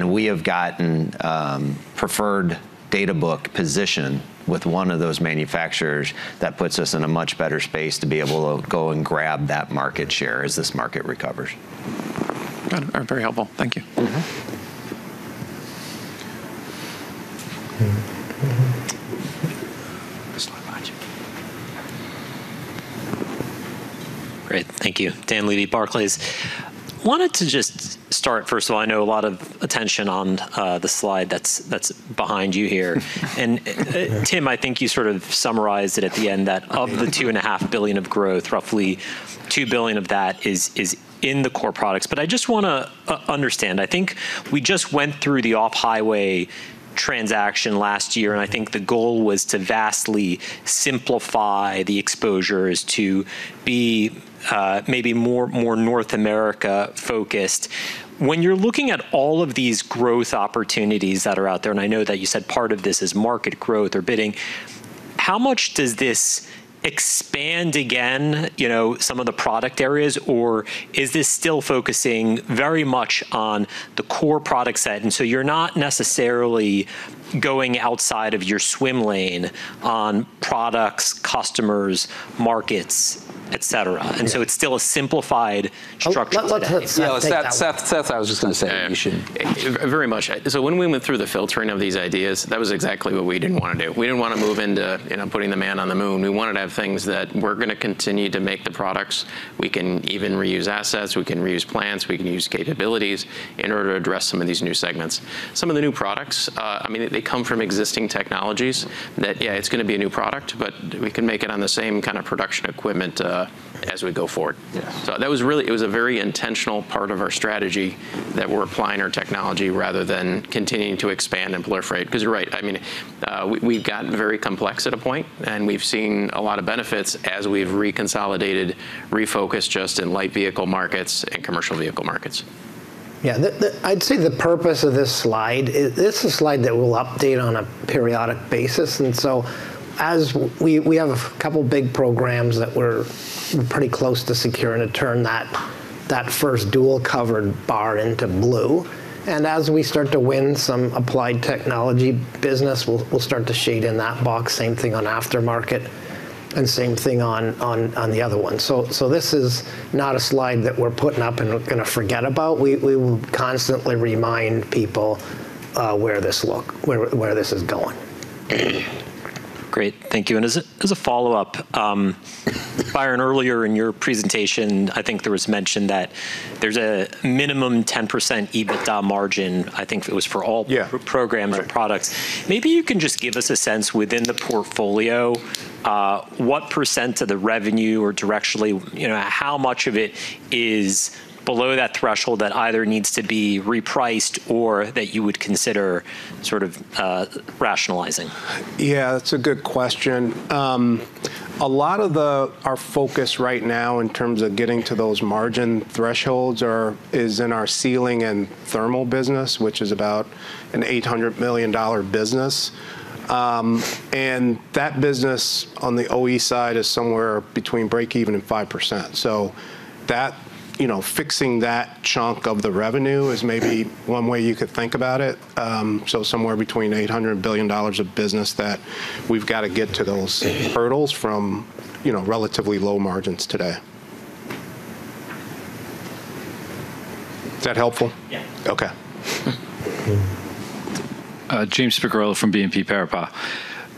We have gotten preferred data book position with one of those manufacturers that puts us in a much better space to be able to go and grab that market share as this market recovers. Got it. Very helpful. Thank you. Mm-hmm. Just behind you. Great. Thank you. Dan Levy, Barclays. I wanted to just start, first of all. I know a lot of attention on the slide that's behind you here. Timothy, I think you sort of summarized it at the end that of the $2.5 billion of growth, roughly $2 billion of that is in the core products. I just want to understand. I think we just went through the Off-Highway transaction last year, and I think the goal was to vastly simplify the exposures to be maybe more North America focused. When you're looking at all of these growth opportunities that are out there, and I know that you said part of this is market growth or bidding, how much does this expand again, you know, some of the product areas, or is this still focusing very much on the core product set? You're not necessarily going outside of your swim lane on products, customers, markets, et cetera. It's still a simplified structure today. Let, let- Seth take that. No, Seth, I was just gonna say you should. Very much. When we went through the filtering of these ideas, that was exactly what we didn't wanna do. We didn't wanna move into, you know, putting the man on the moon. We wanted to have things that we're gonna continue to make the products. We can even reuse assets, we can reuse plants, we can use capabilities in order to address some of these new segments. Some of the new products, I mean, they come from existing technologies that, yeah, it's gonna be a new product, but we can make it on the same kinda production equipment, as we go forward. Yeah. It was a very intentional part of our strategy that we're applying our technology rather than continuing to expand and blur the lines. 'Cause you're right, I mean, we've gotten very complex to a point, and we've seen a lot of benefits as we've reconsolidated, refocused just in light vehicle markets and commercial vehicle markets. I'd say the purpose of this slide. This is a slide that we'll update on a periodic basis. As we have a couple big programs that we're pretty close to securing to turn that first dual-colored bar into blue. As we start to win some applied technology business, we'll start to shade in that box, same thing on aftermarket and same thing on the other one. This is not a slide that we're putting up and gonna forget about. We will constantly remind people where this is going. Great. Thank you. As a follow-up, Byron, earlier in your presentation, I think there was mention that there's a minimum 10% EBITDA margin, I think it was for all- Yeah... programs or products. Maybe you can just give us a sense within the portfolio, what percent of the revenue or directionally, you know, how much of it is below that threshold that either needs to be repriced or that you would consider sort of rationalizing? Yeah, that's a good question. Our focus right now in terms of getting to those margin thresholds is in our sealing and thermal business, which is about an $800 million business. And that business on the OE side is somewhere between break even and 5%. That, you know, fixing that chunk of the revenue is maybe one way you could think about it. Somewhere between $800 billion of business that we've gotta get to those hurdles from, you know, relatively low margins today. Is that helpful? Yeah. Okay. James Picariello from BNP Paribas.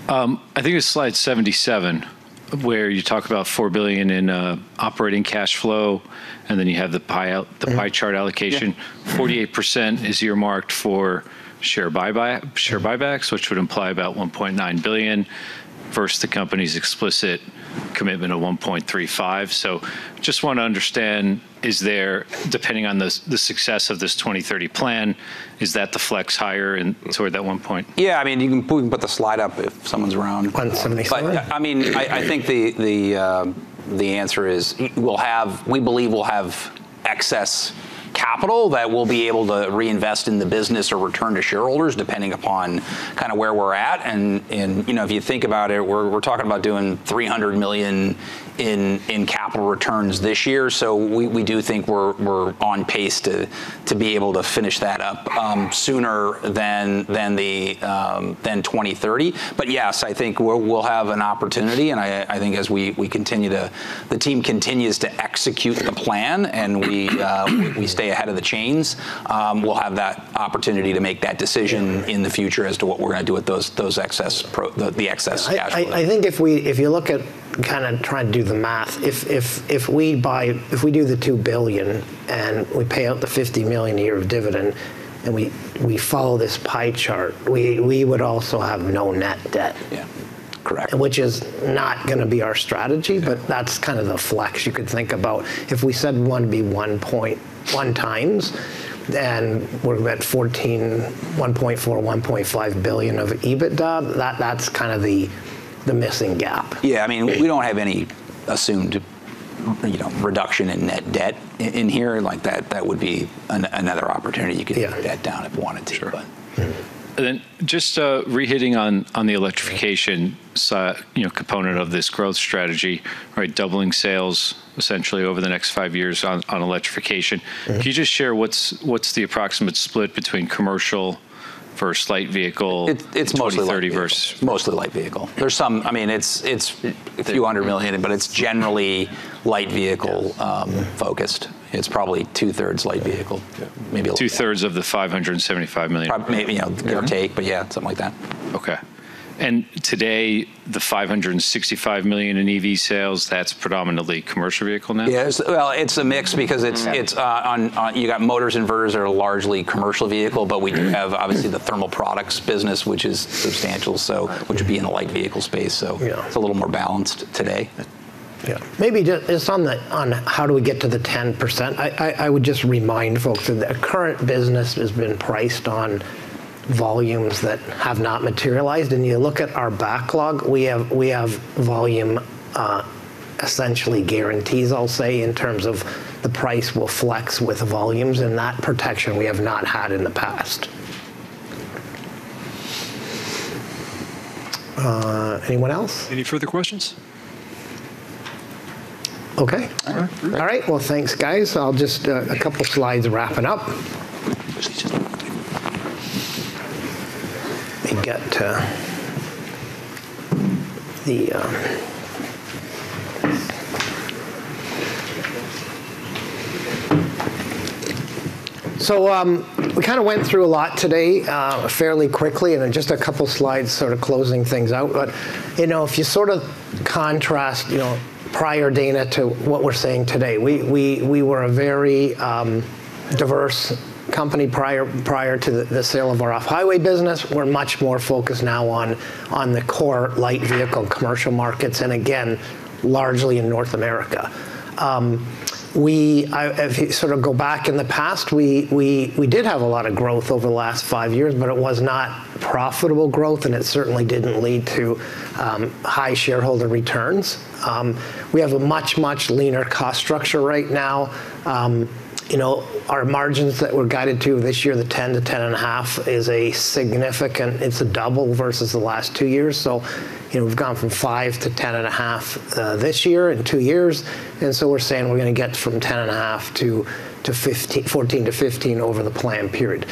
I think it's slide 77 where you talk about $4 billion in operating cash flow, and then you have the pie chart allocation. Yeah. 48% is earmarked for share buybacks, which would imply about $1.9 billion versus the company's explicit commitment of $1.35 billion. Just wanna understand, depending on the success of this 2030 plan, is that to flex higher and toward that one point? Yeah, I mean, we can put the slide up if someone's around. Want somebody's slide? I mean, I think the answer is, we believe we'll have excess capital that we'll be able to reinvest in the business or return to shareholders depending upon kinda where we're at. You know, if you think about it, we're talking about doing $300 million in capital returns this year, so we do think we're on pace to be able to finish that up sooner than 2030. Yes, I think we'll have an opportunity, and I think as the team continues to execute the plan and we stay ahead of the challenges, we'll have that opportunity to make that decision in the future as to what we're gonna do with the excess cash flow. I think if you look at kinda trying to do the math, if we do the $2 billion, and we pay out the $50 million a year of dividend, and we follow this pie chart, we would also have no net debt. Yeah. Correct. Which is not gonna be our strategy. Yeah. that's kind of the flex you could think about. If we said we wanna be 1.1x, then we're at $1.4 billion-$1.5 billion of EBITDA. That's kind of the missing gap. Yeah, I mean, we don't have any assumed, you know, reduction in net debt in here. Like, that would be another opportunity you could- Yeah. Bring that down if you wanted to. Sure. But... Just hitting on the electrification, you know, component of this growth strategy. Right, doubling sales essentially over the next five years on electrification. Mm-hmm. Can you just share what's the approximate split between commercial versus light vehicle- It's mostly Light Vehicle. 2030 versus Mostly light vehicle. I mean, it's a few hundred million dollars, but it's generally light vehicle focused. It's probably two-thirds light vehicle. Yeah. Maybe- 2/3 of the $575 million. Maybe, you know, give or take, but yeah, something like that. Okay. Today, the $565 million in EV sales, that's predominantly commercial vehicle now? Yes. Well, it's a mix because you got motors, inverters are largely commercial vehicle, but we do have obviously the thermal products business, which is substantial, so which would be in the light vehicle space. Yeah. It's a little more balanced today. Yeah. Maybe just on how do we get to the 10%, I would just remind folks that the current business has been priced on volumes that have not materialized. You look at our backlog, we have volume essentially guarantees, I'll say, in terms of the price will flex with volumes, and that protection we have not had in the past. Anyone else? Any further questions? Okay. All right. All right. Well, thanks, guys. I'll just a couple slides wrapping up. We kinda went through a lot today fairly quickly, and then just a couple slides sort of closing things out. You know, if you sort of contrast prior Dana to what we're saying today, we were a very diverse company prior to the sale of our Off-Highway business. We're much more focused now on the core light vehicle commercial markets, and again, largely in North America. If you sort of go back in the past, we did have a lot of growth over the last five years, but it was not profitable growth, and it certainly didn't lead to high shareholder returns. We have a much leaner cost structure right now. Our margins that we're guided to this year, the 10%-10.5%, it's a double versus the last two years. We've gone from 5%-10.5% this year in two years, and we're saying we're gonna get from 10.5% to 14%-15% over the plan period.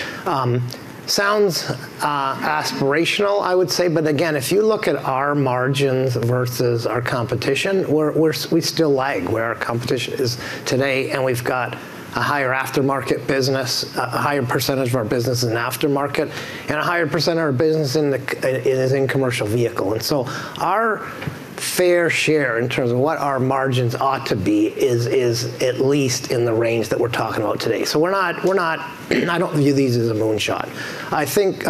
Sounds aspirational, I would say, but again, if you look at our margins versus our competition, we still lag where our competition is today, and we've got a higher aftermarket business, a higher percentage of our business is in aftermarket, and a higher percentage of our business is in commercial vehicle. Our fair share in terms of what our margins ought to be is at least in the range that we're talking about today. We're not. I don't view these as a moonshot. I think,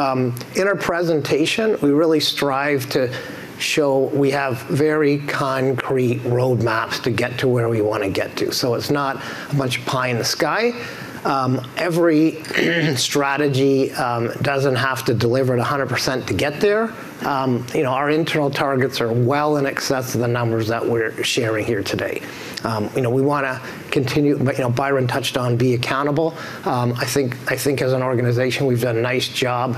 in our presentation, we really strive to show we have very concrete roadmaps to get to where we wanna get to. It's not much pie in the sky. Every strategy doesn't have to deliver at 100% to get there. You know, our internal targets are well in excess of the numbers that we're sharing here today. You know, we wanna continue, but you know, Byron touched on be accountable. I think as an organization, we've done a nice job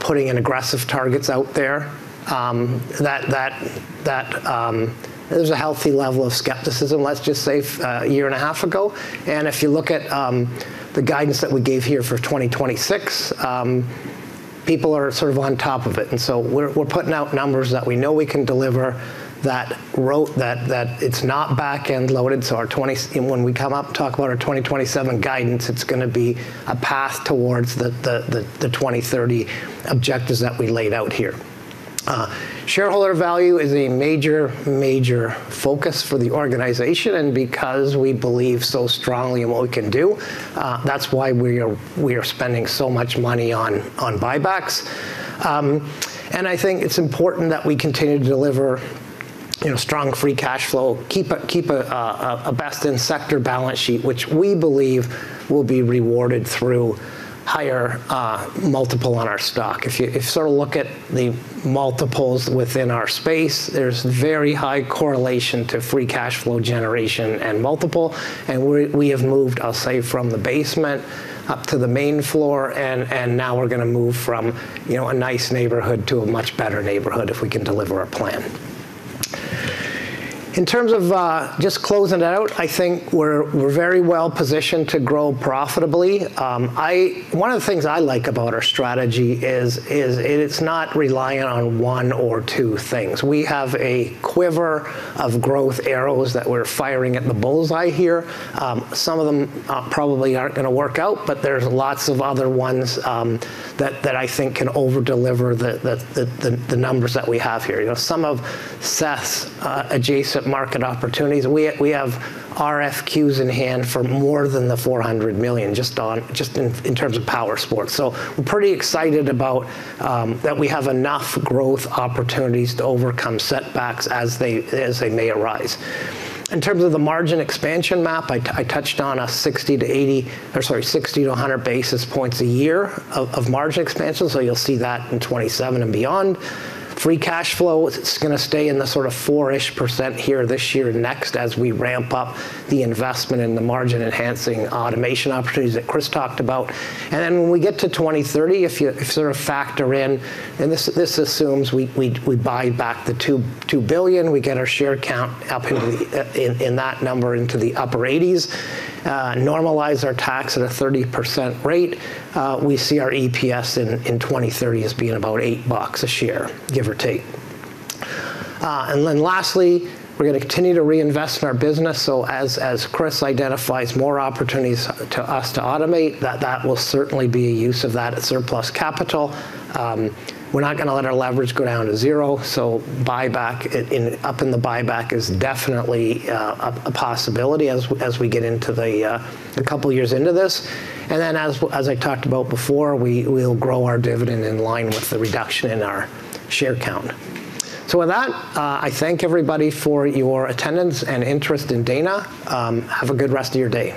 putting in aggressive targets out there. There's a healthy level of skepticism, let's just say, a year and a half ago. If you look at the guidance that we gave here for 2026, people are sort of on top of it, and we're putting out numbers that we know we can deliver. That's right, it's not back-end loaded, and when we come up to talk about our 2027 guidance, it's gonna be a path towards the 2030 objectives that we laid out here. Shareholder value is a major focus for the organization, and because we believe so strongly in what we can do, that's why we are spending so much money on buybacks. I think it's important that we continue to deliver, you know, strong free cash flow, keep a best in sector balance sheet, which we believe will be rewarded through higher multiple on our stock. If you sort of look at the multiples within our space, there's very high correlation to free cash flow generation and multiple, and we have moved, I'll say, from the basement up to the main floor and now we're gonna move from, you know, a nice neighborhood to a much better neighborhood if we can deliver our plan. In terms of just closing it out, I think we're very well positioned to grow profitably. One of the things I like about our strategy is it's not reliant on one or two things. We have a quiver of growth arrows that we're firing at the bullseye here. Some of them probably aren't gonna work out, but there's lots of other ones that I think can over-deliver the numbers that we have here. You know, some of Seth's adjacent market opportunities, we have RFQs in hand for more than $400 million just in terms of powersport. So we're pretty excited about that we have enough growth opportunities to overcome setbacks as they may arise. In terms of the margin expansion map, I touched on 60 basis points-100 basis points a year of margin expansion, so you'll see that in 2027 and beyond. Free cash flow is gonna stay in the sort of 4-ish% here this year and next as we ramp up the investment in the margin-enhancing automation opportunities that Chris talked about. Then when we get to 2030, if you sort of factor in, and this assumes we buy back the $2 billion, we get our share count down into that number into the upper 80s, normalize our tax at a 30% rate, we see our EPS in 2030 as being about $8 a share, give or take. Lastly, we're gonna continue to reinvest in our business, so as Chris identifies more opportunities for us to automate, that will certainly be a use of that surplus capital. We're not gonna let our leverage go down to zero, so upping the buyback is definitely a possibility as we get into a couple of years into this. As I talked about before, we'll grow our dividend in line with the reduction in our share count. With that, I thank everybody for your attendance and interest in Dana. Have a good rest of your day.